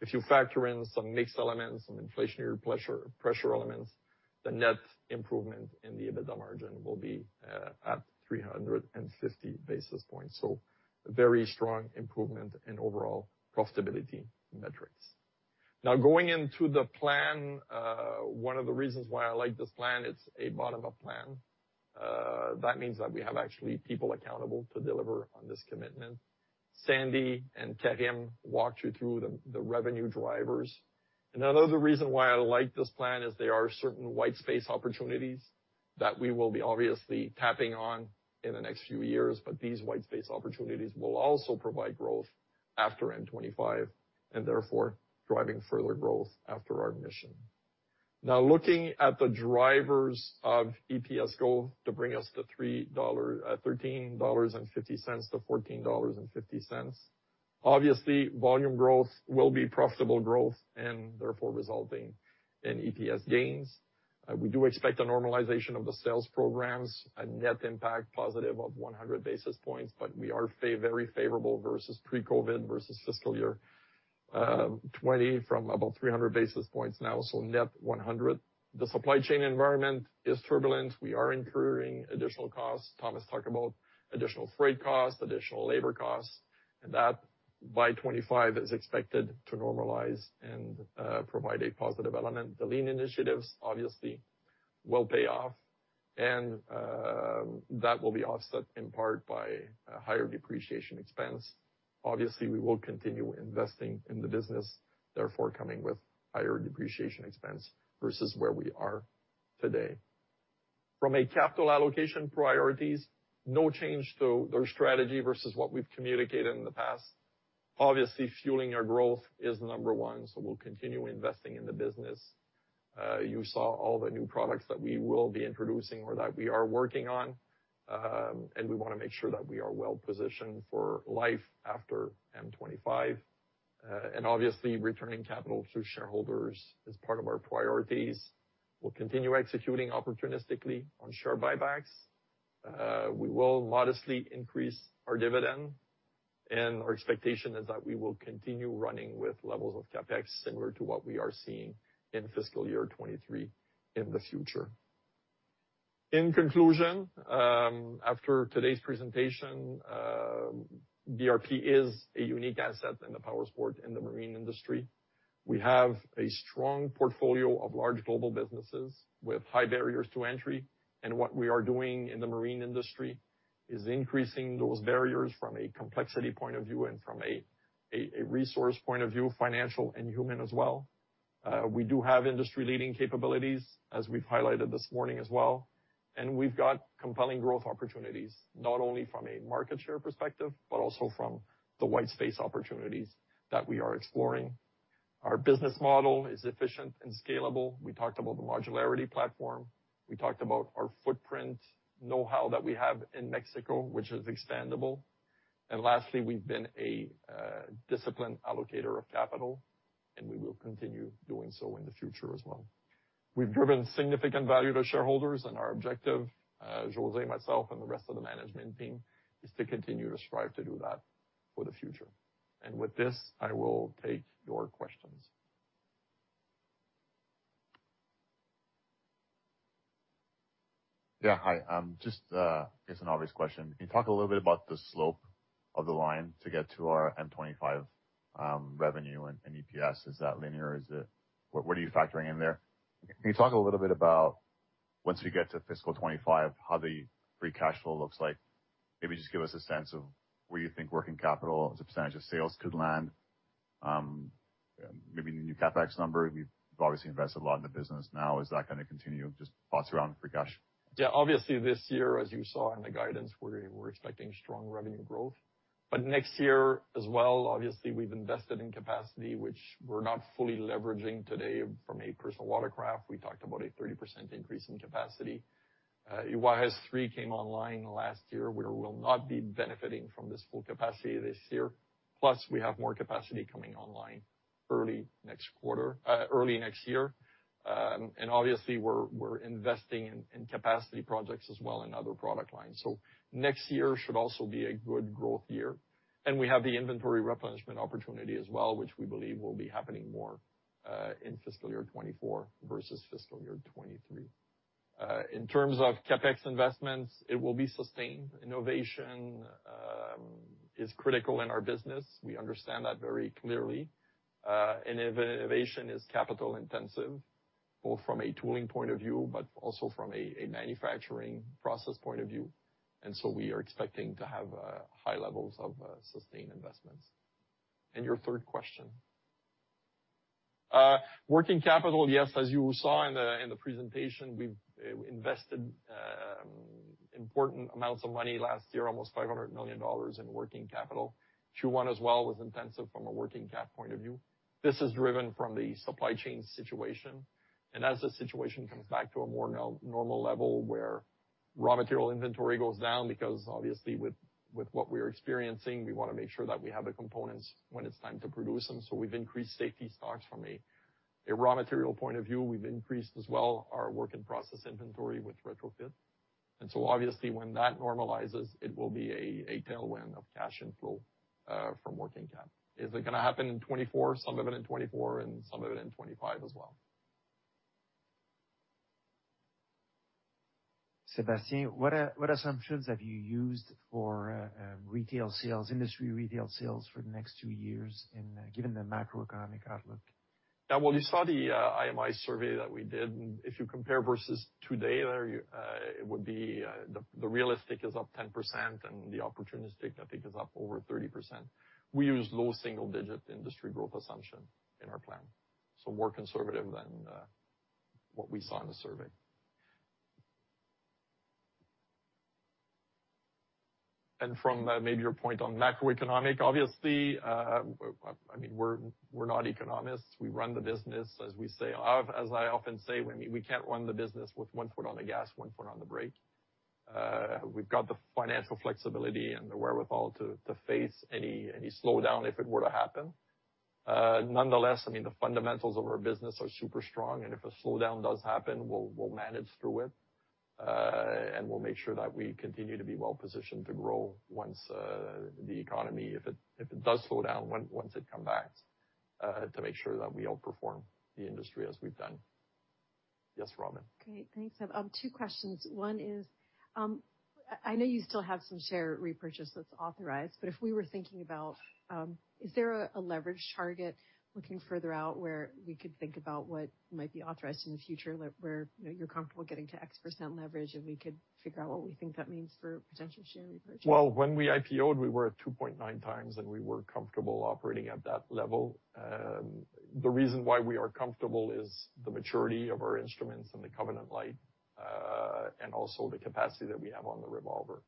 If you factor in some mixed elements, some inflationary pressure elements, the net improvement in the EBITDA margin will be at 350 basis points. A very strong improvement in overall profitability metrics. Now going into the plan, one of the reasons why I like this plan, it's a bottom-up plan. That means that we have actually people accountable to deliver on this commitment. Sandy and Karim walked you through the revenue drivers. Another reason why I like this plan is there are certain white space opportunities that we will be obviously tapping on in the next few years, but these white space opportunities will also provide growth after M25, and therefore driving further growth after our mission. Now looking at the drivers of EPS goal to bring us to 13.50-14.50 dollars, obviously, volume growth will be profitable growth and therefore resulting in EPS gains. We do expect a normalization of the sales programs, a net impact positive of 100 basis points, but we are very favorable versus pre-COVID versus fiscal year 2020 from about 300 basis points now, so net 100. The supply chain environment is turbulent. We are incurring additional costs. Thomas talked about additional freight costs, additional labor costs, and that by 2025 is expected to normalize and provide a positive element. The lean initiatives obviously will pay off, and that will be offset in part by a higher depreciation expense. Obviously, we will continue investing in the business, therefore coming with higher depreciation expense versus where we are today. From a capital allocation priorities, no change to their strategy versus what we've communicated in the past. Obviously, fueling our growth is number one, so we'll continue investing in the business. You saw all the new products that we will be introducing or that we are working on, and we wanna make sure that we are well-positioned for life after M25. Obviously returning capital to shareholders is part of our priorities. We'll continue executing opportunistically on share buybacks. We will modestly increase our dividend, and our expectation is that we will continue running with levels of CapEx similar to what we are seeing in fiscal year 2023 in the future. In conclusion, after today's presentation, BRP is a unique asset in the Powersports and the Marine industry. We have a strong portfolio of large global businesses with high barriers to entry, and what we are doing in the Marine industry is increasing those barriers from a complexity point of view and from a resource point of view, financial and human as well. We do have industry-leading capabilities, as we've highlighted this morning as well, and we've got compelling growth opportunities, not only from a market share perspective, but also from the white space opportunities that we are exploring. Our business model is efficient and scalable. We talked about the modularity platform. We talked about our footprint know-how that we have in Mexico, which is expandable. Lastly, we've been a disciplined allocator of capital, and we will continue doing so in the future as well. We've driven significant value to shareholders, and our objective, José, myself, and the rest of the management team, is to continue to strive to do that for the future. With this, I will take your questions. Yeah, hi. Just guess an obvious question. Can you talk a little bit about the slope of the line to get to our M25 revenue and EPS? Is that linear? What are you factoring in there? Can you talk a little bit about once we get to fiscal 2025, how the free cash flow looks like? Maybe just give us a sense of where you think working capital as a percentage of sales could land. Maybe the new CapEx number. You've obviously invested a lot in the business now. Is that gonna continue? Just thoughts around free cash. Yeah. Obviously, this year, as you saw in the guidance, we're expecting strong revenue growth. Next year as well, obviously, we've invested in capacity which we're not fully leveraging today from a personal watercraft. We talked about a 30% increase in capacity. Juárez Three came online last year. We will not be benefiting from this full capacity this year, plus we have more capacity coming online early next quarter, early next year. Obviously, we're investing in capacity projects as well in other product lines. Next year should also be a good growth year. We have the inventory replenishment opportunity as well, which we believe will be happening more in fiscal year 2024 versus fiscal year 2023. In terms of CapEx investments, it will be sustained. Innovation is critical in our business. We understand that very clearly. Innovation is capital intensive, both from a tooling point of view, but also from a manufacturing process point of view. We are expecting to have high levels of sustained investments. Your third question? Working capital, yes, as you saw in the presentation, we've invested important amounts of money last year, almost 500 million dollars in working capital. Q1 as well was intensive from a working cap point of view. This is driven from the supply chain situation. As the situation comes back to a more normal level where raw material inventory goes down because obviously with what we're experiencing, we wanna make sure that we have the components when it's time to produce them. We've increased safety stocks from a raw material point of view. We've increased as well our work in process inventory with retrofit. Obviously, when that normalizes, it will be a tailwind of cash inflow from working cap. Is it gonna happen in 2024? Some of it in 2024 and some of it in 2025 as well. Sébastien, what assumptions have you used for retail sales, industry retail sales for the next two years and given the macroeconomic outlook? Yeah. Well, you saw the IMI survey that we did, and if you compare versus today, there it would be the realistic is up 10%, and the opportunistic, I think, is up over 30%. We use low single digit industry growth assumption in our plan, so more conservative than what we saw in the survey. From maybe your point on macroeconomic, obviously, I mean, we're not economists. We run the business, as we say. As I often say, I mean, we can't run the business with one foot on the gas, one foot on the brake. We've got the financial flexibility and the wherewithal to face any slowdown if it were to happen. Nonetheless, I mean, the fundamentals of our business are super strong, and if a slowdown does happen, we'll manage through it, and we'll make sure that we continue to be well positioned to grow once the economy, if it does slow down, once it comes back, to make sure that we outperform the industry as we've done. Yes, Robin. Okay. Thanks, Seb. Two questions. One is, I know you still have some share repurchase that's authorized, but if we were thinking about, is there a leverage target looking further out where we could think about what might be authorized in the future, like, where, you know, you're comfortable getting to X percent leverage, and we could figure out what we think that means for potential share repurchase? Well, when we IPO'd, we were at 2.9x, and we were comfortable operating at that level. The reason why we are comfortable is the maturity of our instruments and the covenant light, and also the capacity that we have on the revolver.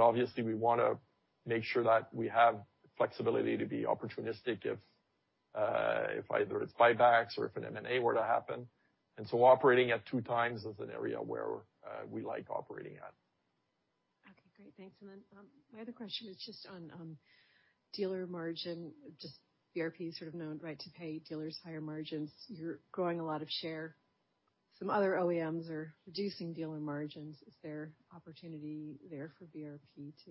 Obviously, we wanna make sure that we have flexibility to be opportunistic if either it's buybacks or if an M&A were to happen. Operating at 2x is an area where we like operating at. Okay. Great. Thanks. My other question is just on dealer margin. BRP sort of known, right, to pay dealers higher margins. You're growing a lot of share. Some other OEMs are reducing dealer margins. Is there opportunity there for BRP to.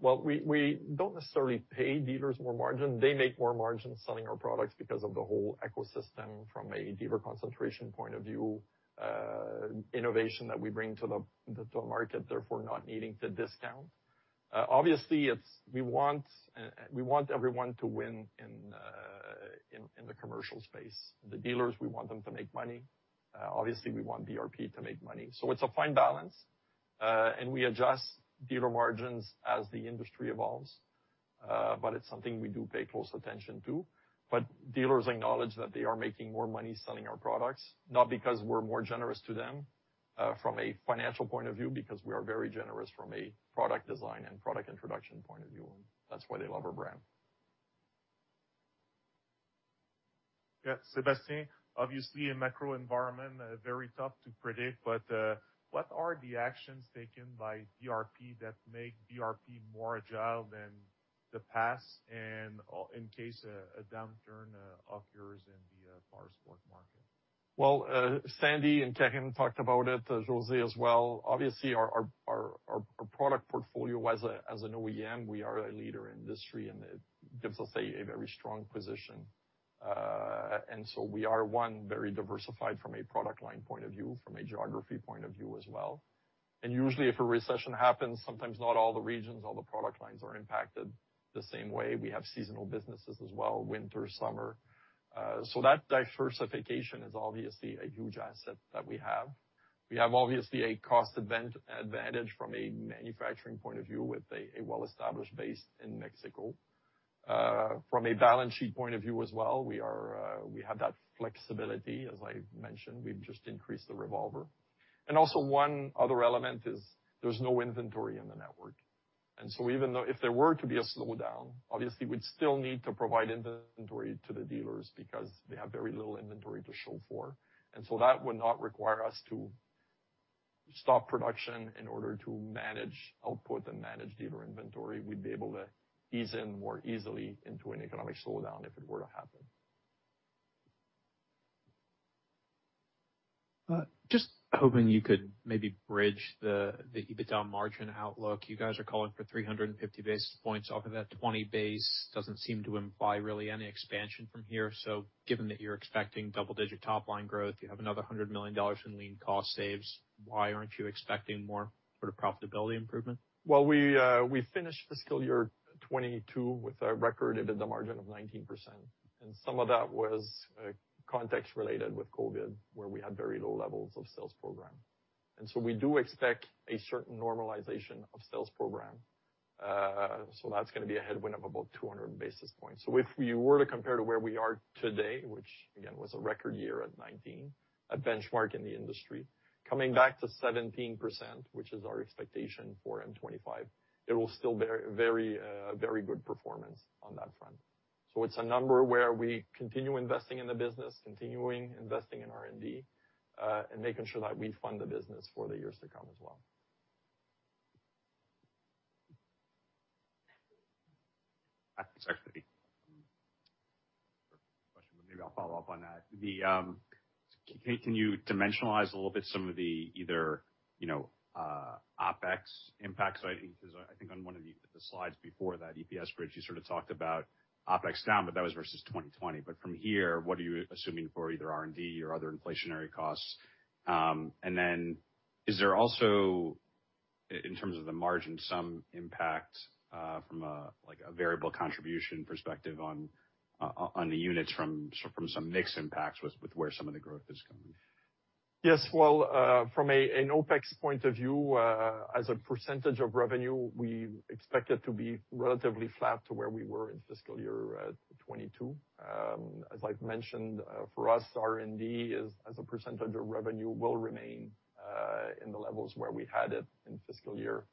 Well, we don't necessarily pay dealers more margin. They make more margin selling our products because of the whole ecosystem from a dealer concentration point of view, innovation that we bring to the market, therefore not needing to discount. Obviously, we want everyone to win in the commercial space. The dealers, we want them to make money. Obviously, we want BRP to make money. It's a fine balance, and we adjust dealer margins as the industry evolves, but it's something we do pay close attention to. Dealers acknowledge that they are making more money selling our products, not because we're more generous to them from a financial point of view, because we are very generous from a product design and product introduction point of view. That's why they love our brand. Yeah. Sébastien, obviously, a macro environment very tough to predict, but what are the actions taken by BRP that make BRP more agile than the past and in case a downturn occurs in the Powersports market? Well, Sandy and Karim talked about it, José as well. Obviously, our product portfolio as an OEM, we are a leader in the industry, and it gives us a very strong position. We are very diversified from a product line point of view, from a geography point of view as well. Usually, if a recession happens, sometimes not all the regions, all the product lines are impacted the same way. We have seasonal businesses as well, winter, summer. That diversification is obviously a huge asset that we have. We have, obviously, a cost advantage from a manufacturing point of view with a well-established base in Mexico. From a balance sheet point of view as well, we have that flexibility. As I mentioned, we've just increased the revolver. Also one other element is there's no inventory in the network. Even though, if there were to be a slowdown, obviously we'd still need to provide inventory to the dealers because they have very little inventory to show for. That would not require us to stop production in order to manage output and manage dealer inventory. We'd be able to ease in more easily into an economic slowdown if it were to happen. Just hoping you could maybe bridge the EBITDA margin outlook. You guys are calling for 350 basis points off of that 20 base. Doesn't seem to imply really any expansion from here. Given that you're expecting double-digit top-line growth, you have another 100 million dollars in lean cost saves, why aren't you expecting more sort of profitability improvement? Well, we finished fiscal year 2022 with a record EBITDA margin of 19%, and some of that was context related with COVID, where we had very low levels of sales program. We do expect a certain normalization of sales program. That's gonna be a headwind of about 200 basis points. If you were to compare to where we are today, which again, was a record year at 19%, a benchmark in the industry, coming back to 17%, which is our expectation for M25, it will still bear very, very good performance on that front. It's a number where we continue investing in the business, continuing investing in R&D, and making sure that we fund the business for the years to come as well. Actually, maybe I'll follow up on that. Can you dimensionalize a little bit some of the either OpEx impacts? 'Cause I think on one of the slides before that EPS bridge, you sort of talked about OpEx down, but that was versus 2020. But from here, what are you assuming for either R&D or other inflationary costs? And then is there also in terms of the margin, some impact from a like a variable contribution perspective on the units from some mix impacts with where some of the growth is coming? Yes. Well, from an OpEx point of view, as a percentage of revenue, we expect it to be relatively flat to where we were in fiscal year 2022. As I've mentioned, for us, R&D, as a percentage of revenue, will remain in the levels where we had it in fiscal year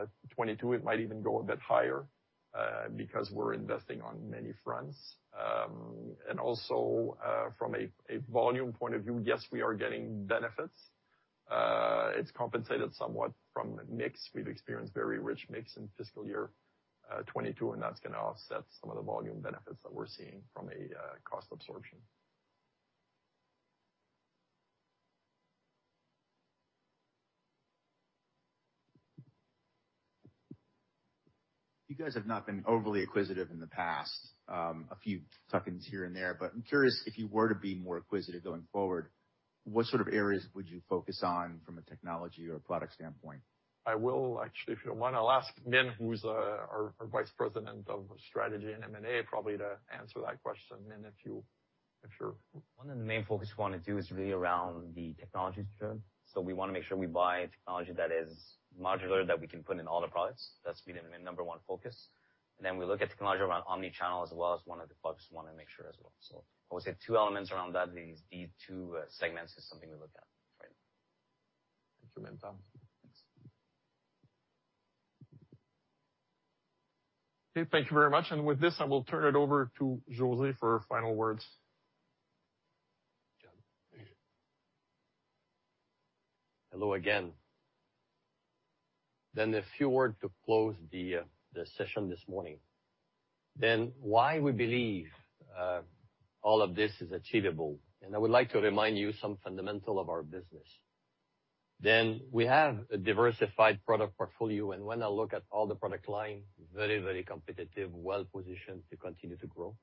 2022. It might even go a bit higher because we're investing on many fronts. From a volume point of view, yes, we are getting benefits. It's compensated somewhat from mix. We've experienced very rich mix in fiscal year 2022, and that's gonna offset some of the volume benefits that we're seeing from cost absorption. You guys have not been overly acquisitive in the past, a few tuck-ins here and there. I'm curious, if you were to be more acquisitive going forward, what sort of areas would you focus on from a technology or product standpoint? I will actually, if you don't mind, I'll ask Minh, who's our Vice President of Strategy and M&A, probably to answer that question. Minh, if you're- One of the main focus we wanna do is really around the technology stream. We wanna make sure we buy technology that is modular, that we can put in all the products. That's been the number one focus. Then we look at technology around Omnichannel as well as one of the focus we wanna make sure as well. I would say two elements around that, these two segments is something we look at right now. Thank you, Minh. Thanks. Okay. Thank you very much. With this, I will turn it over to José for final words. Hello again. A few words to close the session this morning. Why we believe all of this is achievable, and I would like to remind you some fundamental of our business. We have a diversified product portfolio, and when I look at all the product line, very, very competitive, well-positioned to continue to grow.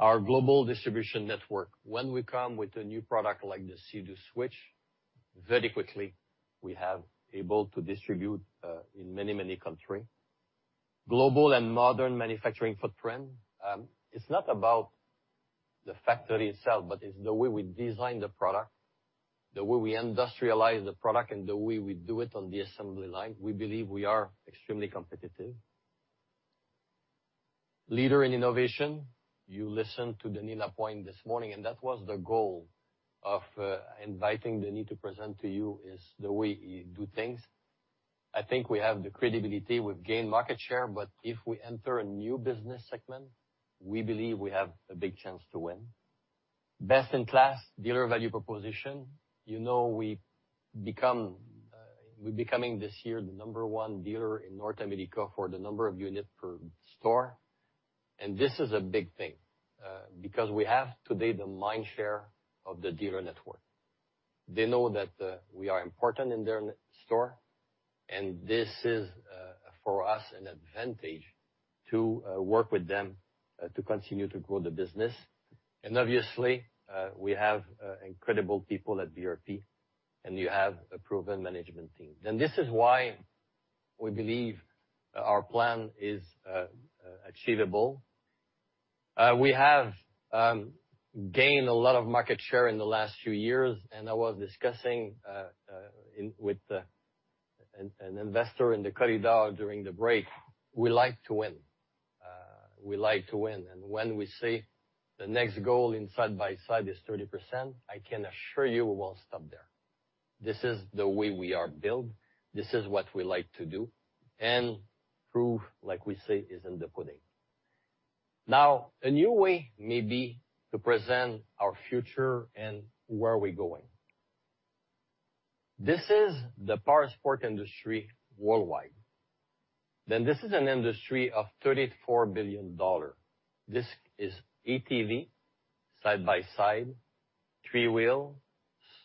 Our global distribution network. When we come with a new product like the Sea-Doo Switch, very quickly, we have able to distribute in many, many country. Global and modern manufacturing footprint. It's not about the factory itself, but it's the way we design the product, the way we industrialize the product, and the way we do it on the assembly line. We believe we are extremely competitive. Leader in innovation. You listened to Denys Lapointe this morning, and that was the goal of inviting Denys to present to you, is the way he do things. I think we have the credibility. We've gained market share, but if we enter a new business segment, we believe we have a big chance to win. Best-in-class dealer value proposition. You know we're becoming this year the number one dealer in North America for the number of units per store. This is a big thing because we have today the mindshare of the dealer network. They know that we are important in their store, and this is for us an advantage to work with them to continue to grow the business. Obviously, we have incredible people at BRP, and you have a proven management team. This is why we believe our plan is achievable. We have gained a lot of market share in the last few years, and I was discussing with an investor in the corridor during the break, we like to win. We like to win. When we say the next goal in side-by-side is 30%, I can assure you we won't stop there. This is the way we are built, this is what we like to do, and proof, like we say, is in the pudding. Now, a new way may be to present our future and where we're going. This is the Powersports industry worldwide. This is an industry of 34 billion dollar. This is ATV, side-by-side, three-wheel,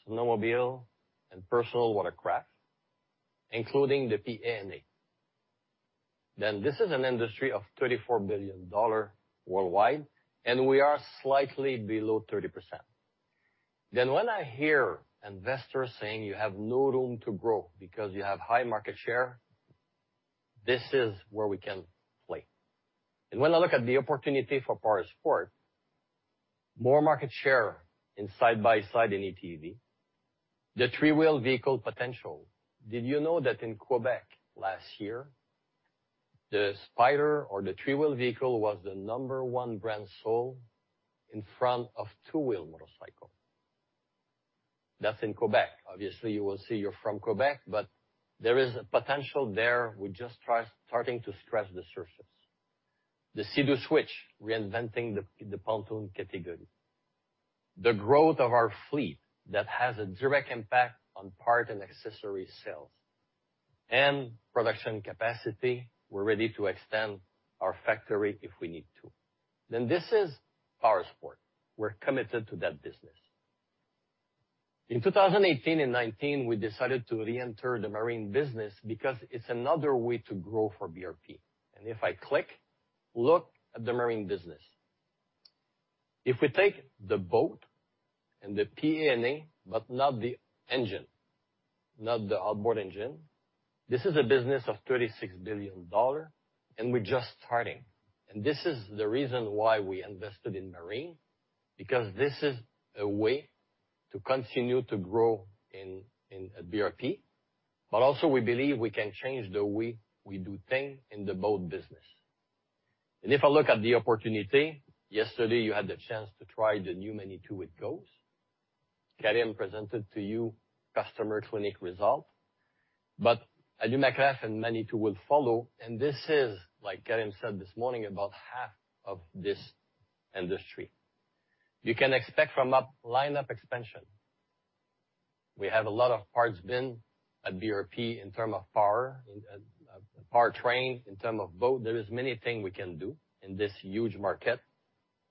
snowmobile, and personal watercraft, including the P&A. This is an industry of 34 billion dollar worldwide, and we are slightly below 30%. When I hear investors saying you have no room to grow because you have high market share, this is where we can play. When I look at the opportunity for Powersports, more market share in side-by-side in ATV, the three-wheel vehicle potential. Did you know that in Quebec last year, the Spyder or the three-wheel vehicle was the number one brand sold in front of two-wheel motorcycle? That's in Quebec. Obviously, you will say you're from Quebec, but there is a potential there. We're just starting to scratch the surface. The Sea-Doo Switch reinventing the pontoon category. The growth of our fleet that has a direct impact on parts and accessories sales. Production capacity, we're ready to extend our factory if we need to. This is Powersports. We're committed to that business. In 2018 and 2019, we decided to re-enter the Marine business because it's another way to grow for BRP. If I click, look at the Marine business. If we take the boat and the P&A, but not the engine, not the outboard engine, this is a business of 36 billion dollar, and we're just starting. This is the reason why we invested in Marine, because this is a way to continue to grow in BRP. We believe we can change the way we do things in the boat business. If I look at the opportunity, yesterday, you had the chance to try the new Manitou Cruise. Karim presented to you customer clinic result. Alumacraft and Manitou will follow, and this is, like Karim said this morning, about half of this industry. You can expect lineup expansion. We have a lot of parts bin at BRP in terms of power, powertrain, in terms of boat. There are many things we can do in this huge market.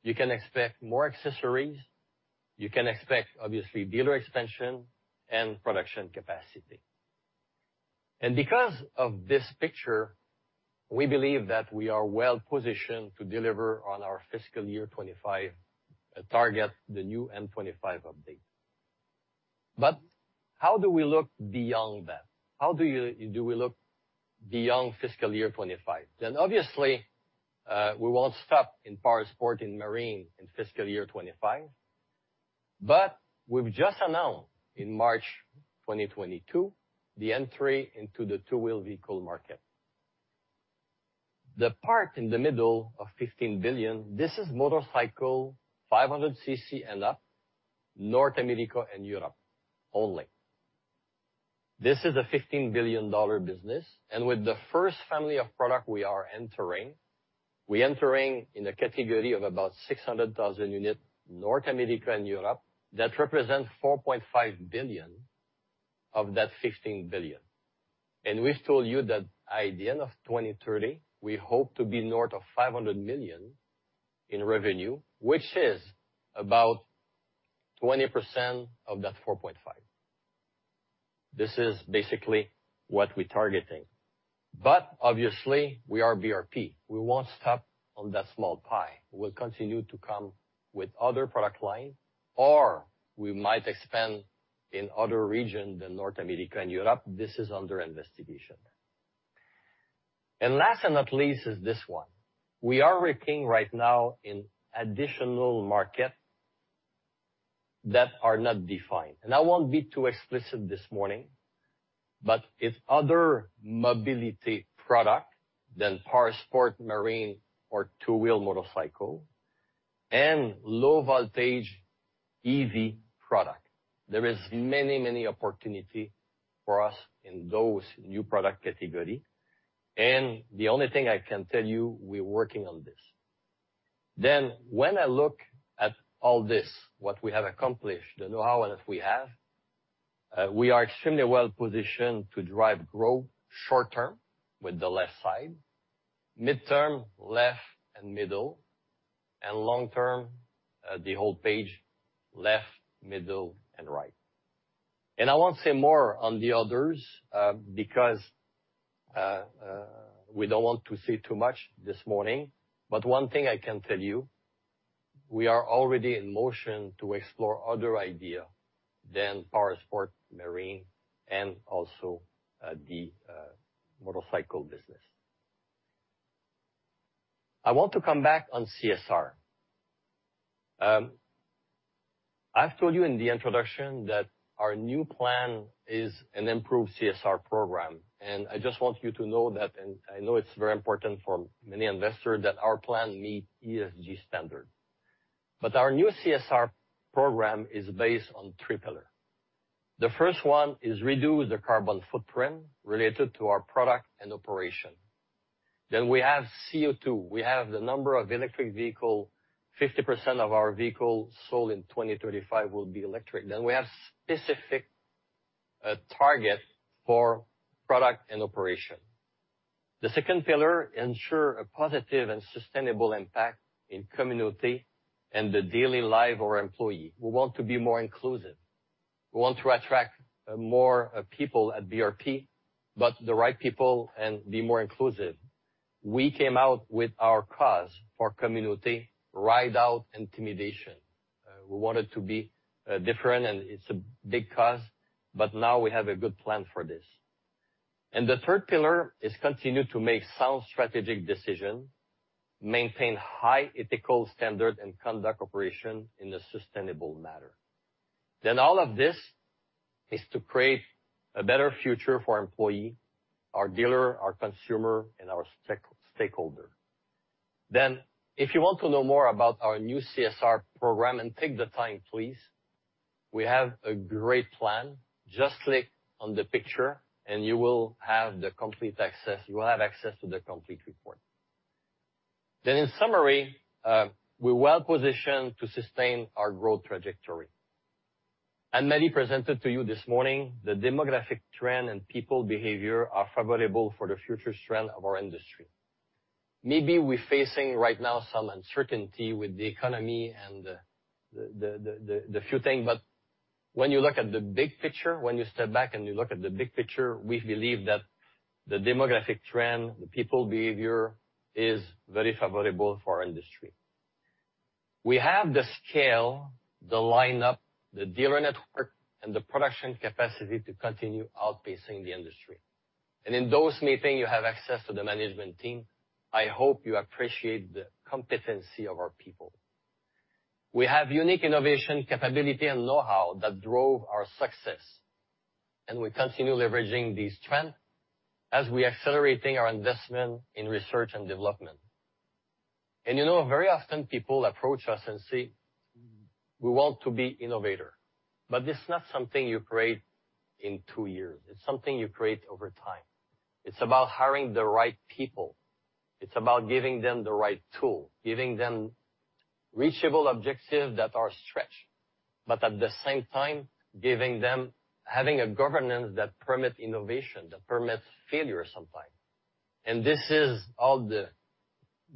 You can expect more accessories. You can expect, obviously, dealer expansion and production capacity. Because of this picture, we believe that we are well-positioned to deliver on our fiscal year 2025 target, the new M25 update. How do we look beyond that? How do we look beyond fiscal year 2025? Obviously, we won't stop in Powersports and Marine in fiscal year 2025, but we've just announced in March 2022 the entry into the two-wheel vehicle market. The market in the middle of 15 billion, this is motorcycle 500 cc and up, North America and Europe only. This is a 15 billion dollar business, and with the first family of product we are entering, we're entering in a category of about 600,000 units North America and Europe that represents 4.5 billion of that 15 billion. We've told you that by end of 2030, we hope to be north of 500 million in revenue, which is about 20% of that 4.5 billion. This is basically what we're targeting. Obviously, we are BRP. We won't stop on that small pie. We'll continue to come with other product line, or we might expand in other region than North America and Europe. This is under investigation. Last and not least is this one. We are working right now in additional market that are not defined. I won't be too explicit this morning, but it's other mobility product than Powersports, Marine or two-wheel motorcycle and low-voltage EV product. There is many, many opportunity for us in those new product category. The only thing I can tell you, we're working on this. When I look at all this, what we have accomplished, the know-how that we have, we are extremely well-positioned to drive growth short term with the left side, mid-term, left and middle, and long term, the whole page left, middle, and right. I won't say more on the others, because we don't want to say too much this morning, but one thing I can tell you, we are already in motion to explore other idea than Powersports, Marine, and also, the Motorcycle business. I want to come back on CSR. I've told you in the introduction that our new plan is an improved CSR program, and I just want you to know that, and I know it's very important for many investors that our plan meet ESG standard. Our new CSR program is based on three pillar. The first one is reduce the carbon footprint related to our product and operation. Then we have CO2. We have the number of electric vehicle. 50% of our vehicle sold in 2035 will be electric. Then we have specific target for product and operation. The second pillar ensure a positive and sustainable impact in community and the daily life of our employee. We want to be more inclusive. We want to attract more people at BRP, but the right people and be more inclusive. We came out with our cause for community, Ride Out Intimidation. We want it to be different, and it's a big cause, but now we have a good plan for this. The third pillar is continue to make sound strategic decision, maintain high ethical standard, and conduct operation in a sustainable manner. All of this is to create a better future for our employee, our dealer, our consumer, and our stakeholder. If you want to know more about our new CSR program, and take the time, please, we have a great plan. Just click on the picture and you will have the complete access. You will have access to the complete report. In summary, we're well-positioned to sustain our growth trajectory. Anne-Marie LaBerge presented to you this morning the demographic trend and people behavior are favorable for the future strength of our industry. Maybe we're facing right now some uncertainty with the economy and the few things, but when you look at the big picture, when you step back and you look at the big picture, we believe that the demographic trend, the people behavior is very favorable for our industry. We have the scale, the lineup, the dealer network, and the production capacity to continue outpacing the industry. In those meeting, you have access to the management team. I hope you appreciate the competency of our people. We have unique innovation capability and know-how that drove our success, and we continue leveraging these trend as we accelerating our investment in research and development. You know, very often people approach us and say, "We want to be innovator." But it's not something you create in two years. It's something you create over time. It's about hiring the right people. It's about giving them the right tool, giving them reachable objective that are stretch, but at the same time, giving them, having a governance that permit innovation, that permits failure sometime. This is all the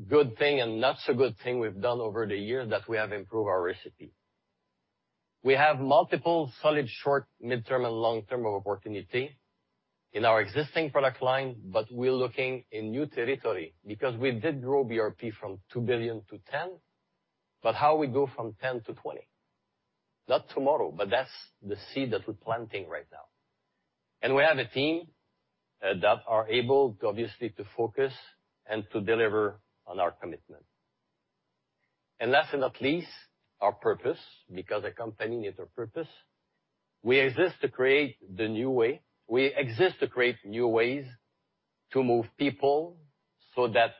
good thing and not so good thing we've done over the years that we have improved our recipe. We have multiple solid short, mid-term, and long-term opportunity in our existing product line, but we're looking in new territory because we did grow BRP from 2 billion-10 billion. How we go from 10 billion-20 billion? Not tomorrow, but that's the seed that we're planting right now. We have a team that are able to, obviously, to focus and to deliver on our commitment. Last but not least, our purpose, because a company needs a purpose. We exist to create the new way. We exist to create new ways to move people so that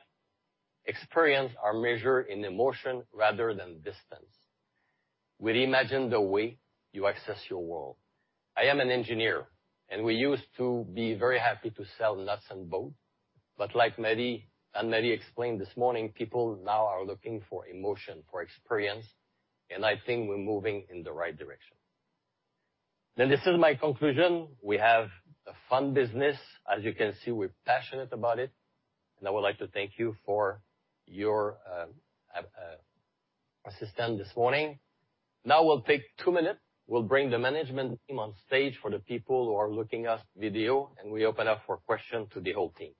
experience are measured in emotion rather than distance. We reimagine the way you access your world. I am an engineer, and we used to be very happy to sell nuts and bolts. But like Anne-Marie explained this morning, people now are looking for emotion, for experience, and I think we're moving in the right direction. This is my conclusion. We have a fun business. As you can see, we're passionate about it, and I would like to thank you for your attendance this morning. Now we'll take two minutes. We'll bring the management team on stage for the people who are watching us on video, and we open up for questions to the whole team.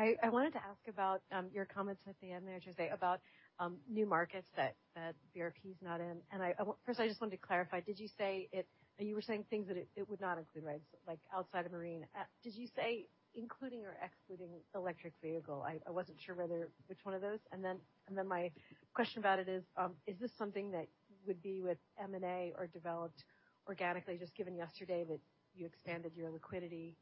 Thanks. I wanted to ask about your comments at the end there, José, about new markets that BRP's not in. First I just wanted to clarify, did you say it. You were saying things that it would not include, right? So like outside of Marine. Did you say including or excluding electric vehicle? I wasn't sure which one of those. Then my question about it is this something that would be with M&A or developed organically just given yesterday that you expanded your liquidity?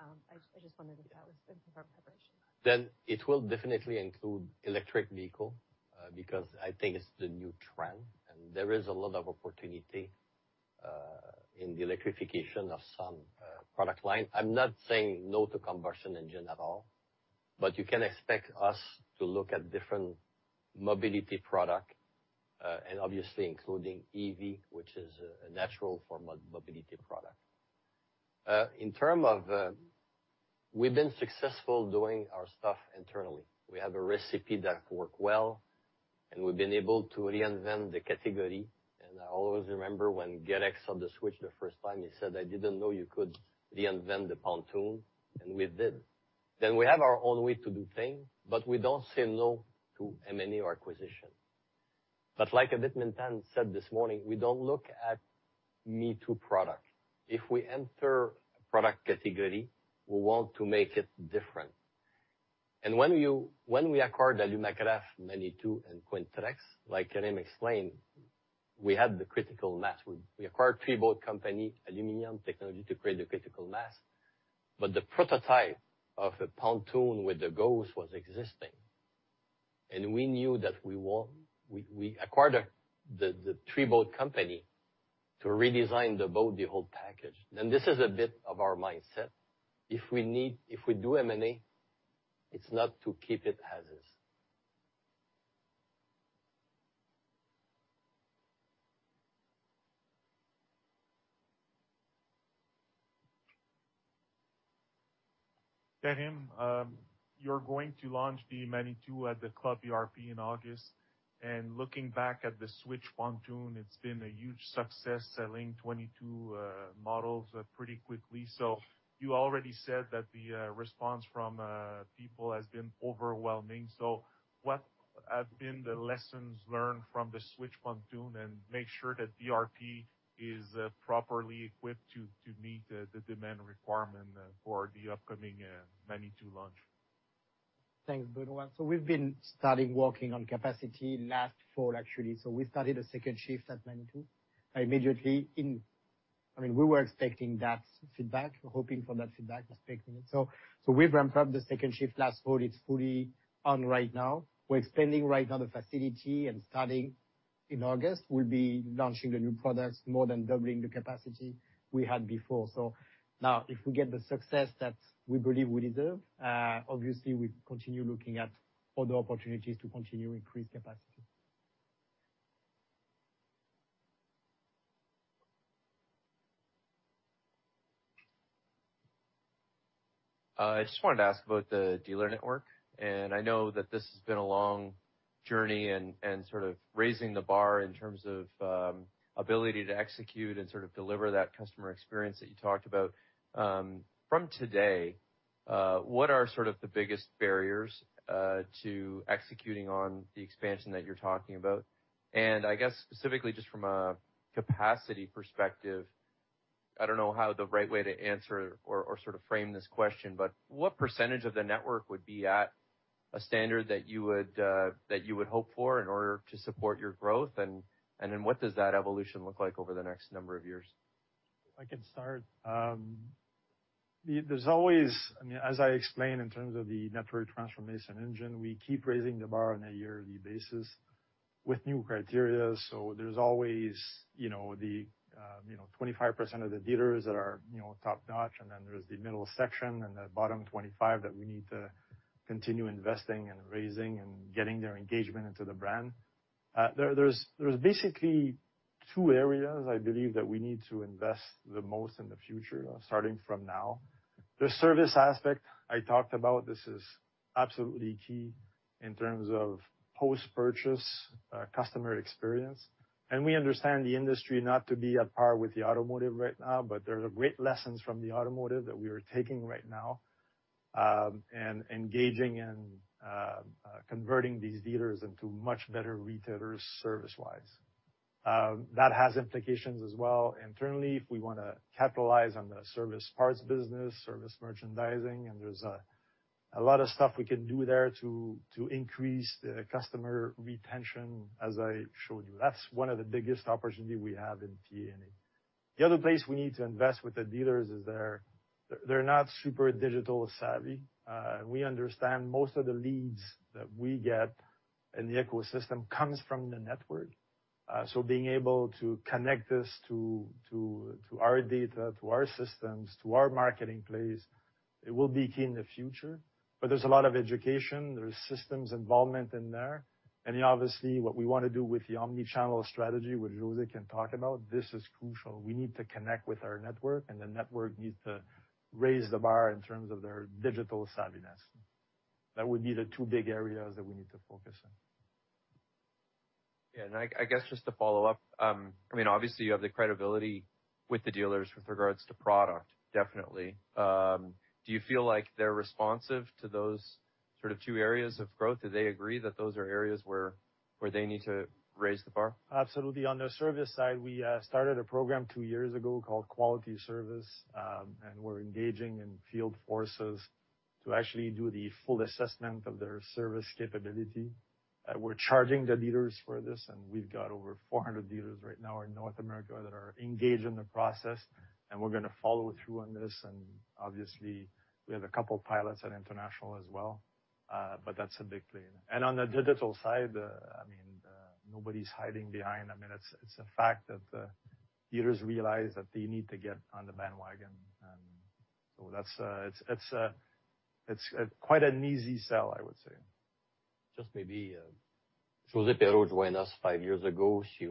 I just wondered if that was in preparation. It will definitely include electric vehicle, because I think it's the new trend, and there is a lot of opportunity in the electrification of some product line. I'm not saying no to combustion engine at all, but you can expect us to look at different mobility product, and obviously including EV, which is a natural form of mobility product. We've been successful doing our stuff internally. We have a recipe that work well, and we've been able to reinvent the category. I always remember when Benoit saw the Switch the first time, he said, "I didn't know you could reinvent the pontoon," and we did. We have our own way to do thing, but we don't say no to M&A or acquisition. Like Minh Thanh said this morning, we don't look at me-too product. If we enter a product category, we want to make it different. When we acquired Alumacraft, Manitou, and Quintrex, like Karim explained, we had the critical mass. We acquired three boat company, aluminum technology to create the critical mass. The prototype of a pontoon with the Ghost was existing. We knew that we want. We acquired the three boat company to redesign the boat, the whole package. This is a bit of our mindset. If we do M&A, it's not to keep it as is. Karim, you're going to launch the Manitou at the Club BRP in August. Looking back at the Switch pontoon, it's been a huge success selling 22 models pretty quickly. You already said that the response from people has been overwhelming. What have been the lessons learned from the Switch pontoon, and make sure that BRP is properly equipped to meet the demand requirement for the upcoming Manitou launch? Thanks, Benoit. We've been starting working on capacity last fall, actually. We started a second shift at Manitou. I mean, we were expecting that feedback. Hoping for that feedback, expecting it. We've ramped up the second shift last fall. It's fully on right now. We're expanding right now the facility and starting in August. We'll be launching the new products, more than doubling the capacity we had before. Now if we get the success that we believe we deserve, obviously we continue looking at other opportunities to continue increase capacity. I just wanted to ask about the dealer network, and I know that this has been a long journey and sort of raising the bar in terms of ability to execute and sort of deliver that customer experience that you talked about. From today, what are sort of the biggest barriers to executing on the expansion that you're talking about? I guess specifically just from a capacity perspective, I don't know how the right way to answer or sort of frame this question, but what percentage of the network would be at a standard that you would hope for in order to support your growth? What does that evolution look like over the next number of years? I can start. There's always, I mean, as I explained in terms of the network transformation engine, we keep raising the bar on a yearly basis. With new criteria, there's always, you know, the 25% of the dealers that are, you know, top-notch, and then there's the middle section and the bottom 25% that we need to continue investing and raising and getting their engagement into the brand. There's basically two areas I believe that we need to invest the most in the future, starting from now. The service aspect I talked about, this is absolutely key in terms of post-purchase customer experience. We understand the industry not up to par with the automotive right now, but there are great lessons from the automotive that we are taking right now, and engaging and converting these dealers into much better retailers service-wise. That has implications as well internally, if we wanna capitalize on the service parts business, service merchandising, and there's a lot of stuff we can do there to increase the customer retention, as I showed you. That's one of the biggest opportunity we have in P&A. The other place we need to invest with the dealers is they're not super digital savvy. We understand most of the leads that we get in the ecosystem comes from the network. So being able to connect this to our data, to our systems, to our marketing place, it will be key in the future. There's a lot of education, there's systems involvement in there. Obviously, what we wanna do with the Omnichannel strategy, which José can talk about, this is crucial. We need to connect with our network, and the network needs to raise the bar in terms of their digital savviness. That would be the two big areas that we need to focus on. Yeah. I guess just to follow up, I mean, obviously, you have the credibility with the dealers with regards to product, definitely. Do you feel like they're responsive to those sort of two areas of growth? Do they agree that those are areas where they need to raise the bar? Absolutely. On the service side, we started a program two years ago called Quality Service, and we're engaging in field forces to actually do the full assessment of their service capability. We're charging the dealers for this, and we've got over 400 dealers right now in North America that are engaged in the process, and we're gonna follow through on this. Obviously, we have a couple pilots at international as well, but that's a big plan. On the digital side, I mean, nobody's hiding behind. I mean, it's a fact that dealers realize that they need to get on the bandwagon. That's quite an easy sell, I would say. Just maybe, Josée Perreault joined us five years ago. She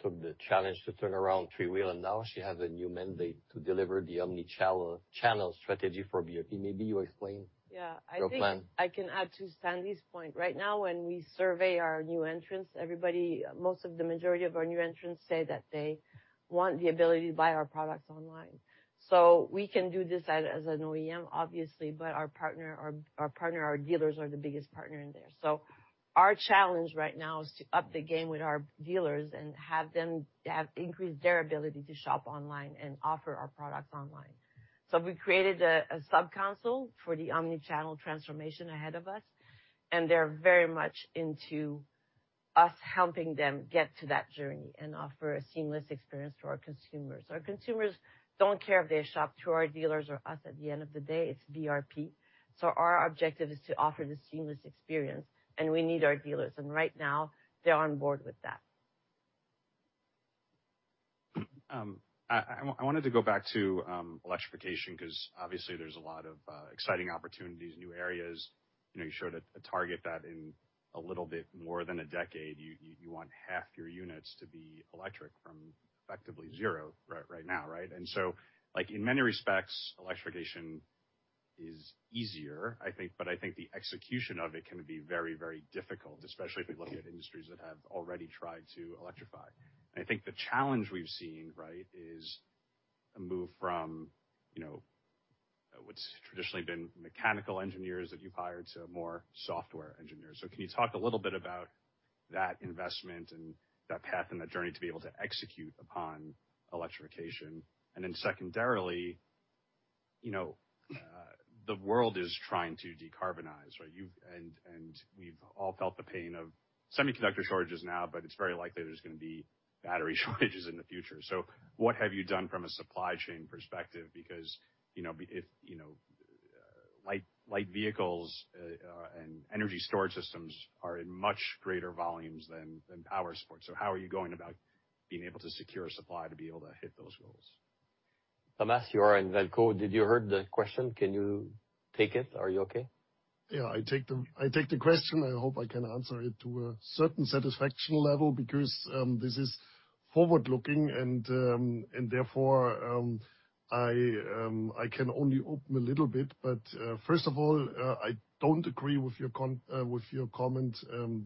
took the challenge to turn around three-wheel, and now she has a new mandate to deliver the Omnichannel channel strategy for BRP. Maybe you explain. Yeah. Your plan. I think I can add to Sandy's point. Right now, when we survey our new entrants, everybody, most of the majority of our new entrants say that they want the ability to buy our products online. We can do this as an OEM, obviously, but our partner, our dealers are the biggest partner in there. Our challenge right now is to up the game with our dealers and have them increase their ability to shop online and offer our products online. We created a sub-council for the Omnichannel transformation ahead of us, and they're very much into us helping them get to that journey and offer a seamless experience to our consumers. Our consumers don't care if they shop through our dealers or us. At the end of the day, it's BRP. Our objective is to offer this seamless experience, and we need our dealers. Right now, they're on board with that. I wanted to go back to electrification 'cause obviously there's a lot of exciting opportunities, new areas. You know, you showed a target that in a little bit more than a decade, you want half your units to be electric from effectively zero right now, right? Like, in many respects, electrification is easier, I think, but I think the execution of it can be very, very difficult, especially if you look at industries that have already tried to electrify. I think the challenge we've seen, right, is a move from, you know, what's traditionally been mechanical engineers that you've hired to more software engineers. Can you talk a little bit about that investment and that path and the journey to be able to execute upon electrification? Secondarily, you know, the world is trying to decarbonize, right? We've all felt the pain of semiconductor shortages now, but it's very likely there's gonna be battery shortages in the future. What have you done from a supply chain perspective? Because, you know, light vehicles and energy storage systems are in much greater volumes than powersports. How are you going about being able to secure supply to be able to hit those goals? Thomas, you are in Valcourt. Did you hear the question? Can you take it? Are you okay? I take the question. I hope I can answer it to a certain satisfaction level because this is forward-looking and therefore I can only open a little bit. First of all, I don't agree with your comment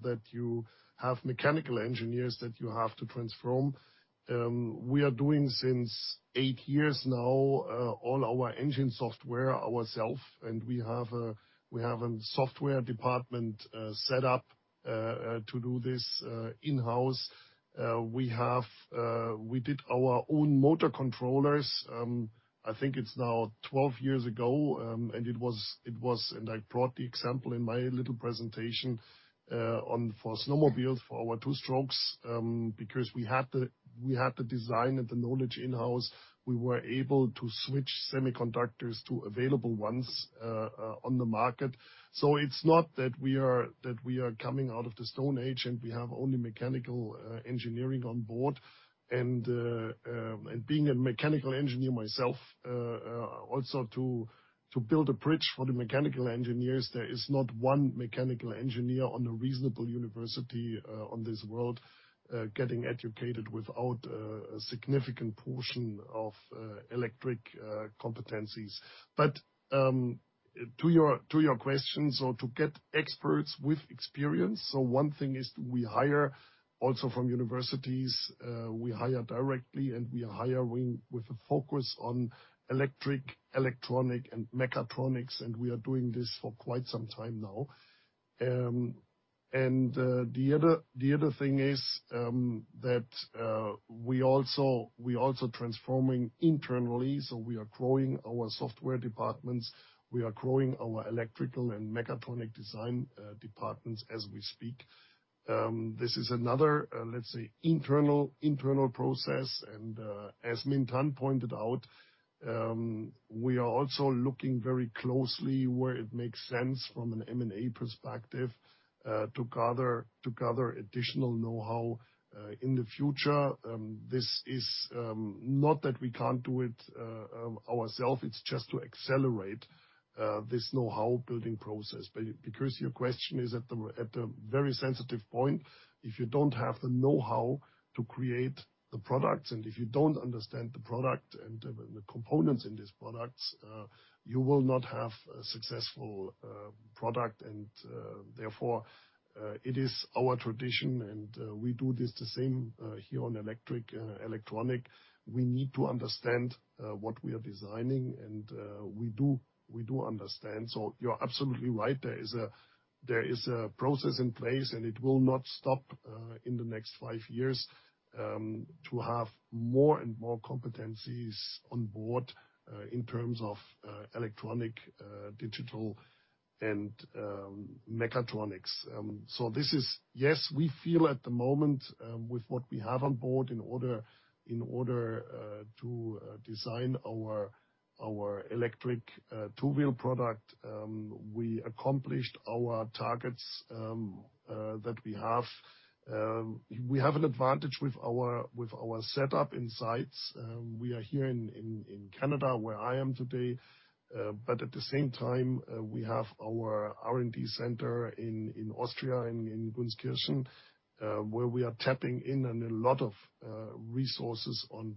that you have mechanical engineers that you have to transform. We are doing since eight years now all our engine software ourselves, and we have a software department set up to do this in-house. We did our own motor controllers. I think it's now 12 years ago, and it was. I brought the example in my little presentation on for snowmobile for our two strokes, because we had the design and the knowledge in-house. We were able to switch semiconductors to available ones on the market. So it's not that we are coming out of the Stone Age, and we have only Mechanical Engineering on board. Being a Mechanical Engineer myself, also to build a bridge for the Mechanical Engineers, there is not one Mechanical Engineer on a reasonable university on this world getting educated without a significant portion of electric competencies. To your questions or to get experts with experience. One thing is we hire also from universities, we hire directly, and we are hiring with a focus on electric, electronic, and mechatronics, and we are doing this for quite some time now. The other thing is that we also transforming internally. We are growing our software departments, we are growing our electrical and mechatronic design departments as we speak. This is another, let's say, internal process. As Minh Thanh pointed out, we are also looking very closely where it makes sense from an M&A perspective to gather additional know-how in the future. This is not that we can't do it ourselves, it's just to accelerate this know-how building process. Because your question is at the very sensitive point, if you don't have the know-how to create the products, and if you don't understand the product and the components in these products, you will not have a successful product. Therefore, it is our tradition, and we do this the same here on electric electronic. We need to understand what we are designing, and we do understand. You're absolutely right. There is a process in place, and it will not stop in the next five years to have more and more competencies on board in terms of electronic digital and mechatronics. Yes, we feel at the moment with what we have on board in order to design our electric two-wheel product, we accomplished our targets that we have. We have an advantage with our setup inside. We are here in Canada, where I am today, but at the same time, we have our R&D center in Austria, in Gunskirchen, where we are tapping into a lot of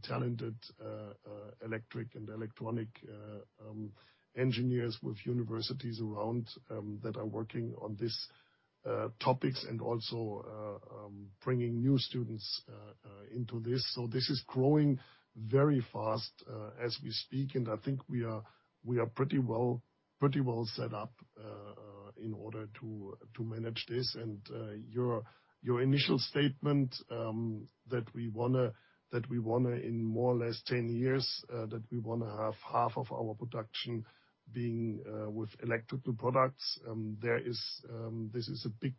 talented electric and electronic engineers with universities around that are working on these topics and also bringing new students into this. This is growing very fast, as we speak, and I think we are pretty well set up in order to manage this. Your initial statement that we wanna in more or less 10 years have half of our production being with electrical products. This is a big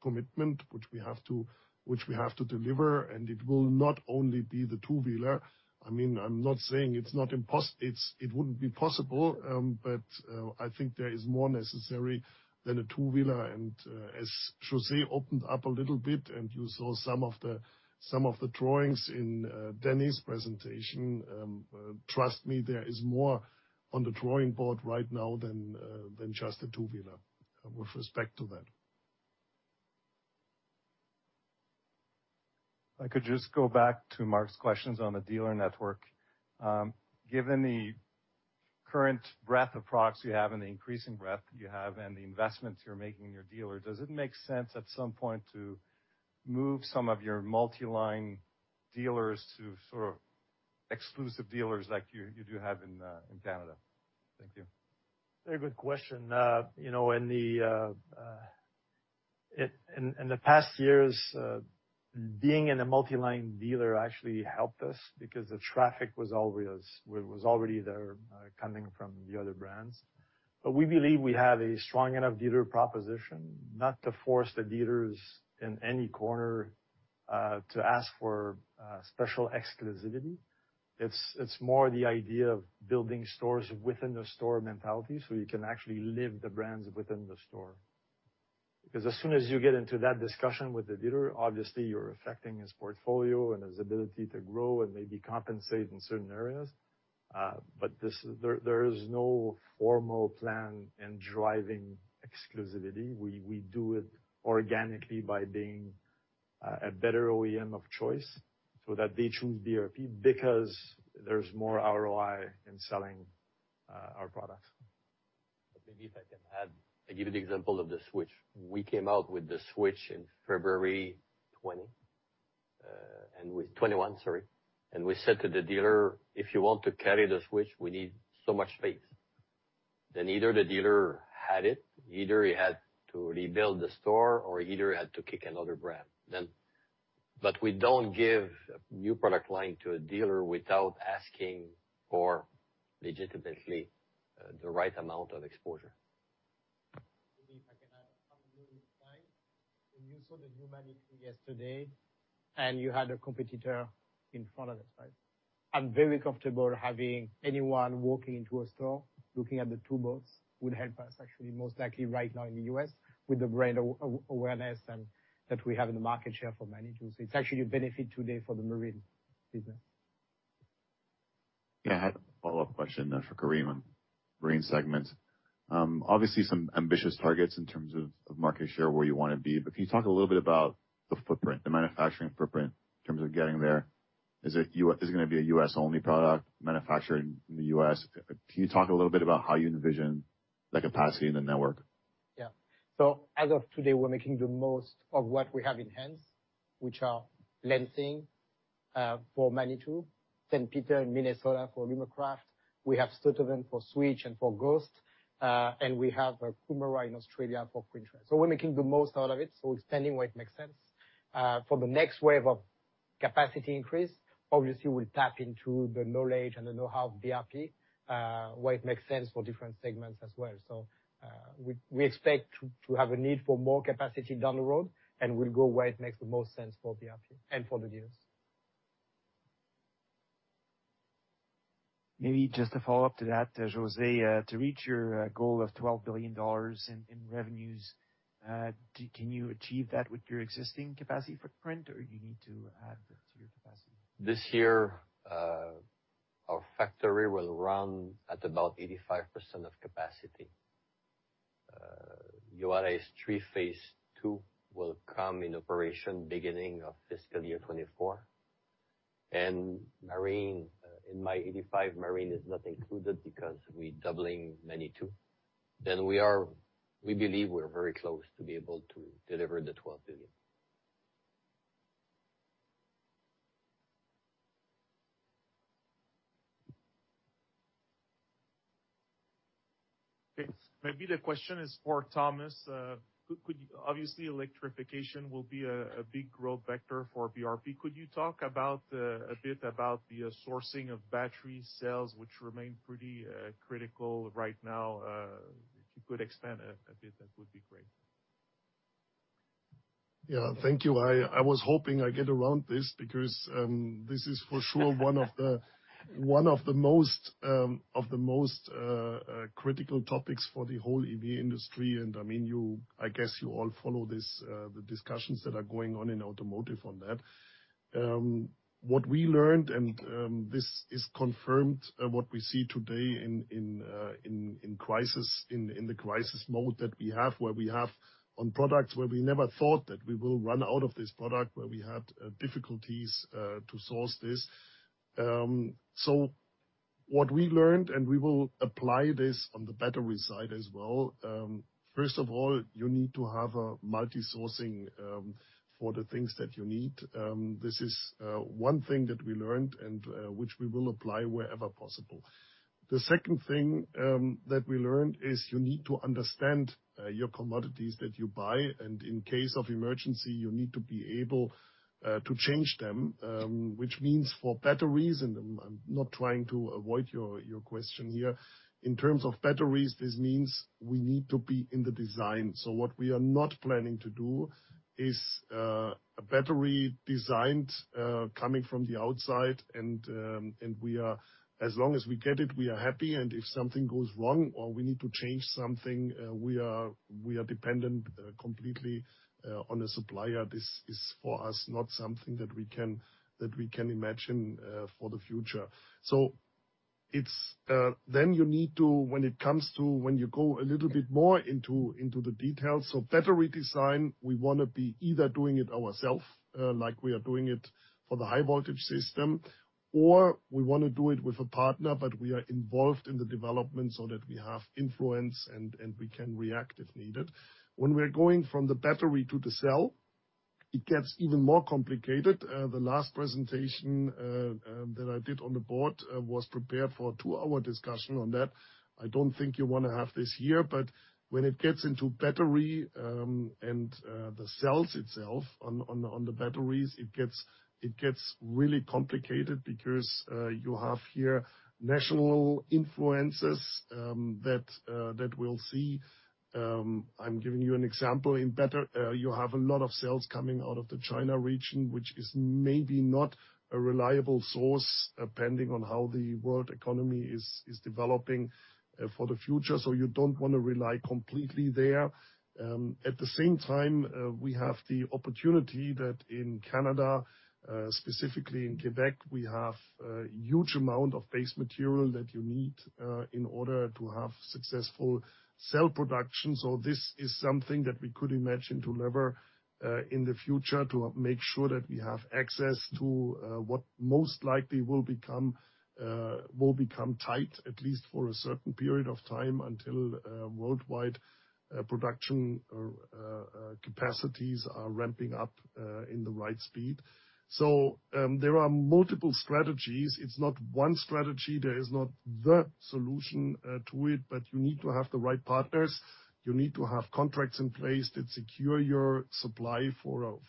commitment which we have to deliver. It will not only be the two-wheeler. I mean, I'm not saying it wouldn't be possible, but I think there is more necessary than a two-wheeler. As José opened up a little bit, and you saw some of the drawings in Denys presentation, trust me, there is more on the drawing board right now than just a two-wheeler with respect to that. If I could just go back to Mark's questions on the dealer network. Given the current breadth of products you have and the increasing breadth you have and the investments you're making in your dealer, does it make sense at some point to move some of your multi-line dealers to sort of exclusive dealers like you do have in Canada? Thank you. Very good question. You know, in the past years, being in a multi-line dealer actually helped us because the traffic was already there, coming from the other brands. We believe we have a strong enough dealer proposition not to force the dealers in any corner, to ask for special exclusivity. It's more the idea of building stores within the store mentality, so you can actually live the brands within the store. Because as soon as you get into that discussion with the dealer, obviously you're affecting his portfolio and his ability to grow and maybe compensate in certain areas. There is no formal plan in driving exclusivity. We do it organically by being a better OEM of choice so that they choose BRP because there's more ROI in selling our products. Maybe if I can add, I give you the example of the Switch. We came out with the Switch in February 2020. With 2021, sorry. We said to the dealer, "If you want to carry the Switch, we need so much space." Either the dealer had it, either he had to rebuild the store, or either he had to kick another brand. We don't give new product line to a dealer without asking for legitimately the right amount of exposure. Maybe if I can add a couple really quick. When you saw the new Manitou yesterday, and you had a competitor in front of us, right? I'm very comfortable having anyone walking into a store looking at the two boats would help us actually most likely right now in the U.S. with the brand awareness that we have in the market share for Manitou. It's actually a benefit today for the Marine business. Yeah, I had a follow-up question for Karim on Marine segments. Obviously some ambitious targets in terms of market share where you wanna be. Can you talk a little bit about the footprint, the manufacturing footprint in terms of getting there? Is it gonna be a U.S.-only product manufactured in the U.S? Can you talk a little bit about how you envision the capacity in the network? Yeah. As of today, we're making the most of what we have in hands, which are Lansing for Manitou, St. Peter in Minnesota for Alumacraft. We have Sturtevant for Switch and for Ghost. And we have Coomera in Australia for Quintrex. We're making the most out of it, extending where it makes sense. For the next wave of capacity increase, obviously we'll tap into the knowledge and the know-how of BRP where it makes sense for different segments as well. We expect to have a need for more capacity down the road, and we'll go where it makes the most sense for BRP and for the dealers. Maybe just a follow-up to that, José, to reach your goal of 12 billion dollars in revenues, can you achieve that with your existing capacity footprint, or do you need to add to your capacity? This year, our factory will run at about 85% of capacity. Juárez Three phase two will come in operation beginning of fiscal year 2024. Marine, in my 85%, Marine is not included because we're doubling Manitou. We believe we're very close to be able to deliver the 12 billion. Okay. Maybe the question is for Thomas. Obviously, electrification will be a big growth vector for BRP. Could you talk a bit about the sourcing of battery cells which remain pretty critical right now? If you could expand a bit, that would be great. Yeah. Thank you. I was hoping I get around this because this is for sure one of the most critical topics for the whole EV industry. I mean, I guess you all follow the discussions that are going on in automotive on that. What we learned, this is confirmed, what we see today in the crisis mode that we have, where we have on products where we never thought that we will run out of this product, where we had difficulties to source this. What we learned, we will apply this on the battery side as well, first of all, you need to have a multisourcing for the things that you need. This is one thing that we learned and which we will apply wherever possible. The second thing that we learned is you need to understand your commodities that you buy, and in case of emergency, you need to be able to change them, which means for batteries, and I'm not trying to avoid your question here. In terms of batteries, this means we need to be in the design. What we are not planning to do is a battery designed coming from the outside, and as long as we get it, we are happy, and if something goes wrong or we need to change something, we are dependent completely on the supplier. This is for us, not something that we can imagine for the future. It's then you need to, when it comes to, when you go a little bit more into the details of battery design, we wanna be either doing it ourselves, like we are doing it for the high voltage system, or we wanna do it with a partner, but we are involved in the development so that we have influence and we can react if needed. When we're going from the battery to the cell, it gets even more complicated. The last presentation that I did on the board was prepared for a two-hour discussion on that. I don't think you wanna have this here, but when it gets into battery and the cell itself on the batteries, it gets really complicated because you have here national influences that we'll see. I'm giving you an example. You have a lot of cells coming out of the China region, which is maybe not a reliable source, depending on how the world economy is developing for the future, so you don't wanna rely completely there. At the same time, we have the opportunity that in Canada, specifically in Quebec, we have a huge amount of base material that you need in order to have successful cell production. This is something that we could imagine to leverage in the future to make sure that we have access to what most likely will become tight at least for a certain period of time until worldwide production or capacities are ramping up in the right speed. There are multiple strategies. It's not one strategy. There is not the solution to it, but you need to have the right partners. You need to have contracts in place that secure your supply for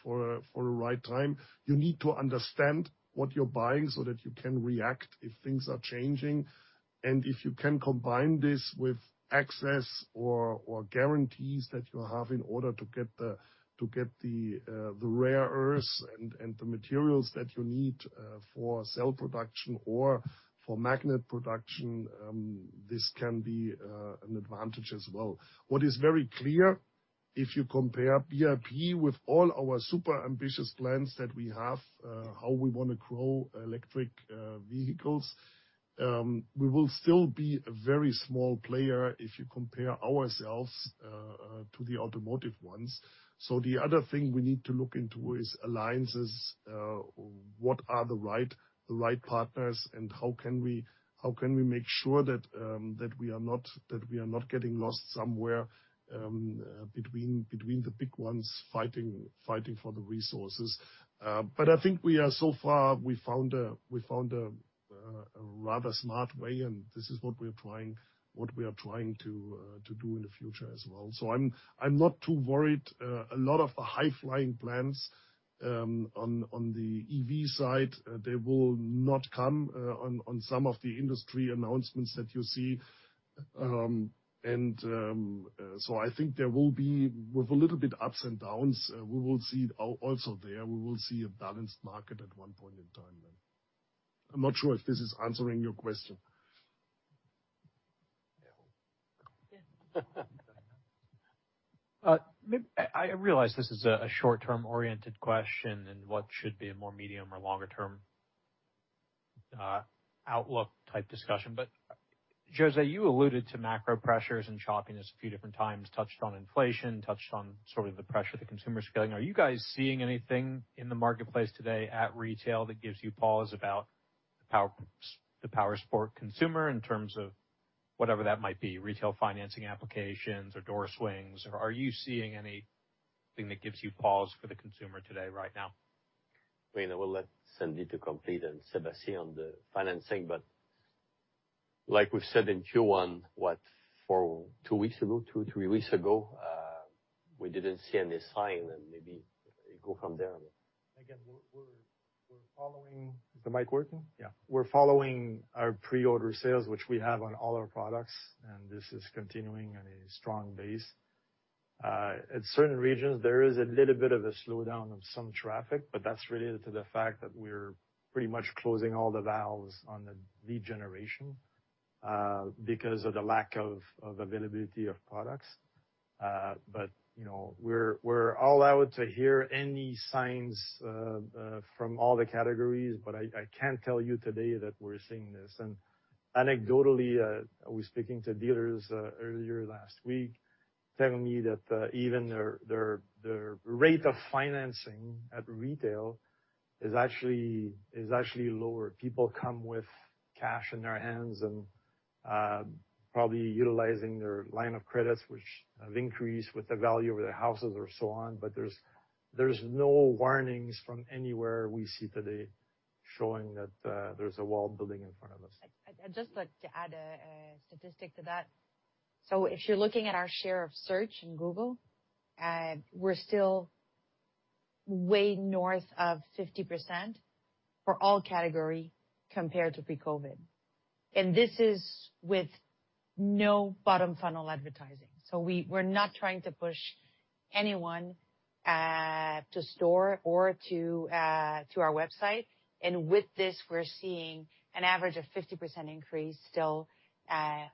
the right time. You need to understand what you're buying so that you can react if things are changing. If you can combine this with access or guarantees that you have in order to get the rare earths and the materials that you need for cell production or for magnet production, this can be an advantage as well. What is very clear, if you compare BRP with all our super ambitious plans that we have, how we wanna grow electric vehicles, we will still be a very small player if you compare ourselves to the automotive ones. The other thing we need to look into is alliances. What are the right partners, and how can we make sure that we are not getting lost somewhere between the big ones fighting for the resources? I think we are so far we found a rather smart way, and this is what we are trying to do in the future as well. I'm not too worried. A lot of the high-flying plans on the EV side they will not come on some of the industry announcements that you see. I think there will be. With a little bit ups and downs, we will see also there, we will see a balanced market at one point in time then. I'm not sure if this is answering your question. Yeah. I realize this is a short-term-oriented question and what should be a more medium or longer term outlook type discussion, but José, you alluded to macro pressures and choppiness a few different times, touched on inflation, touched on sort of the pressure the consumer is getting. Are you guys seeing anything in the marketplace today at retail that gives you pause about the powersports consumer in terms of whatever that might be, retail financing applications or door swings, or are you seeing anything that gives you pause for the consumer today right now? I mean, I will let Sandy to complete and Sébastien on the financing. Like we've said in Q1 two or three weeks ago, we didn't see any sign and maybe go from there. We're following our pre-order sales, which we have on all our products, and this is continuing on a strong base. Is the mic working? Yeah. At certain regions, there is a little bit of a slowdown of some traffic, but that's related to the fact that we're pretty much closing all the valves on the lead generation because of the lack of availability of products. You know, we're all out to hear any signs from all the categories, but I can't tell you today that we're seeing this. Anecdotally, I was speaking to dealers earlier last week, telling me that even their rate of financing at retail is actually lower. People come with cash in their hands and probably utilizing their lines of credit which have increased with the value of their houses or so on, but there's no warnings from anywhere we see today showing that there's a wall building in front of us. I'd just like to add a statistic to that. If you're looking at our share of search in Google, we're still way north of 50% for all category compared to pre-COVID. This is with no bottom funnel advertising. We're not trying to push anyone to store or to our website. With this, we're seeing an average of 50% increase still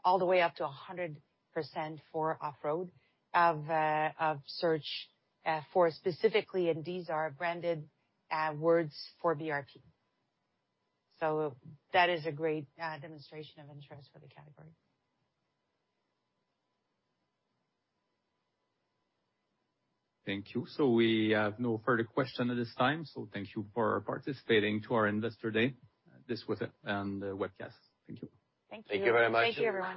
all the way up to 100% for off-road of search for specifically, and these are branded words for BRP. That is a great demonstration of interest for the category. Thank you. We have no further question at this time, so thank you for participating to our Investor Day. This was it on the webcast. Thank you. Thank you. Thank you very much. Thank you, everyone.